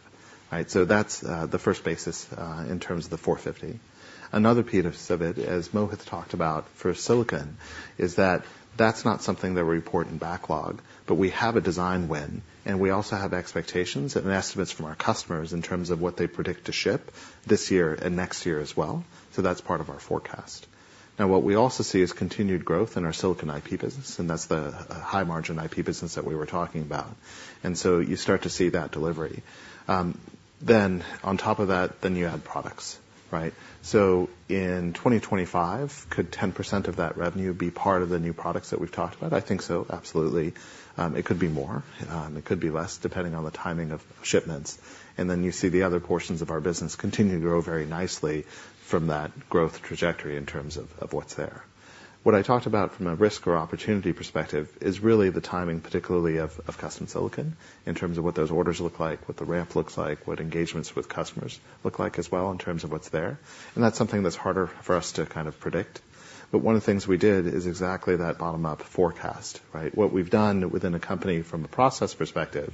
right? So that's the first basis in terms of the $450. Another piece of it, as Mohit talked about for silicon, is that that's not something that we report in backlog, but we have a design win, and we also have expectations and estimates from our customers in terms of what they predict to ship this year and next year as well. So that's part of our forecast. Now, what we also see is continued growth in our silicon IP business, and that's the high margin IP business that we were talking about. And so you start to see that delivery. Then on top of that, then you add products, right? So in 2025, could 10% of that revenue be part of the new products that we've talked about? I think so, absolutely. It could be more, it could be less, depending on the timing of shipments. And then you see the other portions of our business continue to grow very nicely from that growth trajectory in terms of, of what's there. What I talked about from a risk or opportunity perspective is really the timing, particularly of, of custom silicon, in terms of what those orders look like, what the ramp looks like, what engagements with customers look like as well in terms of what's there. And that's something that's harder for us to kind of predict. But one of the things we did is exactly that bottom-up forecast, right? What we've done within the company from a process perspective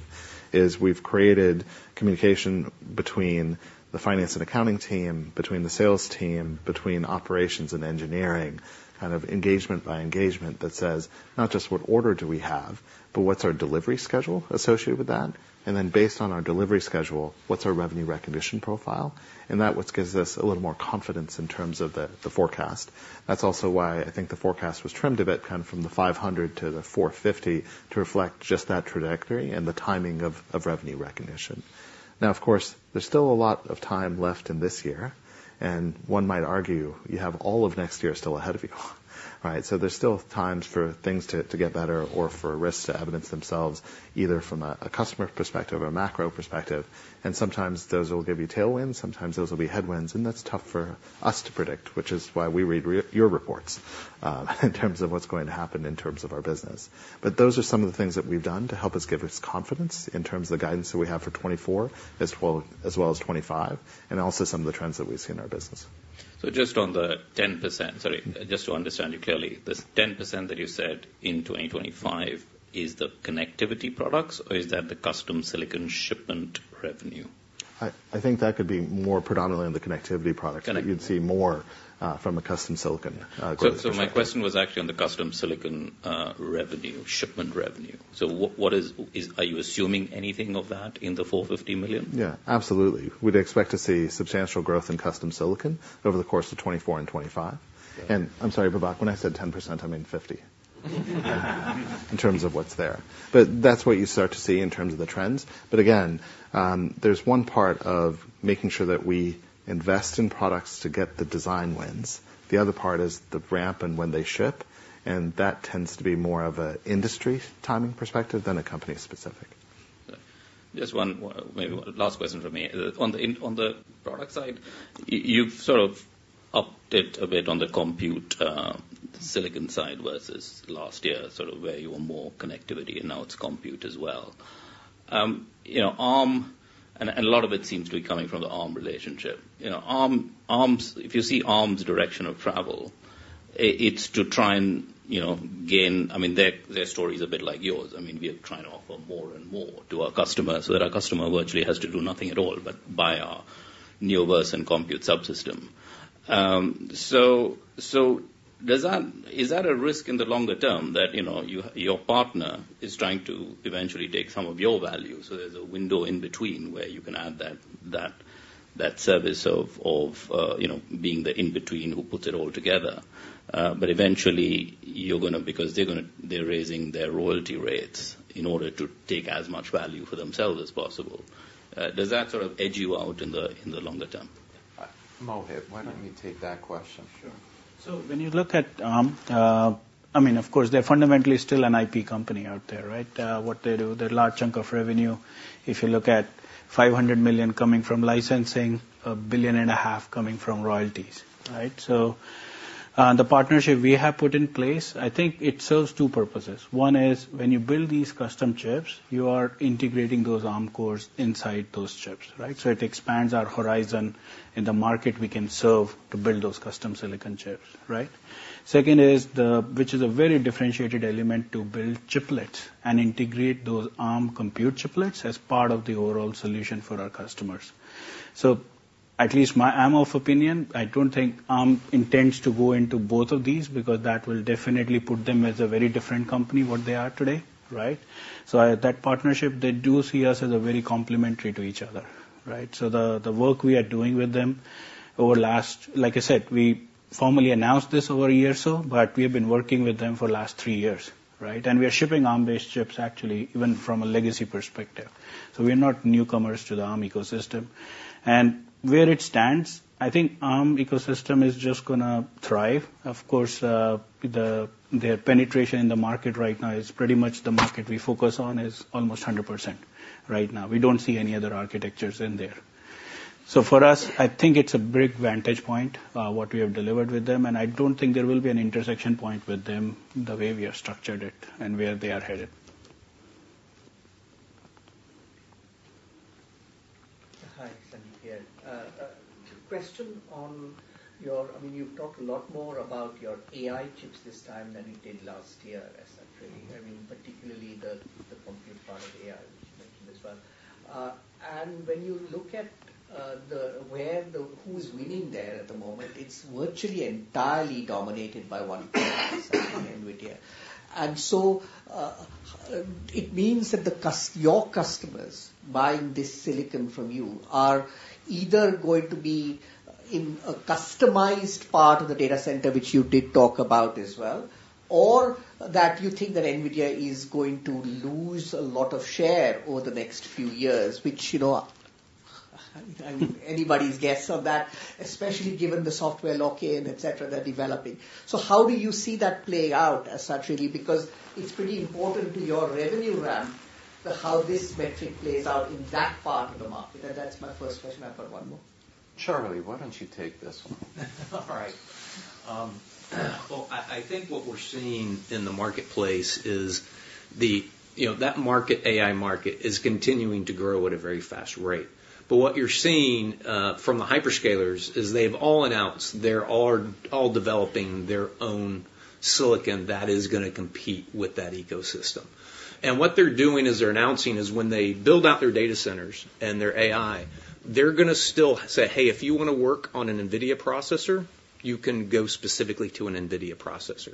is we've created communication between the finance and accounting team, between the sales team, between operations and engineering, kind of engagement by engagement that says, not just what order do we have, but what's our delivery schedule associated with that? And then based on our delivery schedule, what's our revenue recognition profile? And that's what gives us a little more confidence in terms of the, the forecast. That's also why I think the forecast was trimmed a bit, kind of from the $500 to the $450, to reflect just that trajectory and the timing of, of revenue recognition. Now, of course, there's still a lot of time left in this year, and one might argue you have all of next year still ahead of you, right? So there's still times for things to, to get better or for risks to evidence themselves, either from a, a customer perspective or a macro perspective. And sometimes those will give you tailwinds, sometimes those will be headwinds, and that's tough for us to predict, which is why we read your reports in terms of what's going to happen in terms of our business. But those are some of the things that we've done to help us give us confidence in terms of the guidance that we have for 2024, as well, as well as 2025, and also some of the trends that we see in our business. Just on the 10%. Sorry, just to understand you clearly, this 10% that you said in 2025 is the connectivity products, or is that the custom silicon shipment revenue? I think that could be more predominantly on the connectivity products Got it. but you'd see more, from a custom silicon, growth perspective. So my question was actually on the custom silicon revenue, shipment revenue. So what is, are you assuming anything of that in the $450 million? Yeah, absolutely. We'd expect to see substantial growth in custom silicon over the course of 2024 and 2025. Right. I'm sorry, Babak, when I said 10%, I mean 50%. In terms of what's there. But that's what you start to see in terms of the trends. But again, there's one part of making sure that we invest in products to get the design wins. The other part is the ramp and when they ship, and that tends to be more of an industry timing perspective than a company specific. Just one, maybe one last question from me. On the product side, you've sort of upped it a bit on the compute silicon side versus last year, sort of where you were more connectivity, and now it's compute as well. You know, Arm, and a lot of it seems to be coming from the Arm relationship. You know, Arm's, if you see Arm's direction of travel, it's to try and, you know, gain. I mean, their story is a bit like yours. I mean, we are trying to offer more and more to our customers, so that our customer virtually has to do nothing at all but buy our Neoverse and compute subsystem. So, does that—is that a risk in the longer term that, you know, your partner is trying to eventually take some of your value, so there's a window in between where you can add that service of, you know, being the in-between who puts it all together? But eventually, you're gonna, because they're gonna, they're raising their royalty rates in order to take as much value for themselves as possible. Does that sort of edge you out in the longer term? Mohit, why don't you take that question? Sure. So when you look at Arm, I mean, of course, they're fundamentally still an IP company out there, right? What they do, the large chunk of revenue, if you look at $500 million coming from licensing, $1.5 billion coming from royalties, right? So, the partnership we have put in place, I think it serves two purposes. One is when you build these custom chips, you are integrating those Arm cores inside those chips, right? So it expands our horizon in the market we can serve to build those custom silicon chips, right? Second is the, which is a very differentiated element to build chiplets and integrate those Arm compute chiplets as part of the overall solution for our customers. So at least my... In my opinion, I don't think Arm intends to go into both of these, because that will definitely put them as a very different company, what they are today, right? So at that partnership, they do see us as a very complementary to each other, right? So the work we are doing with them over the last, like I said, we formally announced this over a year or so, but we have been working with them for the last 3 years, right? And we are shipping Arm-based chips, actually, even from a legacy perspective. So we are not newcomers to the Arm ecosystem. And where it stands, I think Arm ecosystem is just gonna thrive. Of course, their penetration in the market right now is pretty much the market we focus on, is almost 100% right now. We don't see any other architectures in there. So for us, I think it's a big advantage point, what we have delivered with them, and I don't think there will be an intersection point with them, the way we have structured it and where they are headed. Hi, Sandy here. Question on your, I mean, you've talked a lot more about your AI chips this time than you did last year, as such, really. I mean, particularly the compute part of AI, which you mentioned as well. And when you look at where—who's winning there at the moment, it's virtually entirely dominated by one player, NVIDIA. And so, it means that your customers buying this silicon from you are either going to be in a customized part of the data center, which you did talk about as well, or that you think that NVIDIA is going to lose a lot of share over the next few years, which, you know, I mean, anybody's guess on that, especially given the software lock-in, et cetera, they're developing. How do you see that playing out as such, really? Because it's pretty important to your revenue ramp, how this metric plays out in that part of the market. That's my first question. I've got one more. Charlie, why don't you take this one? All right. Well, I, I think what we're seeing in the marketplace is the. You know, that market, AI market, is continuing to grow at a very fast rate. But what you're seeing from the hyperscalers is they've all announced they're all, all developing their own silicon that is gonna compete with that ecosystem. And what they're doing, as they're announcing, is when they build out their data centers and their AI, they're gonna still say, "Hey, if you want to work on an NVIDIA processor, you can go specifically to an NVIDIA processor.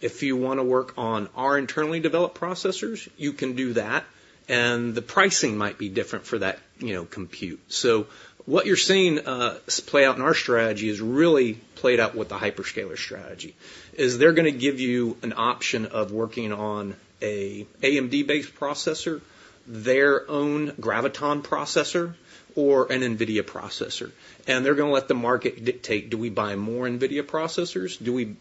If you want to work on our internally developed processors, you can do that, and the pricing might be different for that, you know, compute." So what you're seeing play out in our strategy is really played out with the hyperscaler strategy, is they're gonna give you an option of working on a AMD-based processor, their own Graviton processor, or an NVIDIA processor. And they're gonna let the market dictate: Do we buy more NVIDIA processors? Do we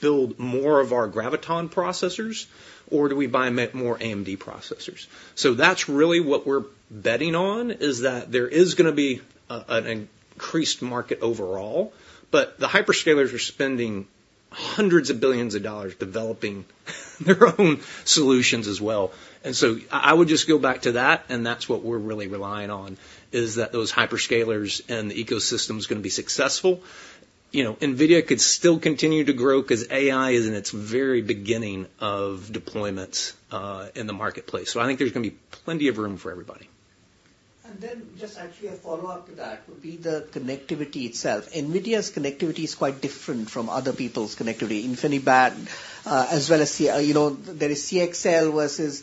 build more of our Graviton processors, or do we buy more AMD processors? So that's really what we're betting on, is that there is gonna be an increased market overall, but the hyperscalers are spending $hundreds of billions developing their own solutions as well. And so I would just go back to that, and that's what we're really relying on, is that those hyperscalers and the ecosystem is gonna be successful. You know, NVIDIA could still continue to grow 'cause AI is in its very beginning of deployments in the marketplace. So I think there's gonna be plenty of room for everybody. Just actually a follow-up to that, would be the connectivity itself. NVIDIA's connectivity is quite different from other people's connectivity, InfiniBand, as well as CXL, you know, there is CXL versus,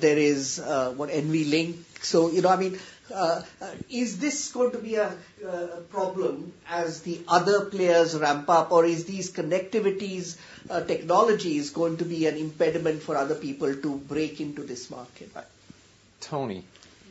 there is, what, NVLink. So, you know, I mean, is this going to be a problem as the other players ramp up, or is these connectivities technologies going to be an impediment for other people to break into this market? Tony,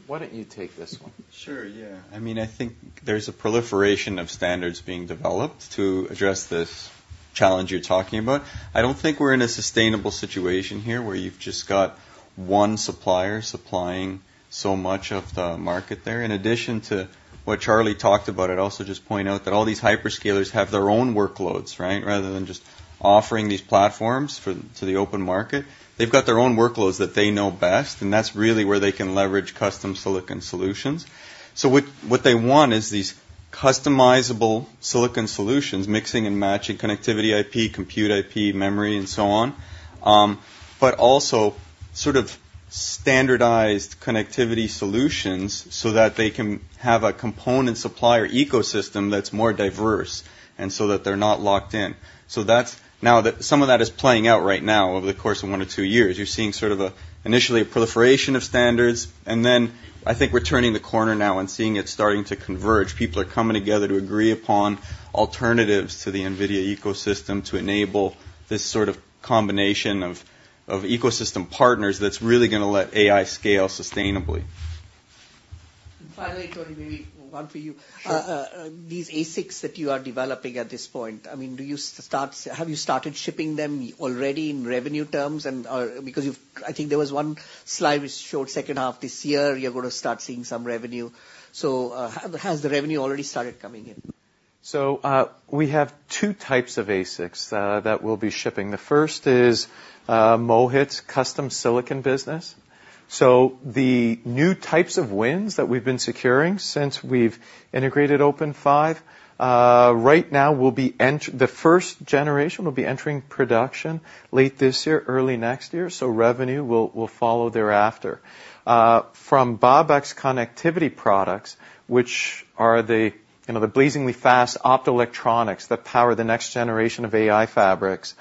why don't you take this one? Sure, yeah. I mean, I think there's a proliferation of standards being developed to address this challenge you're talking about. I don't think we're in a sustainable situation here, where you've just got one supplier supplying so much of the market there. In addition to what Charlie talked about, I'd also just point out that all these hyperscalers have their own workloads, right? Rather than just offering these platforms for, to the open market, they've got their own workloads that they know best, and that's really where they can leverage custom silicon solutions. So what they want is these customizable silicon solutions, mixing and matching connectivity IP, compute IP, memory, and so on. But also sort of standardized connectivity solutions so that they can have a component supplier ecosystem that's more diverse, and so that they're not locked in. So that's now that some of that is playing out right now, over the course of one to two years. You're seeing sort of, initially, a proliferation of standards, and then I think we're turning the corner now and seeing it starting to converge. People are coming together to agree upon alternatives to the NVIDIA ecosystem, to enable this sort of combination of ecosystem partners that's really gonna let AI scale sustainably. Finally, Tony, maybe one for you. Sure. These ASICs that you are developing at this point, I mean, do you start... Have you started shipping them already in revenue terms? And, because you've, I think there was one slide which showed second half this year, you're gonna start seeing some revenue. So, has the revenue already started coming in? So, we have two types of ASICs that we'll be shipping. The first is Mohit's custom silicon business. So the new types of wins that we've been securing since we've integrated OpenFive, right now the first generation will be entering production late this year, early next year, so revenue will follow thereafter. From Babak's connectivity products, which are, you know, the blazingly fast optoelectronics that power the next generation of AI fabrics,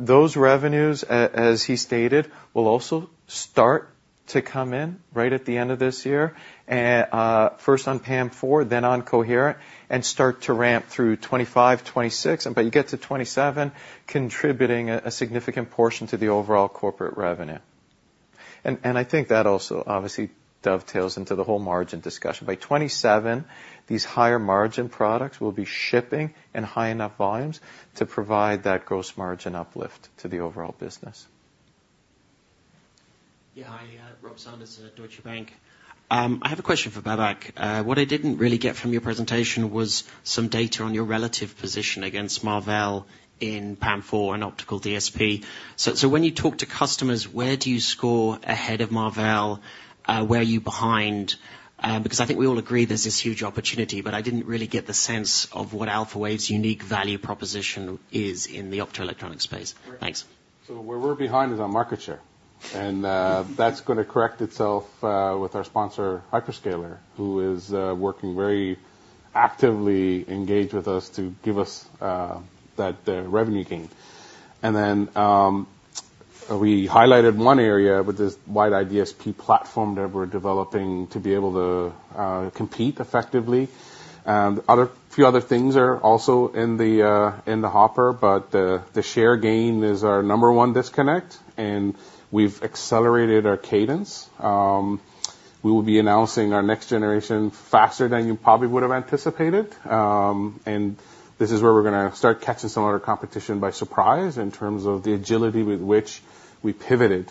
those revenues, as he stated, will also start to come in right at the end of this year. And first on PAM4, then on Coherent, and start to ramp through 2025, 2026, but you get to 2027, contributing a significant portion to the overall corporate revenue. And I think that also obviously dovetails into the whole margin discussion. By 2027, these higher-margin products will be shipping in high enough volumes to provide that gross margin uplift to the overall business. Yeah, hi, Rob Sanders at Deutsche Bank. I have a question for Babak. What I didn't really get from your presentation was some data on your relative position against Marvell in PAM4 and optical DSP. So when you talk to customers, where do you score ahead of Marvell? Where are you behind? Because I think we all agree there's this huge opportunity, but I didn't really get the sense of what Alphawave's unique value proposition is in the optoelectronics space. Thanks. So where we're behind is on market share, and that's gonna correct itself with our sponsor hyperscaler, who is working very actively engaged with us to give us that revenue gain. And then we highlighted one area with this WidEye platform that we're developing to be able to compete effectively. Few other things are also in the hopper, but the share gain is our number one disconnect, and we've accelerated our cadence. We will be announcing our next generation faster than you probably would have anticipated. And this is where we're gonna start catching some of our competition by surprise in terms of the agility with which we pivoted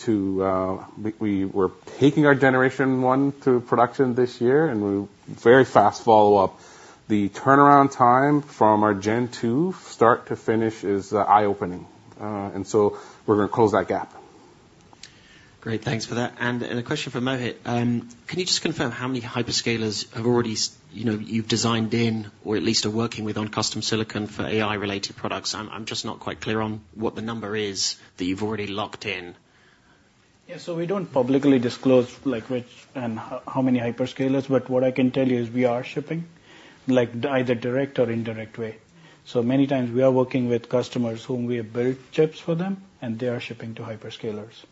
to. We were taking our generation one to production this year, and we very fast follow up. The turnaround time from our gen two, start to finish, is eye-opening, and so we're gonna close that gap. Great. Thanks for that. And a question for Mohit. Can you just confirm how many hyperscalers have already, you know, you've designed in or at least are working with on custom silicon for AI-related products? I'm just not quite clear on what the number is that you've already locked in. Yeah, so we don't publicly disclose, like, which and how, how many hyperscalers, but what I can tell you is we are shipping, like, either direct or indirect way. So many times we are working with customers whom we have built chips for them, and they are shipping to hyperscalers.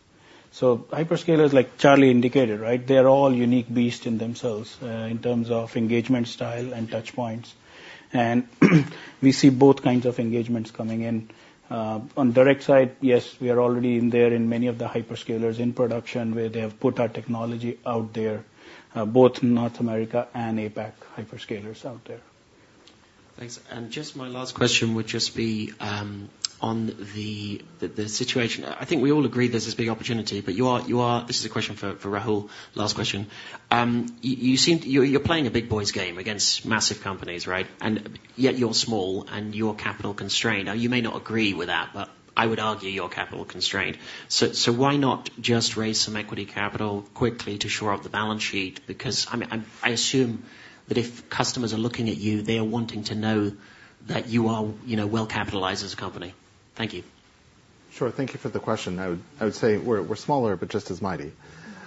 So hyperscalers, like Charlie indicated, right? They're all unique beast in themselves, in terms of engagement style and touch points. And we see both kinds of engagements coming in. On direct side, yes, we are already in there in many of the hyperscalers in production, where they have put our technology out there, both North America and APAC hyperscalers out there. Thanks. Just my last question would just be on the situation. I think we all agree there's this big opportunity, but you are. This is a question for Rahul. Last question. You seem. You're playing a big boys game against massive companies, right? And yet you're small and you're capital constrained. Now, you may not agree with that, but I would argue you're capital constrained. So why not just raise some equity capital quickly to shore up the balance sheet? Because, I mean, I assume that if customers are looking at you, they are wanting to know that you are, you know, well capitalized as a company. Thank you. Sure. Thank you for the question. I would say we're smaller, but just as mighty.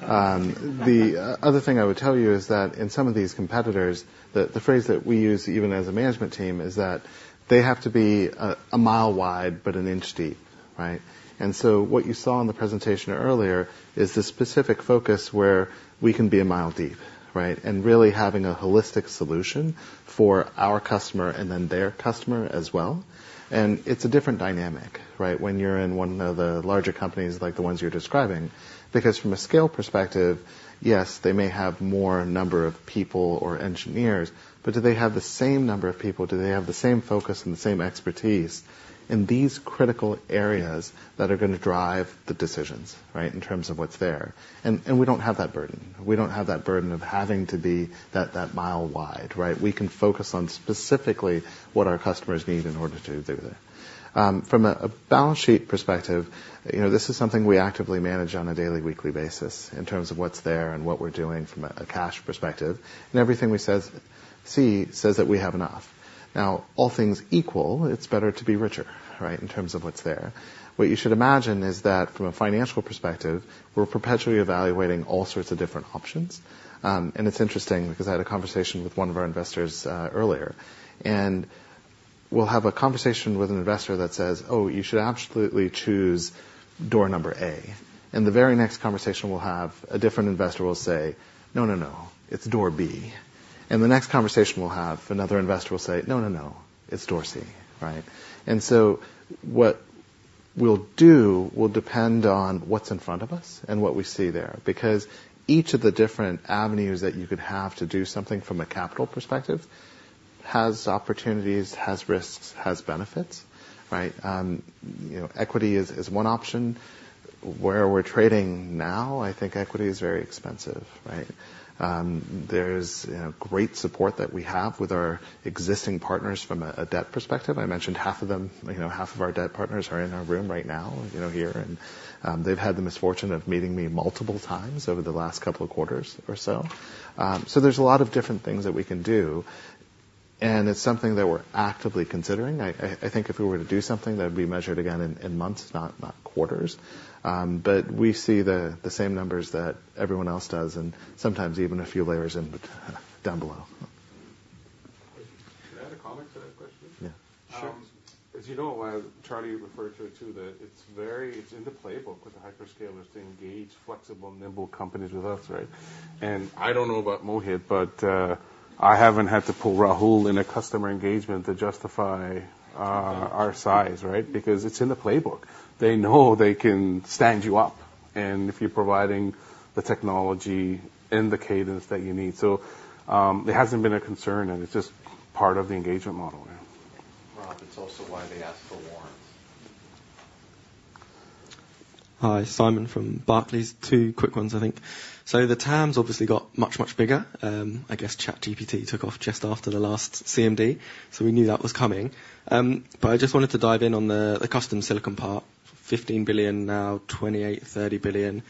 The other thing I would tell you is that in some of these competitors, the phrase that we use, even as a management team, is that they have to be a mile wide, but an inch deep, right? And so what you saw in the presentation earlier is this specific focus where we can be a mile deep, right, and really having a holistic solution for our customer and then their customer as well. And it's a different dynamic, right? When you're in one of the larger companies, like the ones you're describing, because from a scale perspective, yes, they may have more number of people or engineers, but do they have the same number of people? Do they have the same focus and the same expertise in these critical areas that are gonna drive the decisions, right? In terms of what's there. We don't have that burden. We don't have that burden of having to be that mile wide, right? We can focus on specifically what our customers need in order to do that. From a balance sheet perspective, you know, this is something we actively manage on a daily, weekly basis in terms of what's there and what we're doing from a cash perspective. And everything we see says that we have enough. Now, all things equal, it's better to be richer, right, in terms of what's there. What you should imagine is that from a financial perspective, we're perpetually evaluating all sorts of different options. And it's interesting because I had a conversation with one of our investors, earlier, and we'll have a conversation with an investor that says, "Oh, you should absolutely choose door number A." And the very next conversation we'll have, a different investor will say, "No, no, no, it's door B." And the next conversation we'll have, another investor will say, "No, no, no, it's door C," right? And so what we'll do will depend on what's in front of us and what we see there, because each of the different avenues that you could have to do something from a capital perspective has opportunities, has risks, has benefits, right? You know, equity is, is one option. Where we're trading now, I think equity is very expensive, right? There's, you know, great support that we have with our existing partners from a, a debt perspective. I mentioned half of them, you know, half of our debt partners are in our room right now, you know, here, and they've had the misfortune of meeting me multiple times over the last couple of quarters or so. So there's a lot of different things that we can do, and it's something that we're actively considering. I, I, I think if we were to do something, that would be measured again in, in months, not, not quarters. But we see the, the same numbers that everyone else does, and sometimes even a few layers in down below. Can I add a comment to that question? Yeah. Sure. As you know, Charlie referred to it, too, that it's very, it's in the playbook with the hyperscalers to engage flexible, nimble companies with us, right? And I don't know about Mohit, but I haven't had to pull Rahul in a customer engagement to justify our size, right? Because it's in the playbook. They know they can stand you up, and if you're providing the technology and the cadence that you need. So, it hasn't been a concern, and it's just part of the engagement model. Well, it's also why they ask for warrants. Hi, Simon from Barclays. Two quick ones, I think. So the TAM's obviously got much, much bigger. I guess ChatGPT took off just after the last CMD, so we knew that was coming. But I just wanted to dive in on the custom silicon part. $15 billion, now $28 billion-$30 billion.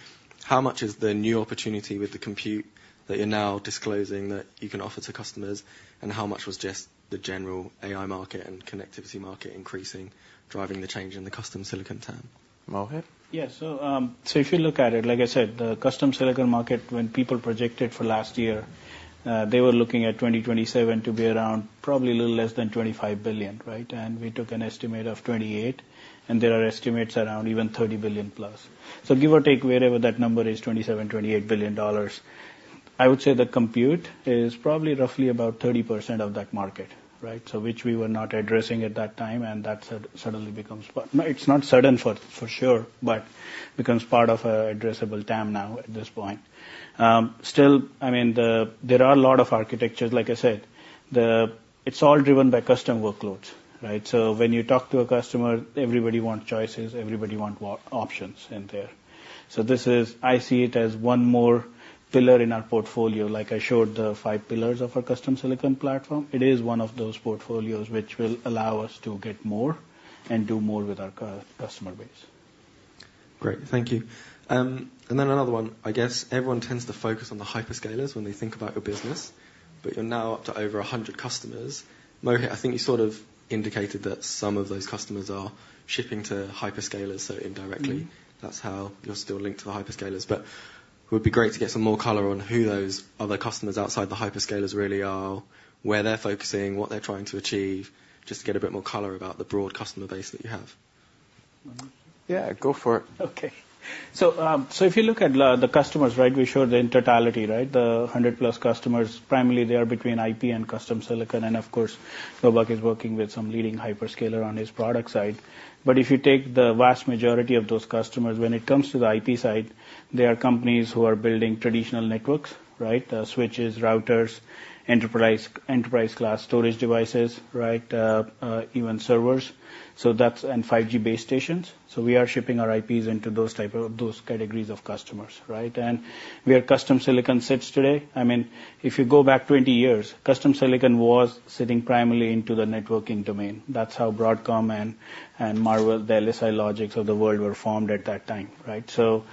How much is the new opportunity with the compute that you're now disclosing that you can offer to customers? And how much was just the general AI market and connectivity market increasing, driving the change in the custom silicon TAM? Mohit? Yes. So, so if you look at it, like I said, the custom silicon market, when people projected for last year, they were looking at 2027 to be around probably a little less than $25 billion, right? And we took an estimate of 28, and there are estimates around even $30 billion+. So give or take, wherever that number is, $27-$28 billion. I would say the compute is probably roughly about 30% of that market, right? So which we were not addressing at that time, and that suddenly becomes part-- No, it's not certain for sure, but becomes part of our addressable TAM now at this point. Still, I mean, the, there are a lot of architectures. Like I said, the, it's all driven by customer workloads, right? So when you talk to a customer, everybody want choices, everybody want more options in there. So this is,I see it as one more pillar in our portfolio. Like, I showed the five pillars of our custom silicon platform. It is one of those portfolios which will allow us to get more and do more with our customer base. Great, thank you. And then another one: I guess everyone tends to focus on the hyperscalers when they think about your business, but you're now up to over 100 customers. Mohit, I think you sort of indicated that some of those customers are shipping to hyperscalers, so indirectly that's how you're still linked to the hyperscalers. But it would be great to get some more color on who those other customers outside the hyperscalers really are, where they're focusing, what they're trying to achieve, just to get a bit more color about the broad customer base that you have. Yeah, go for it. Okay. So, if you look at the customers, right? We showed the entirety, right? The 100+ customers, primarily they are between IP and custom silicon, and of course, Babak is working with some leading hyperscaler on his product side. But if you take the vast majority of those customers, when it comes to the IP side, they are companies who are building traditional networks, right? Switches, routers, enterprise, enterprise-class storage devices, right, even servers, so that's. And 5G base stations. So we are shipping our IPs into those type of, those categories of customers, right? And where custom silicon sits today, I mean, if you go back 20 years, custom silicon was sitting primarily into the networking domain. That's how Broadcom and Marvell, the LSI Logics of the world were formed at that time, right? So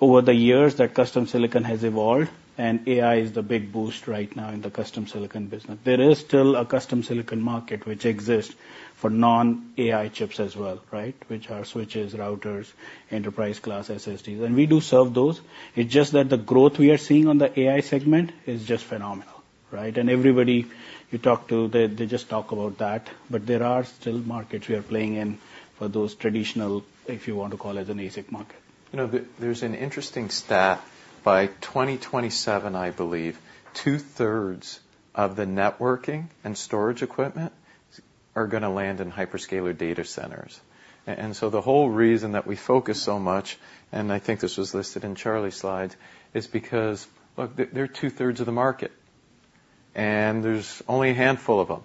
over the years, that custom silicon has evolved, and AI is the big boost right now in the custom silicon business. There is still a custom silicon market which exists for non-AI chips as well, right? Which are switches, routers, enterprise-class SSDs, and we do serve those. It's just that the growth we are seeing on the AI segment is just phenomenal, right? And everybody you talk to, they, they just talk about that. But there are still markets we are playing in for those traditional, if you want to call it an ASIC market. You know, there's an interesting stat: by 2027, I believe, two-thirds of the networking and storage equipment are gonna land in hyperscaler data centers. And so the whole reason that we focus so much, and I think this was listed in Charlie's slides, is because, look, they're two-thirds of the market, and there's only a handful of them.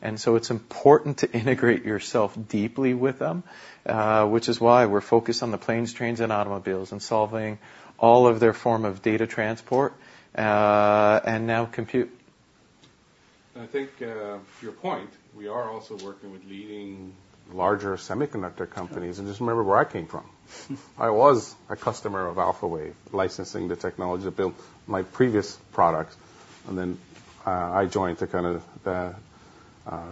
And so it's important to integrate yourself deeply with them, which is why we're focused on the planes, trains, and automobiles, and solving all of their form of data transport, and now compute. I think, to your point, we are also working with leading larger semiconductor companies, and just remember where I came from. I was a customer of Alphawave, licensing the technology to build my previous products, and then, I joined to kind of,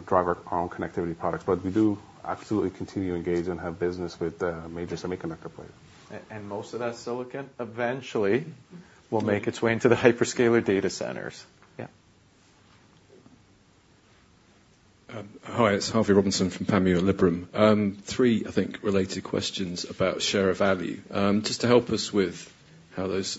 drive our own connectivity products. But we do absolutely continue to engage and have business with the major semiconductor players. And most of that silicon eventually will make its way into the hyperscaler data centers. Yeah. Hi, it's Harvey Robinson from Panmure Liberum. Three, I think, related questions about share of value. Just to help us with how those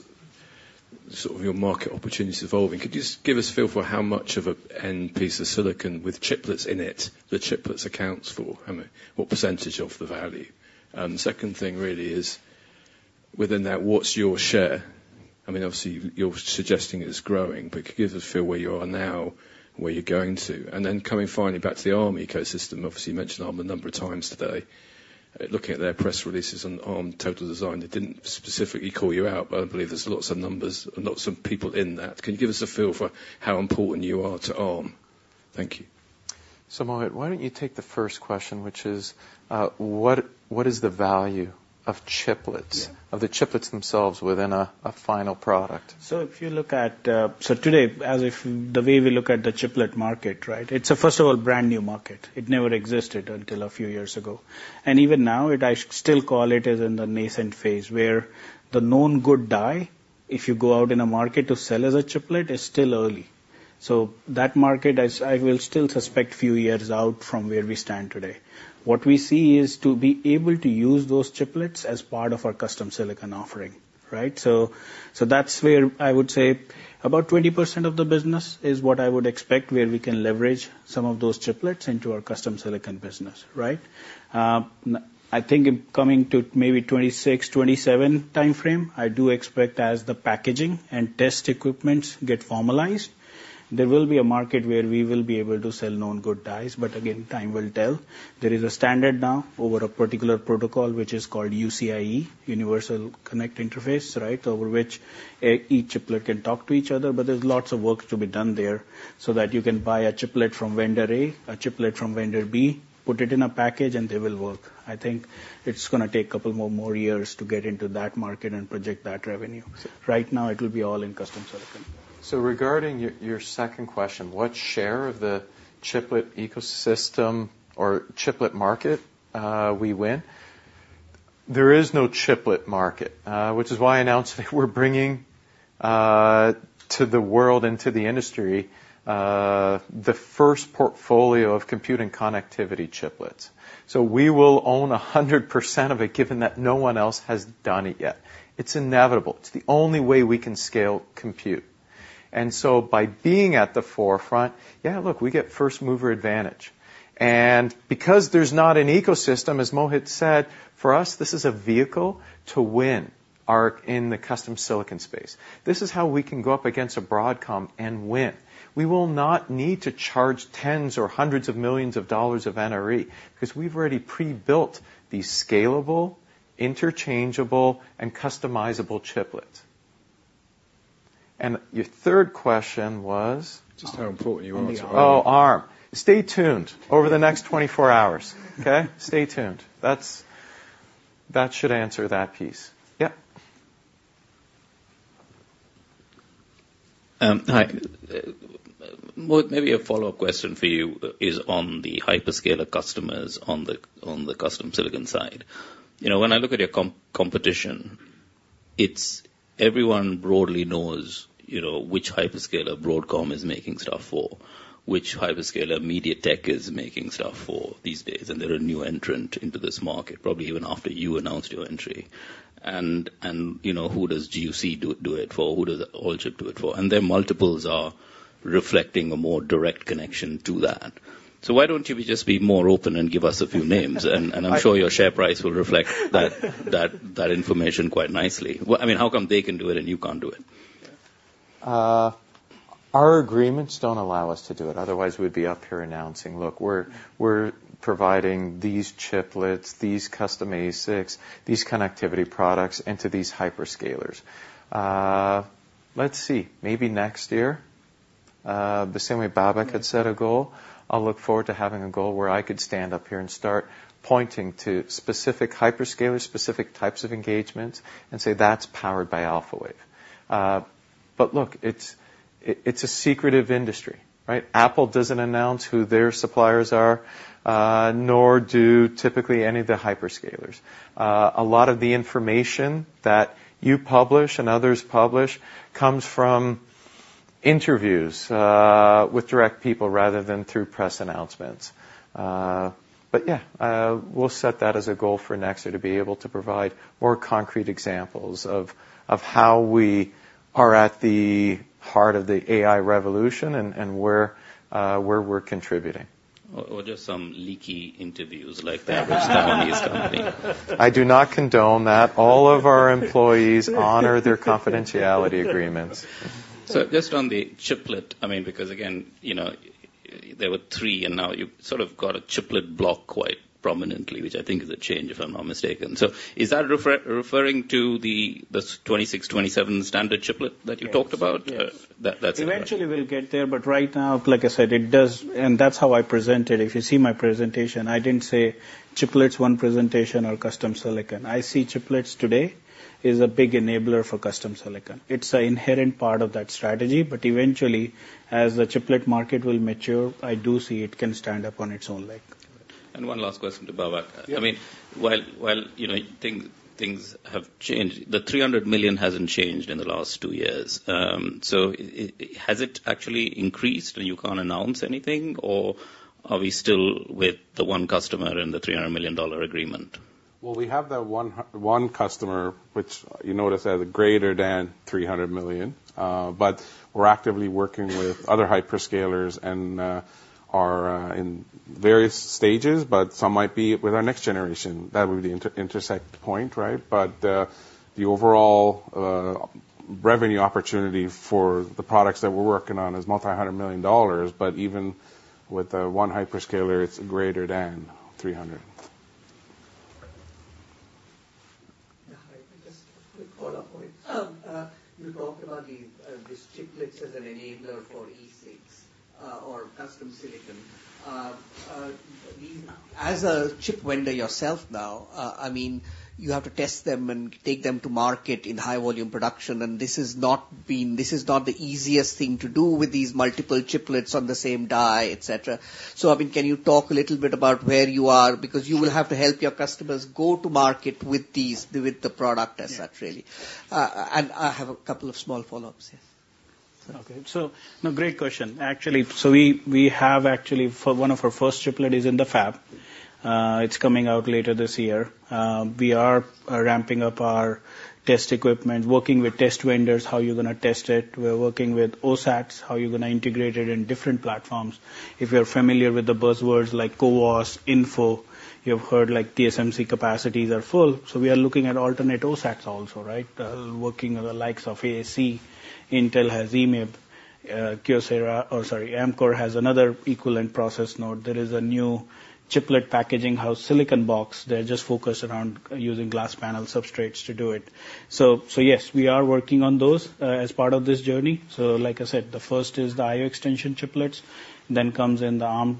sort of your market opportunity's evolving, could you just give us a feel for how much of an end piece of silicon with chiplets in it, the chiplets accounts for? I mean, what percentage of the value. Second thing really is, within that, what's your share? I mean, obviously, you're suggesting it's growing, but could you give us a feel where you are now and where you're going to? And then coming finally back to the Arm ecosystem, obviously, you mentioned Arm a number of times today. Looking at their press releases on Arm Total Design, they didn't specifically call you out, but I believe there's lots of numbers and lots of people in that. Can you give us a feel for how important you are to Arm? Thank you. So, Mohit, why don't you take the first question, which is, what is the value of chiplets? Yeah. of the chiplets themselves within a final product? So if you look at the way we look at the chiplet market, right? It's a first of all brand-new market. It never existed until a few years ago, and even now, I still call it as in the nascent phase, where the known good die, if you go out in a market to sell as a chiplet, is still early. So that market, I will still suspect few years out from where we stand today. What we see is to be able to use those chiplets as part of our custom silicon offering, right? So that's where I would say about 20% of the business is what I would expect, where we can leverage some of those chiplets into our custom silicon business, right? I think coming to maybe 2026, 2027 timeframe, I do expect as the packaging and test equipment get formalized, there will be a market where we will be able to sell known good dies, but again, time will tell. There is a standard now over a particular protocol, which is called UCIe, Universal Chiplet Interconnect Express, right? Over which, each chiplet can talk to each other, but there's lots of work to be done there so that you can buy a chiplet from vendor A, a chiplet from vendor B, put it in a package, and they will work. I think it's gonna take a couple more years to get into that market and project that revenue. Right now, it will be all in custom silicon. So regarding your, your second question, what share of the chiplet ecosystem or chiplet market, we win? There is no chiplet market, which is why I announced we're bringing, to the world and to the industry, the first portfolio of compute and connectivity chiplets. So we will own 100% of it, given that no one else has done it yet. It's inevitable. It's the only way we can scale, compute. And so by being at the forefront, yeah, look, we get first mover advantage. And because there's not an ecosystem, as Mohit said, for us, this is a vehicle to win our in the custom silicon space. This is how we can go up against a Broadcom and win. We will not need to charge $10s or $100s of millions of NRE, 'cause we've already pre-built these scalable, interchangeable, and customizable chiplets. Your third question was? Just how important you are to Arm. Oh, Arm. Stay tuned over the next 24 hours, okay? Stay tuned. That's- that should answer that piece. Yeah. Hi. Mo, maybe a follow-up question for you is on the hyperscaler customers, on the custom silicon side. You know, when I look at your competition, it's everyone broadly knows, you know, which hyperscaler Broadcom is making stuff for, which hyperscaler MediaTek is making stuff for these days, and they're a new entrant into this market, probably even after you announced your entry. And you know, who does GUC do it for, who does Alchip do it for? And their multiples are reflecting a more direct connection to that. So why don't you just be more open and give us a few names? And I'm sure your share price will reflect that information quite nicely. Well, I mean, how come they can do it, and you can't do it? Our agreements don't allow us to do it, otherwise we'd be up here announcing: "Look, we're, we're providing these chiplets, these custom ASICs, these connectivity products into these hyperscalers." Let's see. Maybe next year, the same way Babak had set a goal, I'll look forward to having a goal where I could stand up here and start pointing to specific hyperscalers, specific types of engagements, and say, "That's powered by Alphawave." But look, it's a secretive industry, right? Apple doesn't announce who their suppliers are, nor do typically any of the hyperscalers. A lot of the information that you publish and others publish comes from interviews with direct people rather than through press announcements. But, yeah, we'll set that as a goal for next year, to be able to provide more concrete examples of how we are at the heart of the AI revolution and where we're contributing. Or, or just some leaky interviews like that, which nobody is coming. I do not condone that. All of our employees honor their confidentiality agreements. Just on the chiplet, I mean, because again, you know, there were three, and now you've sort of got a chiplet block quite prominently, which I think is a change, if I'm not mistaken. Is that referring to the, the 2026, 2027 standard chiplet that you talked about? Yes. That's it. Eventually, we'll get there, but right now, like I said, it does. And that's how I presented. If you see my presentation, I didn't say chiplets, one presentation or custom silicon. I see chiplets today as a big enabler for custom silicon. It's an inherent part of that strategy, but eventually, as the chiplet market will mature, I do see it can stand up on its own leg. One last question to Babak. Yeah. I mean, you know, things have changed, the $300 million hasn't changed in the last two years. So has it actually increased, and you can't announce anything, or are we still with the one customer and the $300 million dollar agreement? Well, we have the one customer, which you notice, has greater than $300 million, but we're actively working with other hyperscalers and are in various stages, but some might be with our next generation. That would be the intersection point, right? But the overall revenue opportunity for the products that we're working on is multi-hundred million dollars, but even with one hyperscaler, it's greater than $300 million. Yeah, just a quick follow-up on it. You talked about these, these chiplets as an enabler for ASIC, or custom silicon. As a chip vendor yourself now, I mean, you have to test them and take them to market in high volume production, and this has not been this is not the easiest thing to do with these multiple chiplets on the same die, et cetera. So, I mean, can you talk a little bit about where you are? Because you will have to help your customers go to market with these, with the product as such, really. And I have a couple of small follow-ups. Yeah. Okay, so no, great question. Actually, so we, we have actually for one of our first chiplets is in the fab, it's coming out later this year. We are ramping up our test equipment, working with test vendors, how you're gonna test it. We're working with OSATs, how you're gonna integrate it in different platforms. If you're familiar with the buzzwords like CoWoS, InFO, you've heard, like, TSMC capacities are full, so we are looking at alternate OSATs also, right? Working with the likes of ASE, Intel has EMIB, Kyocera or sorry, Amkor has another equivalent process node. There is a new chiplet packaging house, Silicon Box. They're just focused around using glass panel substrates to do it. So, so yes, we are working on those, as part of this journey. So like I said, the first is the I/O extension chiplets, then comes in the Arm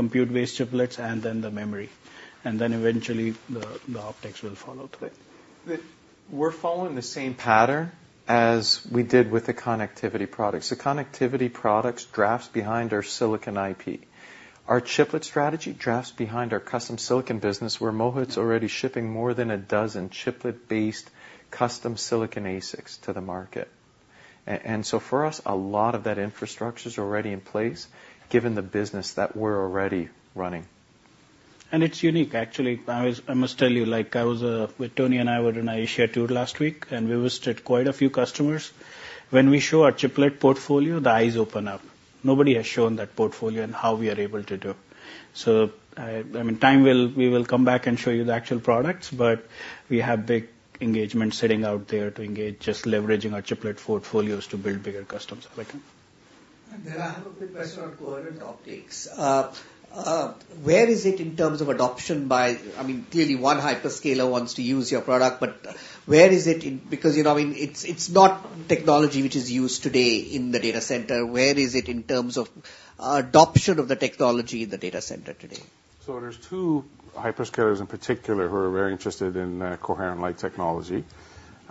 compute-based chiplets, and then the memory. And then eventually, the optics will follow through. We're following the same pattern as we did with the connectivity products. The connectivity products trails behind our silicon IP. Our chiplet strategy trails behind our custom silicon business, where Mohit's already shipping more than a dozen chiplet-based custom silicon ASICs to the market. And so for us, a lot of that infrastructure is already in place, given the business that we're already running. It's unique, actually. I must tell you, like, with Tony and I were in Asia tour last week, and we visited quite a few customers. When we show our chiplet portfolio, the eyes open up. Nobody has shown that portfolio and how we are able to do. So, I mean, we will come back and show you the actual products, but we have big engagement sitting out there to engage, just leveraging our chiplet portfolios to build bigger customs. Thank you. And then I have a quick question on coherent optics. Where is it in terms of adoption by, I mean, clearly, one hyperscaler wants to use your product, but where is it in, because, you know, I mean, it's, it's not technology which is used today in the data center. Where is it in terms of adoption of the technology in the data center today? So there's two hyperscalers in particular who are very interested in coherent light technology.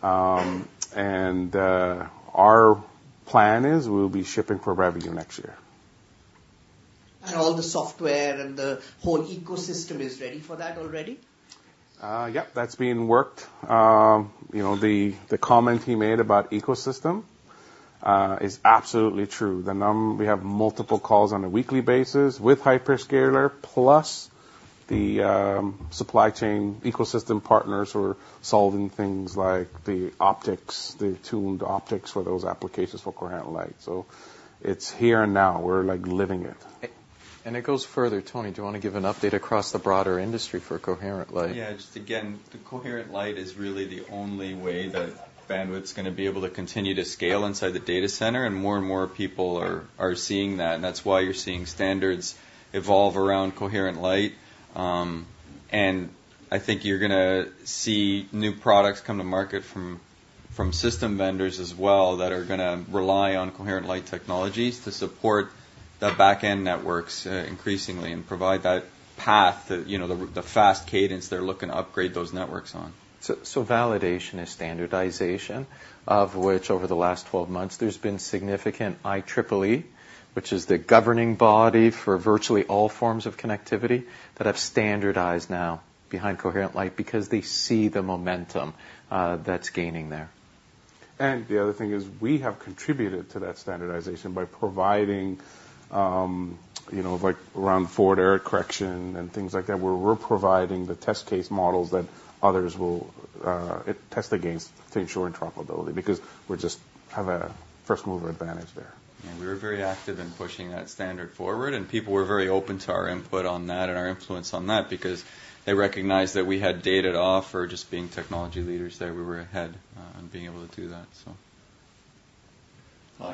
And our plan is we'll be shipping for revenue next year. All the software and the whole ecosystem is ready for that already? Yep, that's being worked. You know, the comment he made about ecosystem is absolutely true. We have multiple calls on a weekly basis with hyperscaler, plus the supply chain ecosystem partners who are solving things like the optics, the tuned optics for those applications for coherent light. So it's here and now, we're, like, living it. It goes further. Tony, do you want to give an update across the broader industry for coherent light? Yeah, just again, the coherent light is really the only way that bandwidth's gonna be able to continue to scale inside the data center, and more and more people are seeing that, and that's why you're seeing standards evolve around coherent light. And I think you're gonna see new products come to market from system vendors as well, that are gonna rely on coherent light technologies to support the back-end networks increasingly and provide that path, you know, the fast cadence they're looking to upgrade those networks on. So validation is standardization, of which, over the last 12 months, there's been significant IEEE, which is the governing body for virtually all forms of connectivity, that have standardized now behind coherent light because they see the momentum that's gaining there. The other thing is we have contributed to that standardization by providing, you know, like, around forward error correction and things like that, where we're providing the test case models that others will test against to ensure interoperability, because we're just have a first-mover advantage there. We were very active in pushing that standard forward, and people were very open to our input on that and our influence on that because they recognized that we had data to offer, just being technology leaders there, we were ahead on being able to do that, so. Hi,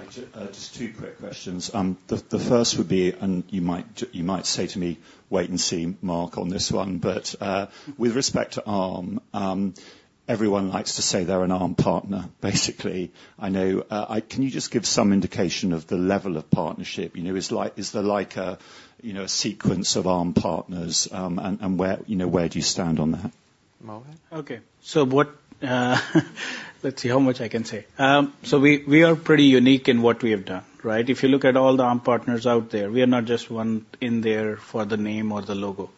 just two quick questions. The first would be, and you might say to me, "Wait and see, Mark, on this one." But with respect to Arm, everyone likes to say they're an Arm partner. Can you just give some indication of the level of partnership? You know, is there like a sequence of Arm partners? And where, you know, where do you stand on that? Mohit? Okay. So what- Let's see how much I can say. So we, we are pretty unique in what we have done, right? If you look at all the Arm partners out there, we are not just one in there for the name or the logo.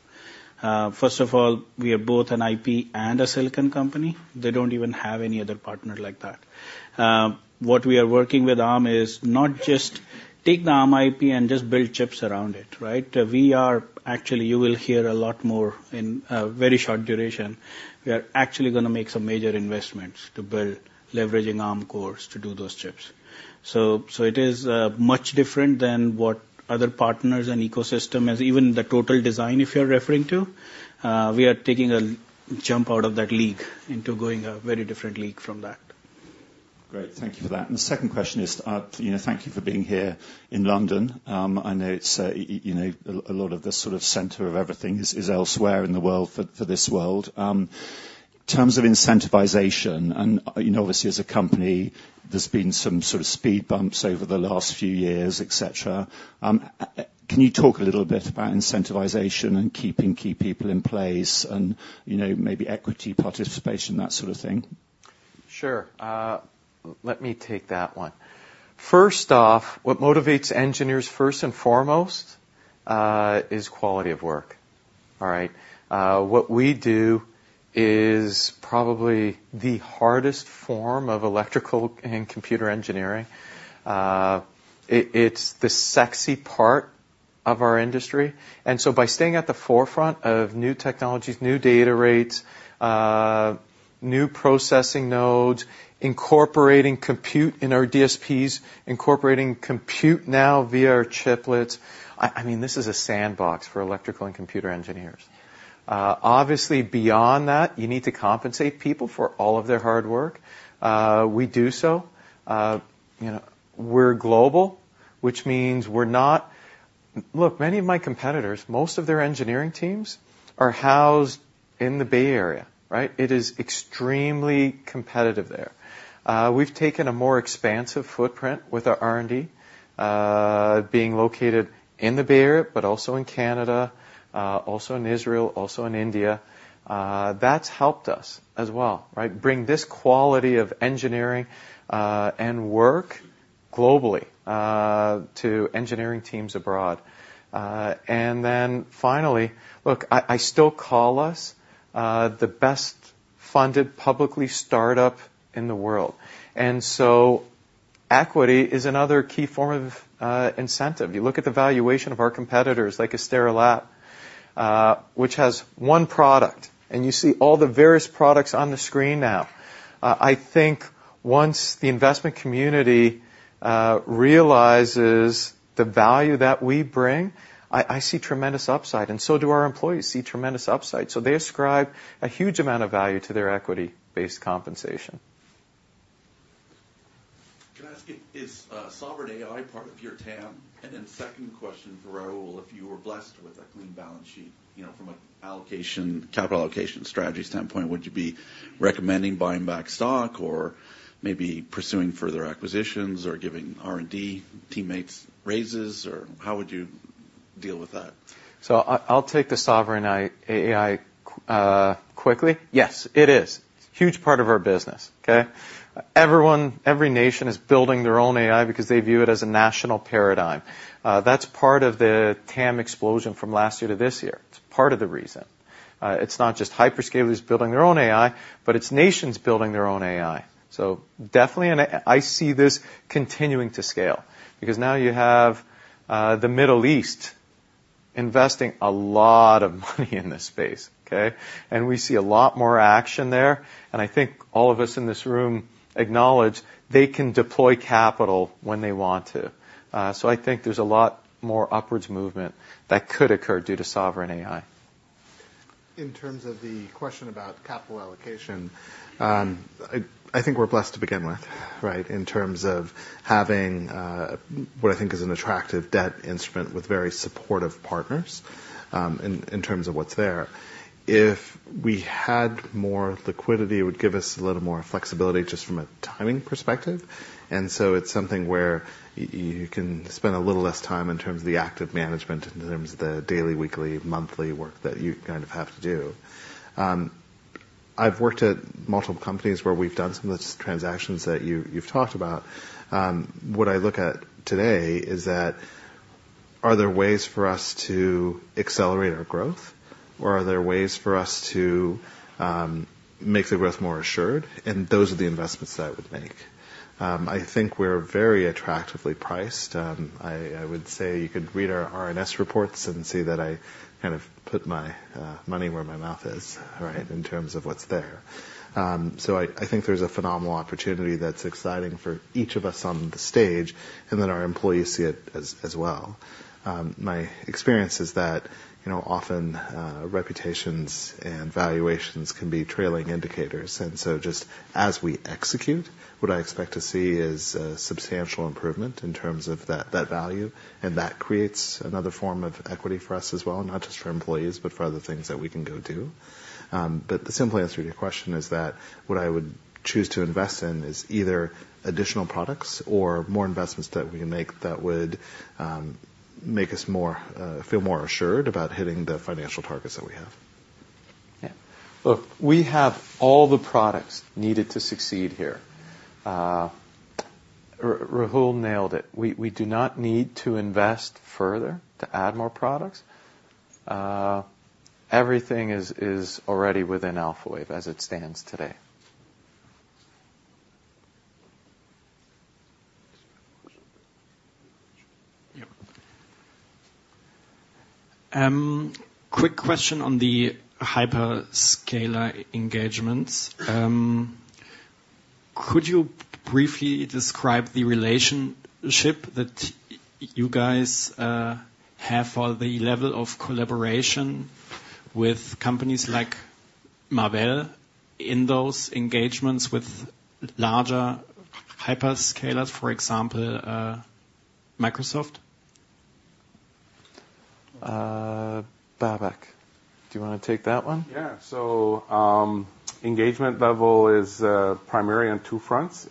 First of all, we are both an IP and a silicon company. They don't even have any other partner like that. What we are working with Arm is not just take the Arm IP and just build chips around it, right? We are... Actually, you will hear a lot more in a very short duration. We are actually gonna make some major investments to build, leveraging Arm cores to do those chips. So, so it is, much different than what other partners and ecosystem, as even the Total Design, if you're referring to. We are taking a jump out of that league into going a very different league from that. Great. Thank you for that. And the second question is, you know, thank you for being here in London. I know it's, you know, a lot of the sort of center of everything is elsewhere in the world for this world. Can you talk a little bit about incentivization and keeping key people in place and, you know, maybe equity participation, that sort of thing? Sure. Let me take that one. First off, what motivates engineers, first and foremost, is quality of work. All right, what we do is probably the hardest form of electrical and computer engineering. It is the sexy part of our industry, and so by staying at the forefront of new technologies, new data rates, new processing nodes, incorporating compute in our DSPs, incorporating compute now via our chiplets, I mean, this is a sandbox for electrical and computer engineers. Obviously, beyond that, you need to compensate people for all of their hard work. We do so. You know, we're global, which means we're not. Look, many of my competitors, most of their engineering teams are housed in the Bay Area, right? It is extremely competitive there. We've taken a more expansive footprint with our R&D, being located in the Bay Area, but also in Canada, also in Israel, also in India. That's helped us as well, right? Bring this quality of engineering, and work globally, to engineering teams abroad. And then finally, look, I still call us the best-funded publicly startup in the world, and so equity is another key form of incentive. You look at the valuation of our competitors, like Astera Labs, which has one product, and you see all the various products on the screen now. I think once the investment community realizes the value that we bring, I see tremendous upside, and so do our employees see tremendous upside, so they ascribe a huge amount of value to their equity-based compensation. Can I ask you, is sovereign AI part of your TAM? And then second question for Rahul, if you were blessed with a clean balance sheet, you know, from a allocation, capital allocation strategy standpoint, would you be recommending buying back stock or maybe pursuing further acquisitions or giving R&D teammates raises, or how would you deal with that? So I, I'll take the sovereign AIquickly. Yes, it is. Huge part of our business, okay? Everyone, every nation is building their own AI because they view it as a national paradigm. That's part of the TAM explosion from last year to this year. It's part of the reason. It's not just hyperscalers building their own AI, but it's nations building their own AI. So definitely, and I, I see this continuing to scale because now you have, the Middle East investing a lot of money in this space, okay? And we see a lot more action there, and I think all of us in this room acknowledge they can deploy capital when they want to. So I think there's a lot more upwards movement that could occur due to sovereign AI. In terms of the question about capital allocation, I think we're blessed to begin with, right? In terms of having what I think is an attractive debt instrument with very supportive partners, in terms of what's there. If we had more liquidity, it would give us a little more flexibility just from a timing perspective, and so it's something where you can spend a little less time in terms of the active management, in terms of the daily, weekly, monthly work that you kind of have to do. I've worked at multiple companies where we've done some of the transactions that you've talked about. What I look at today is that, are there ways for us to accelerate our growth, or are there ways for us to make the growth more assured? Those are the investments that I would make. I think we're very attractively priced. I would say you could read our RNS reports and see that I kind of put my money where my mouth is, right? In terms of what's there. So I think there's a phenomenal opportunity that's exciting for each of us on the stage, and then our employees see it as well. My experience is that, you know, often reputations and valuations can be trailing indicators, and so just as we execute, what I expect to see is a substantial improvement in terms of that value, and that creates another form of equity for us as well, not just for employees, but for other things that we can go do. The simple answer to your question is that what I would choose to invest in is either additional products or more investments that we can make that would make us feel more assured about hitting the financial targets that we have. Yeah. Look, we have all the products needed to succeed here. Rahul nailed it. We do not need to invest further to add more products. Everything is already within Alphawave as it stands today. Yep. Quick question on the hyperscaler engagements. Could you briefly describe the relationship that you guys have or the level of collaboration with companies like Marvell in those engagements with larger hyperscalers, for example, Microsoft? Babak, do you want to take that one? Yeah. So, engagement level is primarily on two fronts,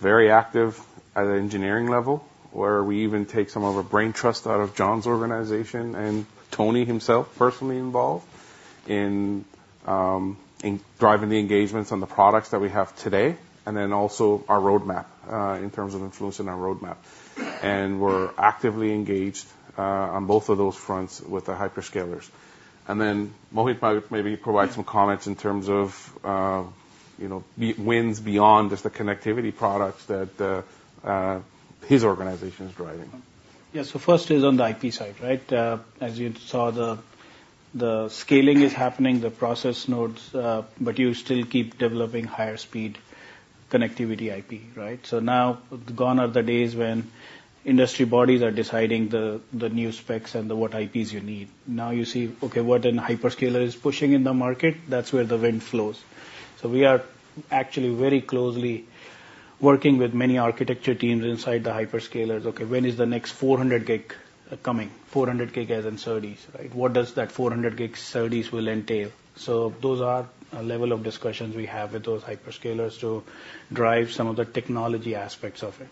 very active at an engineering level, where we even take some of our brain trust out of John's organization, and Tony himself, personally involved in driving the engagements on the products that we have today, and then also our roadmap, in terms of influencing our roadmap. And we're actively engaged on both of those fronts with the hyperscalers. And then Mohit, maybe provide some comments in terms of, you know, wins beyond just the connectivity products that his organization is driving. Yes, so first is on the IP side, right? As you saw, the, the scaling is happening, the process nodes, but you still keep developing higher speed connectivity IP, right? So now, gone are the days when industry bodies are deciding the, the new specs and the what IPs you need. Now you see, okay, what a hyperscaler is pushing in the market, that's where the wind flows. So we are actually very closely working with many architecture teams inside the hyperscalers. Okay, when is the next 400 gig coming? 400 gig as in SerDes, right? What does that 400 gig SerDes will entail? So those are a level of discussions we have with those hyperscalers to drive some of the technology aspects of it.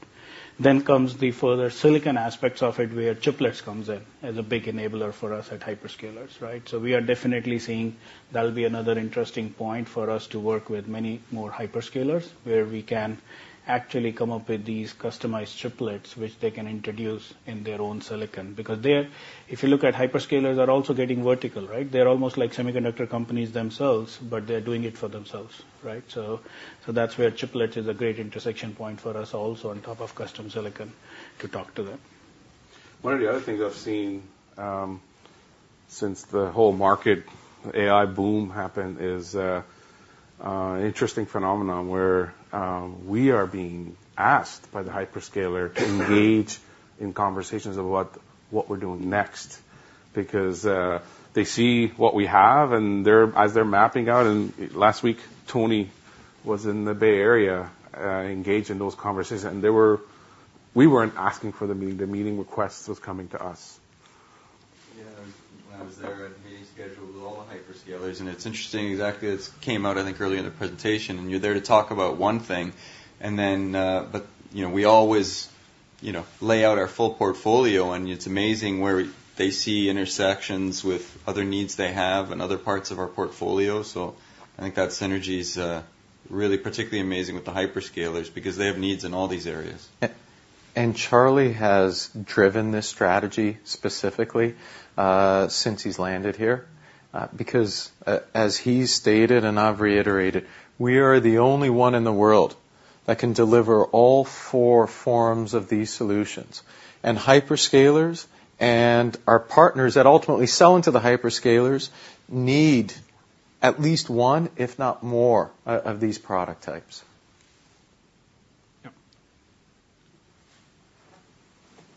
Then comes the further silicon aspects of it, where chiplets comes in as a big enabler for us at hyperscalers, right? So we are definitely seeing that'll be another interesting point for us to work with many more hyperscalers, where we can actually come up with these customized chiplets, which they can introduce in their own silicon. Because they're, if you look at hyperscalers, are also getting vertical, right? They're almost like semiconductor companies themselves, but they're doing it for themselves, right? So, so that's where chiplet is a great intersection point for us, also on top of custom silicon, to talk to them. One of the other things I've seen since the whole market AI boom happened is an interesting phenomenon where we are being asked by the hyperscaler to engage in conversations about what we're doing next. Because they see what we have, and they're as they're mapping out... And last week, Tony was in the Bay Area engaged in those conversations, and they were we weren't asking for the meeting, the meeting request was coming to us. Yeah, when I was there, I had meetings scheduled with all the hyperscalers, and it's interesting, exactly as came out, I think, earlier in the presentation. And you're there to talk about one thing, and then, but, you know, we always, you know, lay out our full portfolio, and it's amazing where they see intersections with other needs they have and other parts of our portfolio. So I think that synergy is really particularly amazing with the hyperscalers because they have needs in all these areas. Charlie has driven this strategy specifically since he's landed here. Because as he stated, and I've reiterated, we are the only one in the world that can deliver all four forms of these solutions. Hyperscalers and our partners that ultimately sell into the hyperscalers need at least one, if not more, of these product types.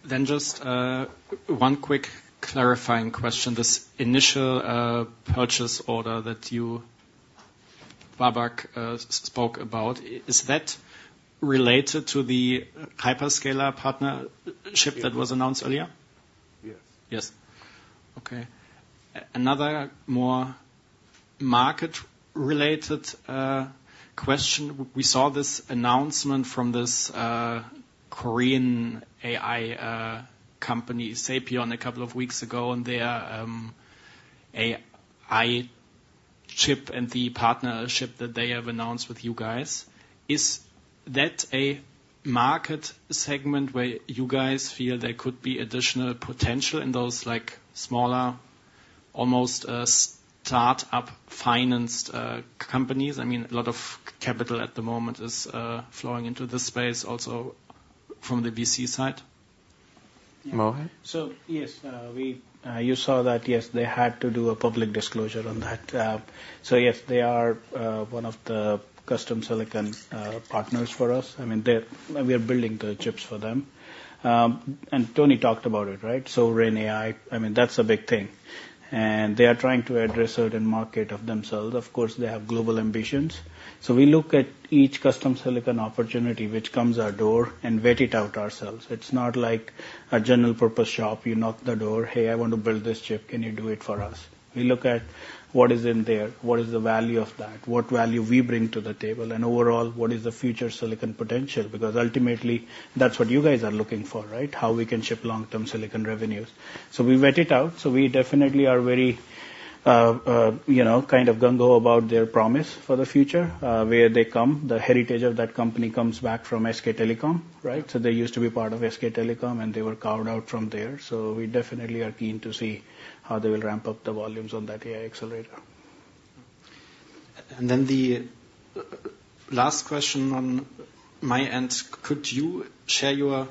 Yep. Just one quick clarifying question. This initial purchase order that you, Babak, spoke about, is that related to the hyperscaler partnership that was announced earlier? Yes. Yes. Okay. Another more market-related question. We saw this announcement from this Korean AI company, SAPEON, a couple of weeks ago, and their AI chip and the partnership that they have announced with you guys. Is that a market segment where you guys feel there could be additional potential in those, like, smaller, almost start-up financed companies? I mean, a lot of capital at the moment is flowing into this space, also from the VC side. Mohit? So yes, you saw that, yes, they had to do a public disclosure on that. So yes, they are, one of the custom silicon, partners for us. I mean, they're, we are building the chips for them. And Tony talked about it, right? So in AI, I mean, that's a big thing, and they are trying to address certain market of themselves. Of course, they have global ambitions. So we look at each custom silicon opportunity which comes to our door and vet it out ourselves. It's not like a general purpose shop. You knock on the door: "Hey, I want to build this chip, can you do it for us?" We look at what is in there, what is the value of that, what value we bring to the table, and overall, what is the future silicon potential? Because ultimately, that's what you guys are looking for, right? How we can ship long-term silicon revenues. So we vet it out. So we definitely are very, you know, kind of gung-ho about their promise for the future, where they come. The heritage of that company comes back from SK Telecom, right? So they used to be part of SK Telecom, and they were carved out from there. So we definitely are keen to see how they will ramp up the volumes on that AI accelerator. And then the last question on my end, could you share your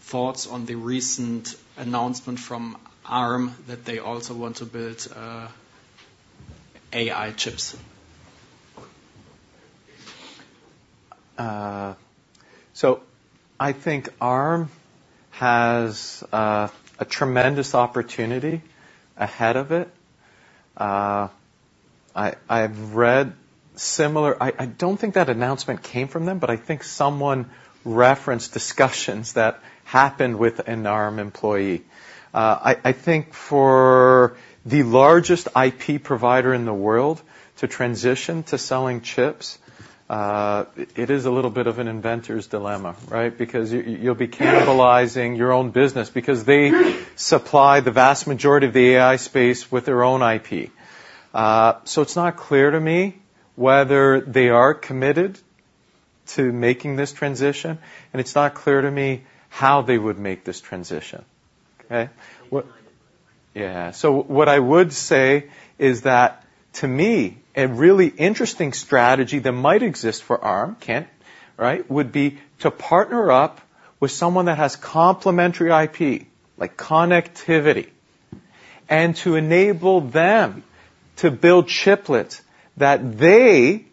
thoughts on the recent announcement from Arm, that they also want to build AI chips? So I think Arm has a tremendous opportunity ahead of it. I've read similar. I don't think that announcement came from them, but I think someone referenced discussions that happened with an Arm employee. I think for the largest IP provider in the world to transition to selling chips, it is a little bit of an inventor's dilemma, right? Because you'll be cannibalizing your own business because they supply the vast majority of the AI space with their own IP. So it's not clear to me whether they are committed to making this transition, and it's not clear to me how they would make this transition, okay? Yeah. So what I would say is that, to me, a really interesting strategy that might exist for Arm, Kent, right? Would be to partner up with someone that has complementary IP, like connectivity, and to enable them to build chiplets that they,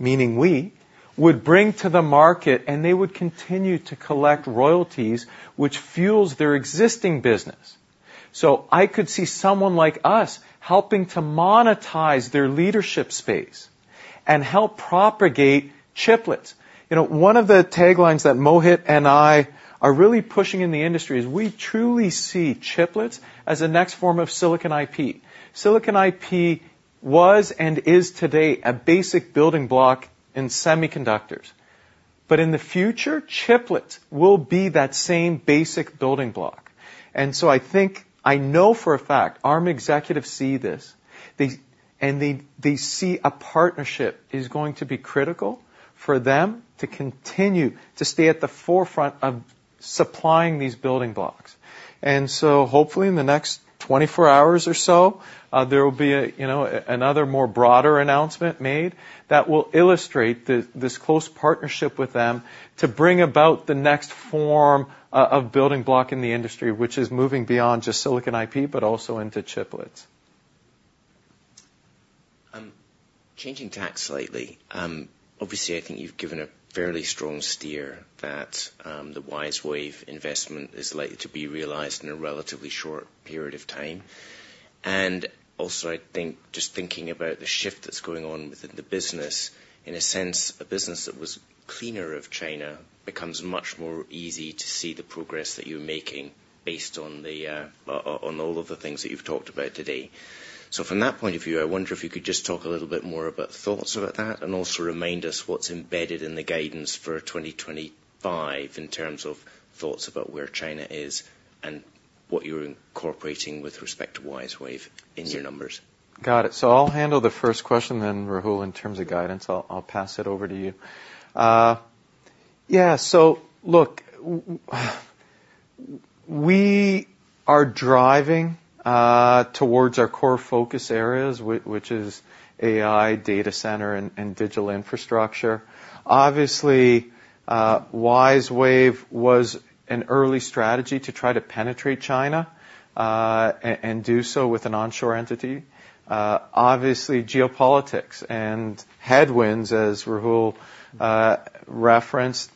meaning we, would bring to the market, and they would continue to collect royalties, which fuels their existing business. So I could see someone like us helping to monetize their leadership space and help propagate chiplets. You know, one of the taglines that Mohit and I are really pushing in the industry is we truly see chiplets as the next form of silicon IP. Silicon IP was and is today, a basic building block in semiconductors. But in the future, chiplets will be that same basic building block. And so I think, I know for a fact, Arm executives see this. They, and they, they see a partnership is going to be critical for them to continue to stay at the forefront of supplying these building blocks. And so hopefully, in the next 24 hours or so, there will be a, you know, another more broader announcement made that will illustrate this, this close partnership with them to bring about the next form of, of building block in the industry, which is moving beyond just silicon IP, but also into chiplets. Changing tack slightly. Obviously, I think you've given a fairly strong steer that the WiseWave investment is likely to be realized in a relatively short period of time. And also, I think, just thinking about the shift that's going on within the business, in a sense, a business that was cleaner of China, becomes much more easy to see the progress that you're making based on all of the things that you've talked about today. So from that point of view, I wonder if you could just talk a little bit more about thoughts about that, and also remind us what's embedded in the guidance for 2025, in terms of thoughts about where China is and what you're incorporating with respect to WiseWave in your numbers. Got it. So I'll handle the first question, then, Rahul, in terms of guidance, I'll pass it over to you. Yeah, so look, we are driving towards our core focus areas, which is AI, data center, and digital infrastructure. Obviously, WiseWave was an early strategy to try to penetrate China, and do so with an onshore entity. Obviously, geopolitics and headwinds, as Rahul referenced,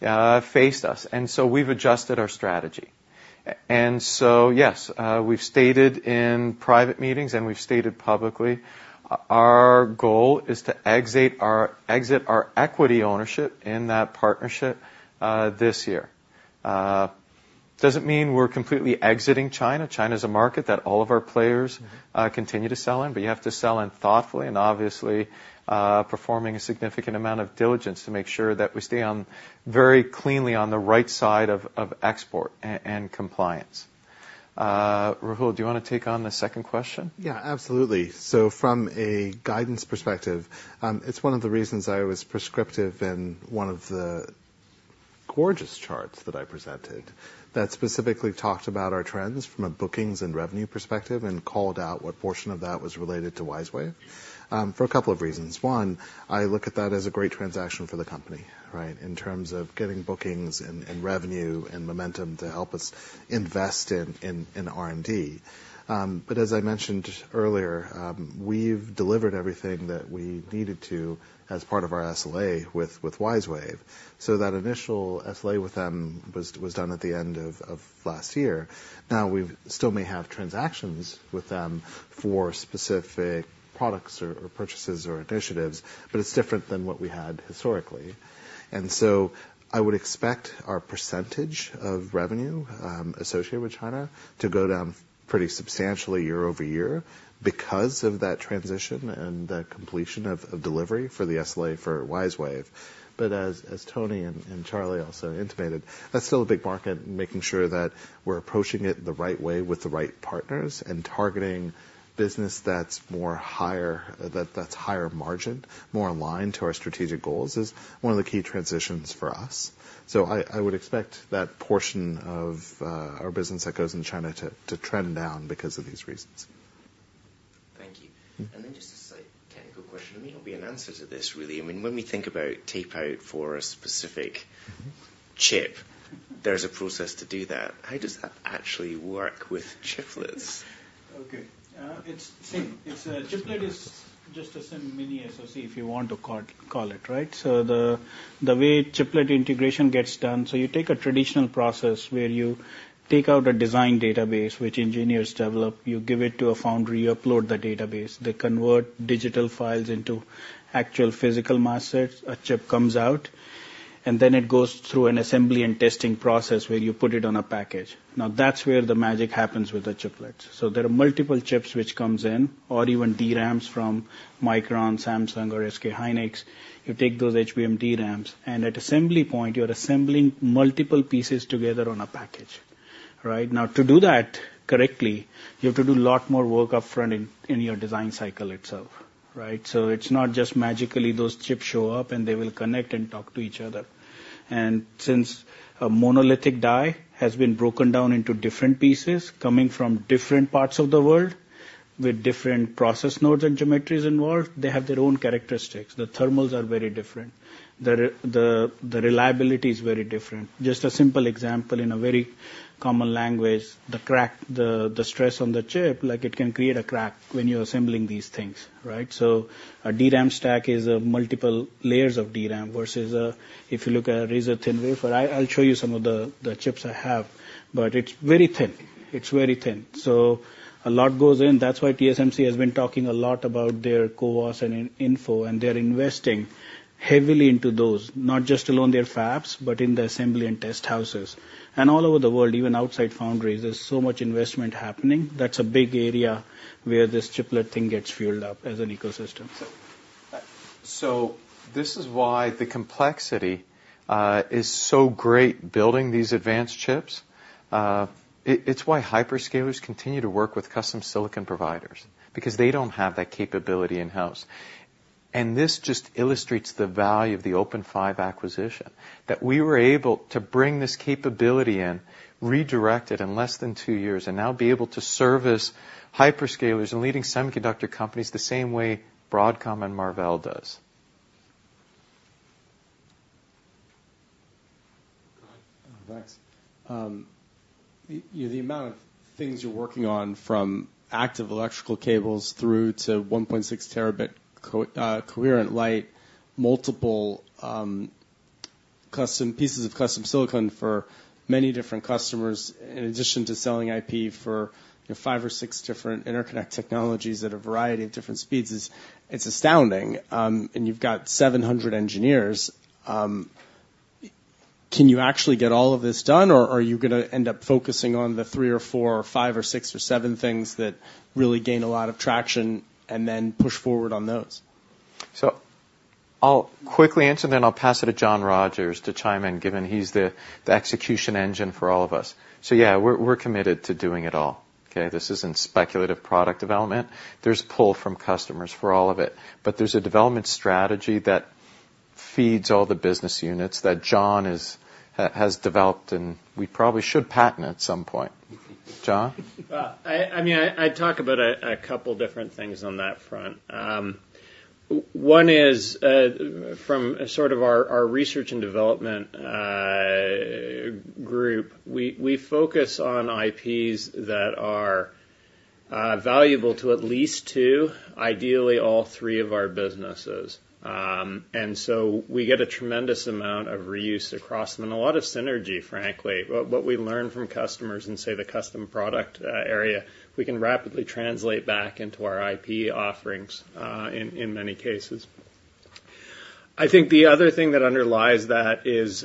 faced us, and so we've adjusted our strategy. And so, yes, we've stated in private meetings, and we've stated publicly, our goal is to exit our equity ownership in that partnership, this year. Doesn't mean we're completely exiting China. China's a market that all of our players continue to sell in, but you have to sell in thoughtfully and obviously performing a significant amount of diligence to make sure that we stay on very cleanly on the right side of export and compliance. Rahul, do you want to take on the second question? Yeah, absolutely. So from a guidance perspective, it's one of the reasons I was prescriptive in one of the gorgeous charts that I presented, that specifically talked about our trends from a bookings and revenue perspective, and called out what portion of that was related to WiseWave, for a couple of reasons. One, I look at that as a great transaction for the company, right? In terms of getting bookings and revenue and momentum to help us invest in R&D. But as I mentioned earlier, we've delivered everything that we needed to as part of our SLA with WiseWave. So that initial SLA with them was done at the end of last year. Now, we still may have transactions with them for specific products or purchases or initiatives, but it's different than what we had historically. I would expect our percentage of revenue associated with China to go down pretty substantially year-over-year because of that transition and the completion of delivery for the SLA for WiseWave. As Tony and Charlie also intimated, that's still a big market, and making sure that we're approaching it the right way with the right partners and targeting business that's higher margin, more aligned to our strategic goals, is one of the key transitions for us. I would expect that portion of our business that goes in China to trend down because of these reasons. Thank you. And then just a slight technical question. There may well be an answer to this, really. I mean, when we think about tape-out for a specific chip, there's a process to do that. How does that actually work with chiplets? Okay, it's the same. It's a chiplet is just a simple mini SoC, if you want to call it, right? So the way chiplet integration gets done. So you take a traditional process, where you take out a design database, which engineers develop, you give it to a foundry, you upload the database. They convert digital files into actual physical masters. A chip comes out, and then it goes through an assembly and testing process, where you put it on a package. Now, that's where the magic happens with the chiplets. So there are multiple chips which comes in, or even DRAMs from Micron, Samsung or SK Hynix. You take those HBM DRAMs, and at assembly point, you're assembling multiple pieces together on a package. Right? Now, to do that correctly, you have to do a lot more work up front in your design cycle itself, right? So it's not just magically those chips show up, and they will connect and talk to each other. And since a monolithic die has been broken down into different pieces, coming from different parts of the world, with different process nodes and geometries involved, they have their own characteristics. The thermals are very different. The reliability is very different. Just a simple example in a very common language, the stress on the chip, like, it can create a crack when you're assembling these things, right? So a DRAM stack is multiple layers of DRAM versus if you look at a razor-thin wafer. I'll show you some of the chips I have, but it's very thin. It's very thin. So a lot goes in. That's why TSMC has been talking a lot about their CoWoS and InFO, and they're investing heavily into those, not just alone their fabs, but in the assembly and test houses. All over the world, even outside foundries, there's so much investment happening. That's a big area where this chiplet thing gets fueled up as an ecosystem. So this is why the complexity is so great building these advanced chips. It's why hyperscalers continue to work with custom silicon providers, because they don't have that capability in-house. And this just illustrates the value of the OpenFive acquisition, that we were able to bring this capability in, redirect it in less than two years, and now be able to service hyperscalers and leading semiconductor companies the same way Broadcom and Marvell does. Go ahead. Thanks. The amount of things you're working on, from active electrical cables through to 1.6 terabit coherent light, multiple custom pieces of custom silicon for many different customers, in addition to selling IP for, you know, 5 or 6 different interconnect technologies at a variety of different speeds, it's astounding. And you've got 700 engineers. Can you actually get all of this done, or are you gonna end up focusing on the 3 or 4 or 5 or 6 or 7 things that really gain a lot of traction and then push forward on those? So I'll quickly answer, then I'll pass it to John Rogers to chime in, given he's the, the execution engine for all of us. So, yeah, we're, we're committed to doing it all, okay? This isn't speculative product development. There's pull from customers for all of it, but there's a development strategy that feeds all the business units that John has developed, and we probably should patent at some point. John? I mean, I'd talk about a couple different things on that front. One is from sort of our research and development group. We focus on IPs that are valuable to at least two, ideally all three of our businesses. And so we get a tremendous amount of reuse across them and a lot of synergy, frankly. What we learn from customers in, say, the custom product area, we can rapidly translate back into our IP offerings in many cases. I think the other thing that underlies that is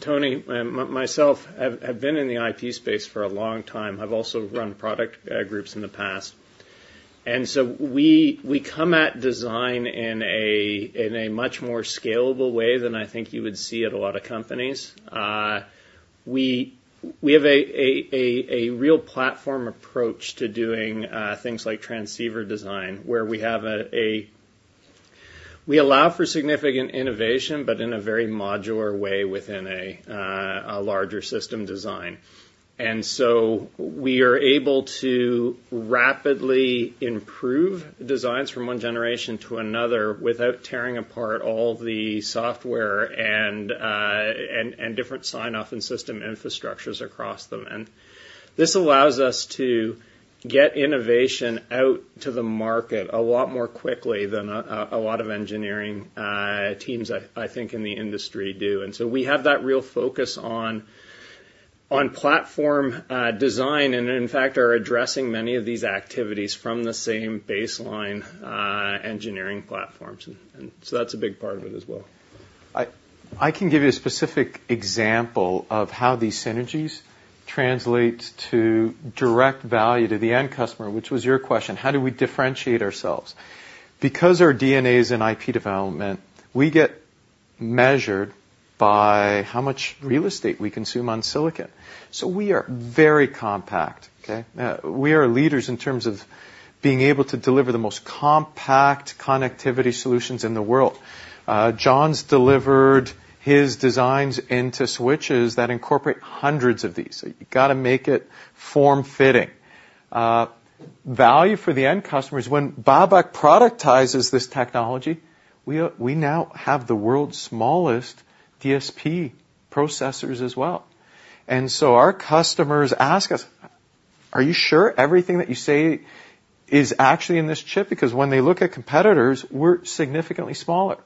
Tony and myself have been in the IP space for a long time, have also run product groups in the past. And so we come at design in a much more scalable way than I think you would see at a lot of companies. We have a real platform approach to doing things like transceiver design, where we allow for significant innovation, but in a very modular way, within a larger system design. And so we are able to rapidly improve designs from one generation to another without tearing apart all the software and different sign-off and system infrastructures across them. And this allows us to get innovation out to the market a lot more quickly than a lot of engineering teams, I think, in the industry do. And so we have that real focus on, on platform, design, and in fact, are addressing many of these activities from the same baseline, engineering platforms. And, and so that's a big part of it as well. I, I can give you a specific example of how these synergies translate to direct value to the end customer, which was your question: How do we differentiate ourselves? Because our DNA is in IP development, we get measured by how much real estate we consume on silicon, so we are very compact, okay? We are leaders in terms of being able to deliver the most compact connectivity solutions in the world. John's delivered his designs into switches that incorporate hundreds of these. You've got to make it form-fitting. Value for the end customer is when Babak productizes this technology, we are- we now have the world's smallest DSP processors as well. And so our customers ask us, "Are you sure everything that you say is actually in this chip?" Because when they look at competitors, we're significantly smaller.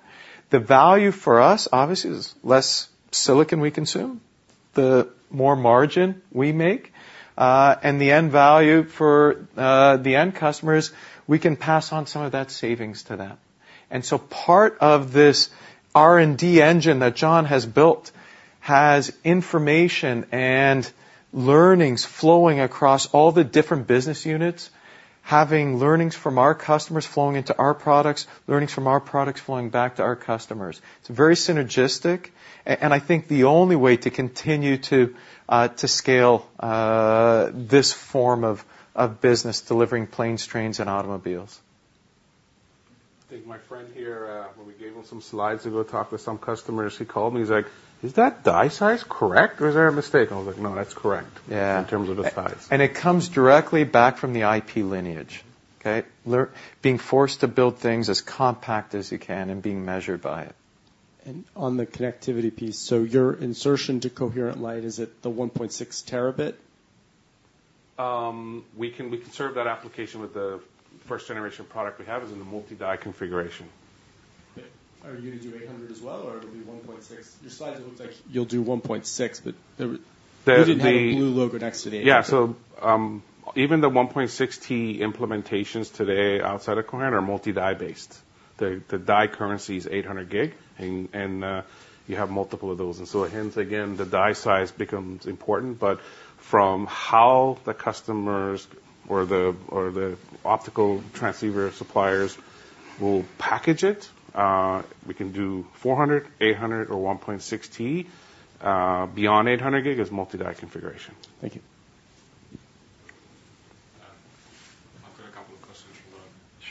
The value for us, obviously, is less silicon we consume, the more margin we make, and the end value for the end customers, we can pass on some of that savings to them. And so part of this R&D engine that John has built has information and learnings flowing across all the different business units, having learnings from our customers flowing into our products, learnings from our products flowing back to our customers. It's very synergistic, and I think the only way to continue to scale this form of business, delivering planes, trains, and automobiles. I think my friend here, when we gave him some slides to go talk with some customers, he called me, he's like: "Is that die size correct, or is there a mistake?" I was like: "No, that's correct Yeah. in terms of the size. It comes directly back from the IP lineage, okay? Being forced to build things as compact as you can and being measured by it. On the connectivity piece, so your insertion to coherent light, is it the 1.6 terabit? We can serve that application with the first-generation product we have is in the multi-die configuration. Okay. Are you gonna do 800 as well, or it'll be 1.6? Your slides looked like you'll do 1.6, but there were The You didn't have a blue logo next to the Yeah, so, even the 1.6T implementations today outside of coherent are multi-die based. The die currency is 800 gig, and you have multiple of those. And so hence, again, the die size becomes important, but from how the customers or the optical transceiver suppliers will package it, we can do 400, 800 or 1.6T. Beyond 800 gig is multi-die configuration. Thank you. I've got a couple of questions for the-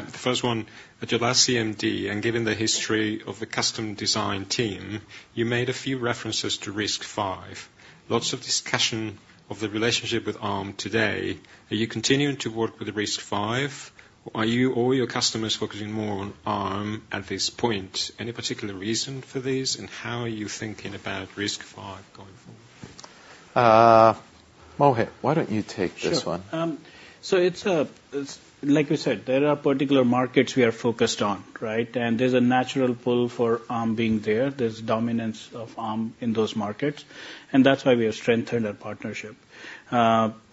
Sure. The first one, at your last CMD, and given the history of the custom design team, you made a few references to RISC-V. Lots of discussion of the relationship with Arm today. Are you continuing to work with the RISC-V? Are you or your customers focusing more on Arm at this point? Any particular reason for this, and how are you thinking about RISC-V going forward? Mohit, why don't you take this one? Sure. So it's like we said, there are particular markets we are focused on, right? And there's a natural pull for Arm being there. There's dominance of Arm in those markets, and that's why we have strengthened our partnership.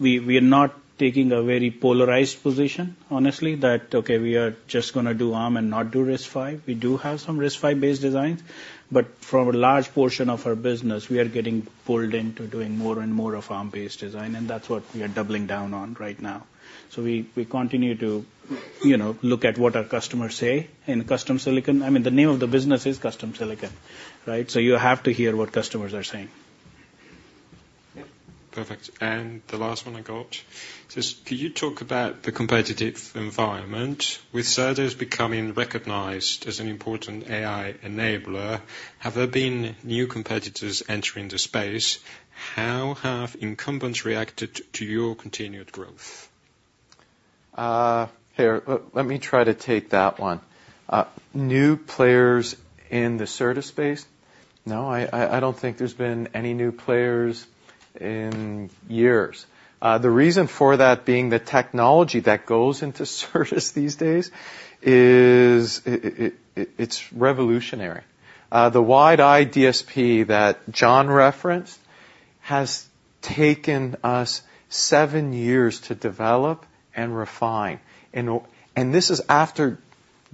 We are not taking a very polarized position, honestly, that okay, we are just gonna do Arm and not do RISC-V. We do have some RISC-V based designs, but for a large portion of our business, we are getting pulled into doing more and more of Arm-based design, and that's what we are doubling down on right now. So we continue to, you know, look at what our customers say in custom silicon. I mean, the name of the business is Custom Silicon, right? So you have to hear what customers are saying. Yep, perfect. The last one I got is, can you talk about the competitive environment? With SerDes becoming recognized as an important AI enabler, have there been new competitors entering the space? How have incumbents reacted to your continued growth? Here, let me try to take that one. New players in the SerDes space? No, I don't think there's been any new players in years. The reason for that being the technology that goes into SerDes these days is it's revolutionary. The WidEye DSP that John referenced has taken us seven years to develop and refine. And this is after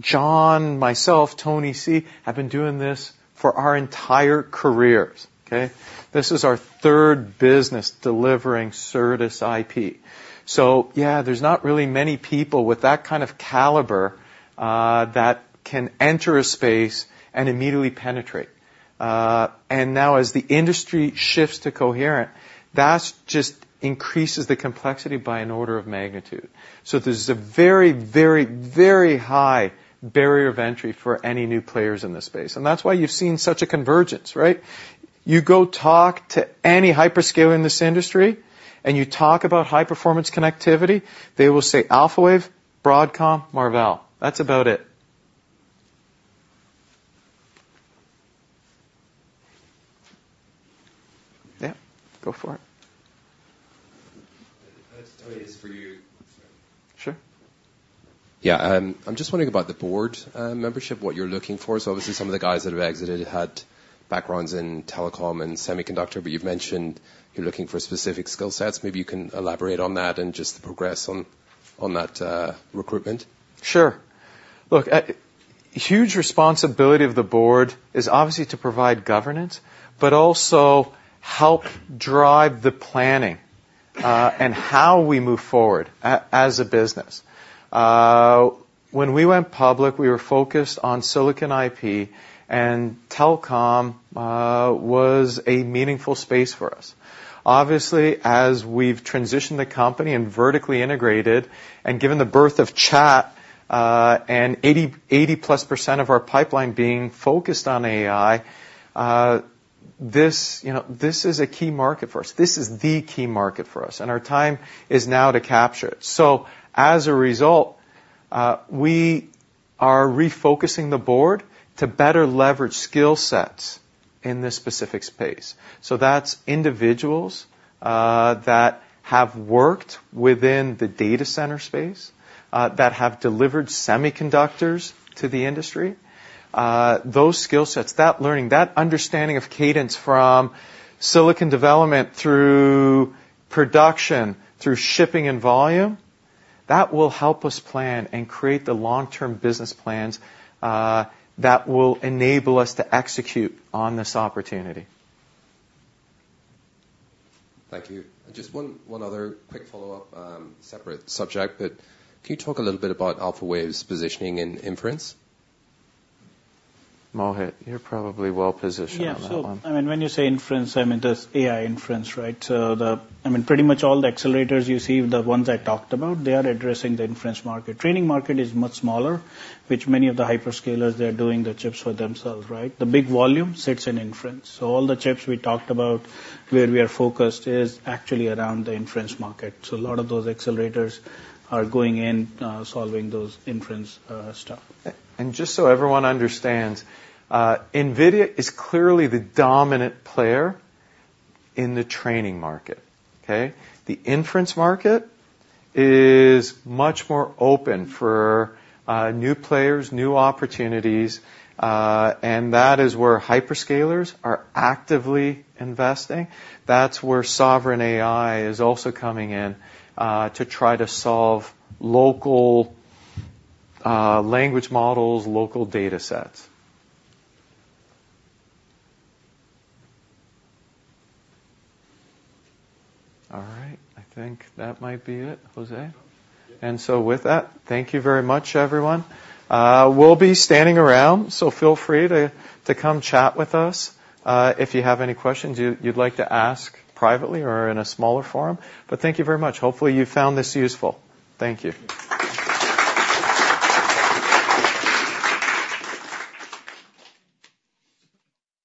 John, myself, Tony C, have been doing this for our entire careers, okay? This is our third business delivering SerDes IP. So yeah, there's not really many people with that kind of caliber that can enter a space and immediately penetrate. And now as the industry shifts to coherent, that's just increases the complexity by an order of magnitude. So there's a very, very, very high barrier of entry for any new players in this space, and that's why you've seen such a convergence, right? You go talk to any hyperscaler in this industry, and you talk about high-performance connectivity, they will say Alphawave, Broadcom, Marvell. That's about it. Yeah, go for it. Tony, this is for you. Sure. Yeah, I'm just wondering about the board membership, what you're looking for. So obviously, some of the guys that have exited had backgrounds in telecom and semiconductor, but you've mentioned you're looking for specific skill sets. Maybe you can elaborate on that and just the progress on that recruitment. Sure. Look, huge responsibility of the board is obviously to provide governance, but also help drive the planning, and how we move forward as a business. When we went public, we were focused on silicon IP, and telecom was a meaningful space for us. Obviously, as we've transitioned the company and vertically integrated and given the birth of chat, and 80, 80-plus% of our pipeline being focused on AI, this, you know, this is a key market for us. This is the key market for us, and our time is now to capture it. So as a result, we are refocusing the board to better leverage skill sets in this specific space. So that's individuals that have worked within the data center space that have delivered semiconductors to the industry. Those skill sets, that learning, that understanding of cadence from silicon development through production, through shipping and volume, that will help us plan and create the long-term business plans, that will enable us to execute on this opportunity. Thank you. Just one, one other quick follow-up, separate subject, but can you talk a little bit about Alphawave's positioning in inference? Mohit, you're probably well positioned on that one. Yeah. So, I mean, when you say inference, I mean, there's AI inference, right? So the... I mean, pretty much all the accelerators you see, the ones I talked about, they are addressing the inference market. Training market is much smaller, which many of the hyperscalers, they are doing the chips for themselves, right? The big volume sits in inference. So all the chips we talked about, where we are focused is actually around the inference market. So a lot of those accelerators are going in, solving those inference, stuff. Just so everyone understands, NVIDIA is clearly the dominant player in the training market, okay? The inference market is much more open for new players, new opportunities, and that is where hyperscalers are actively investing. That's where sovereign AI is also coming in to try to solve local language models, local data sets. All right, I think that might be it, Jose. Yeah. So with that, thank you very much, everyone. We'll be standing around, so feel free to come chat with us if you have any questions you'd like to ask privately or in a smaller forum. Thank you very much. Hopefully, you found this useful. Thank you.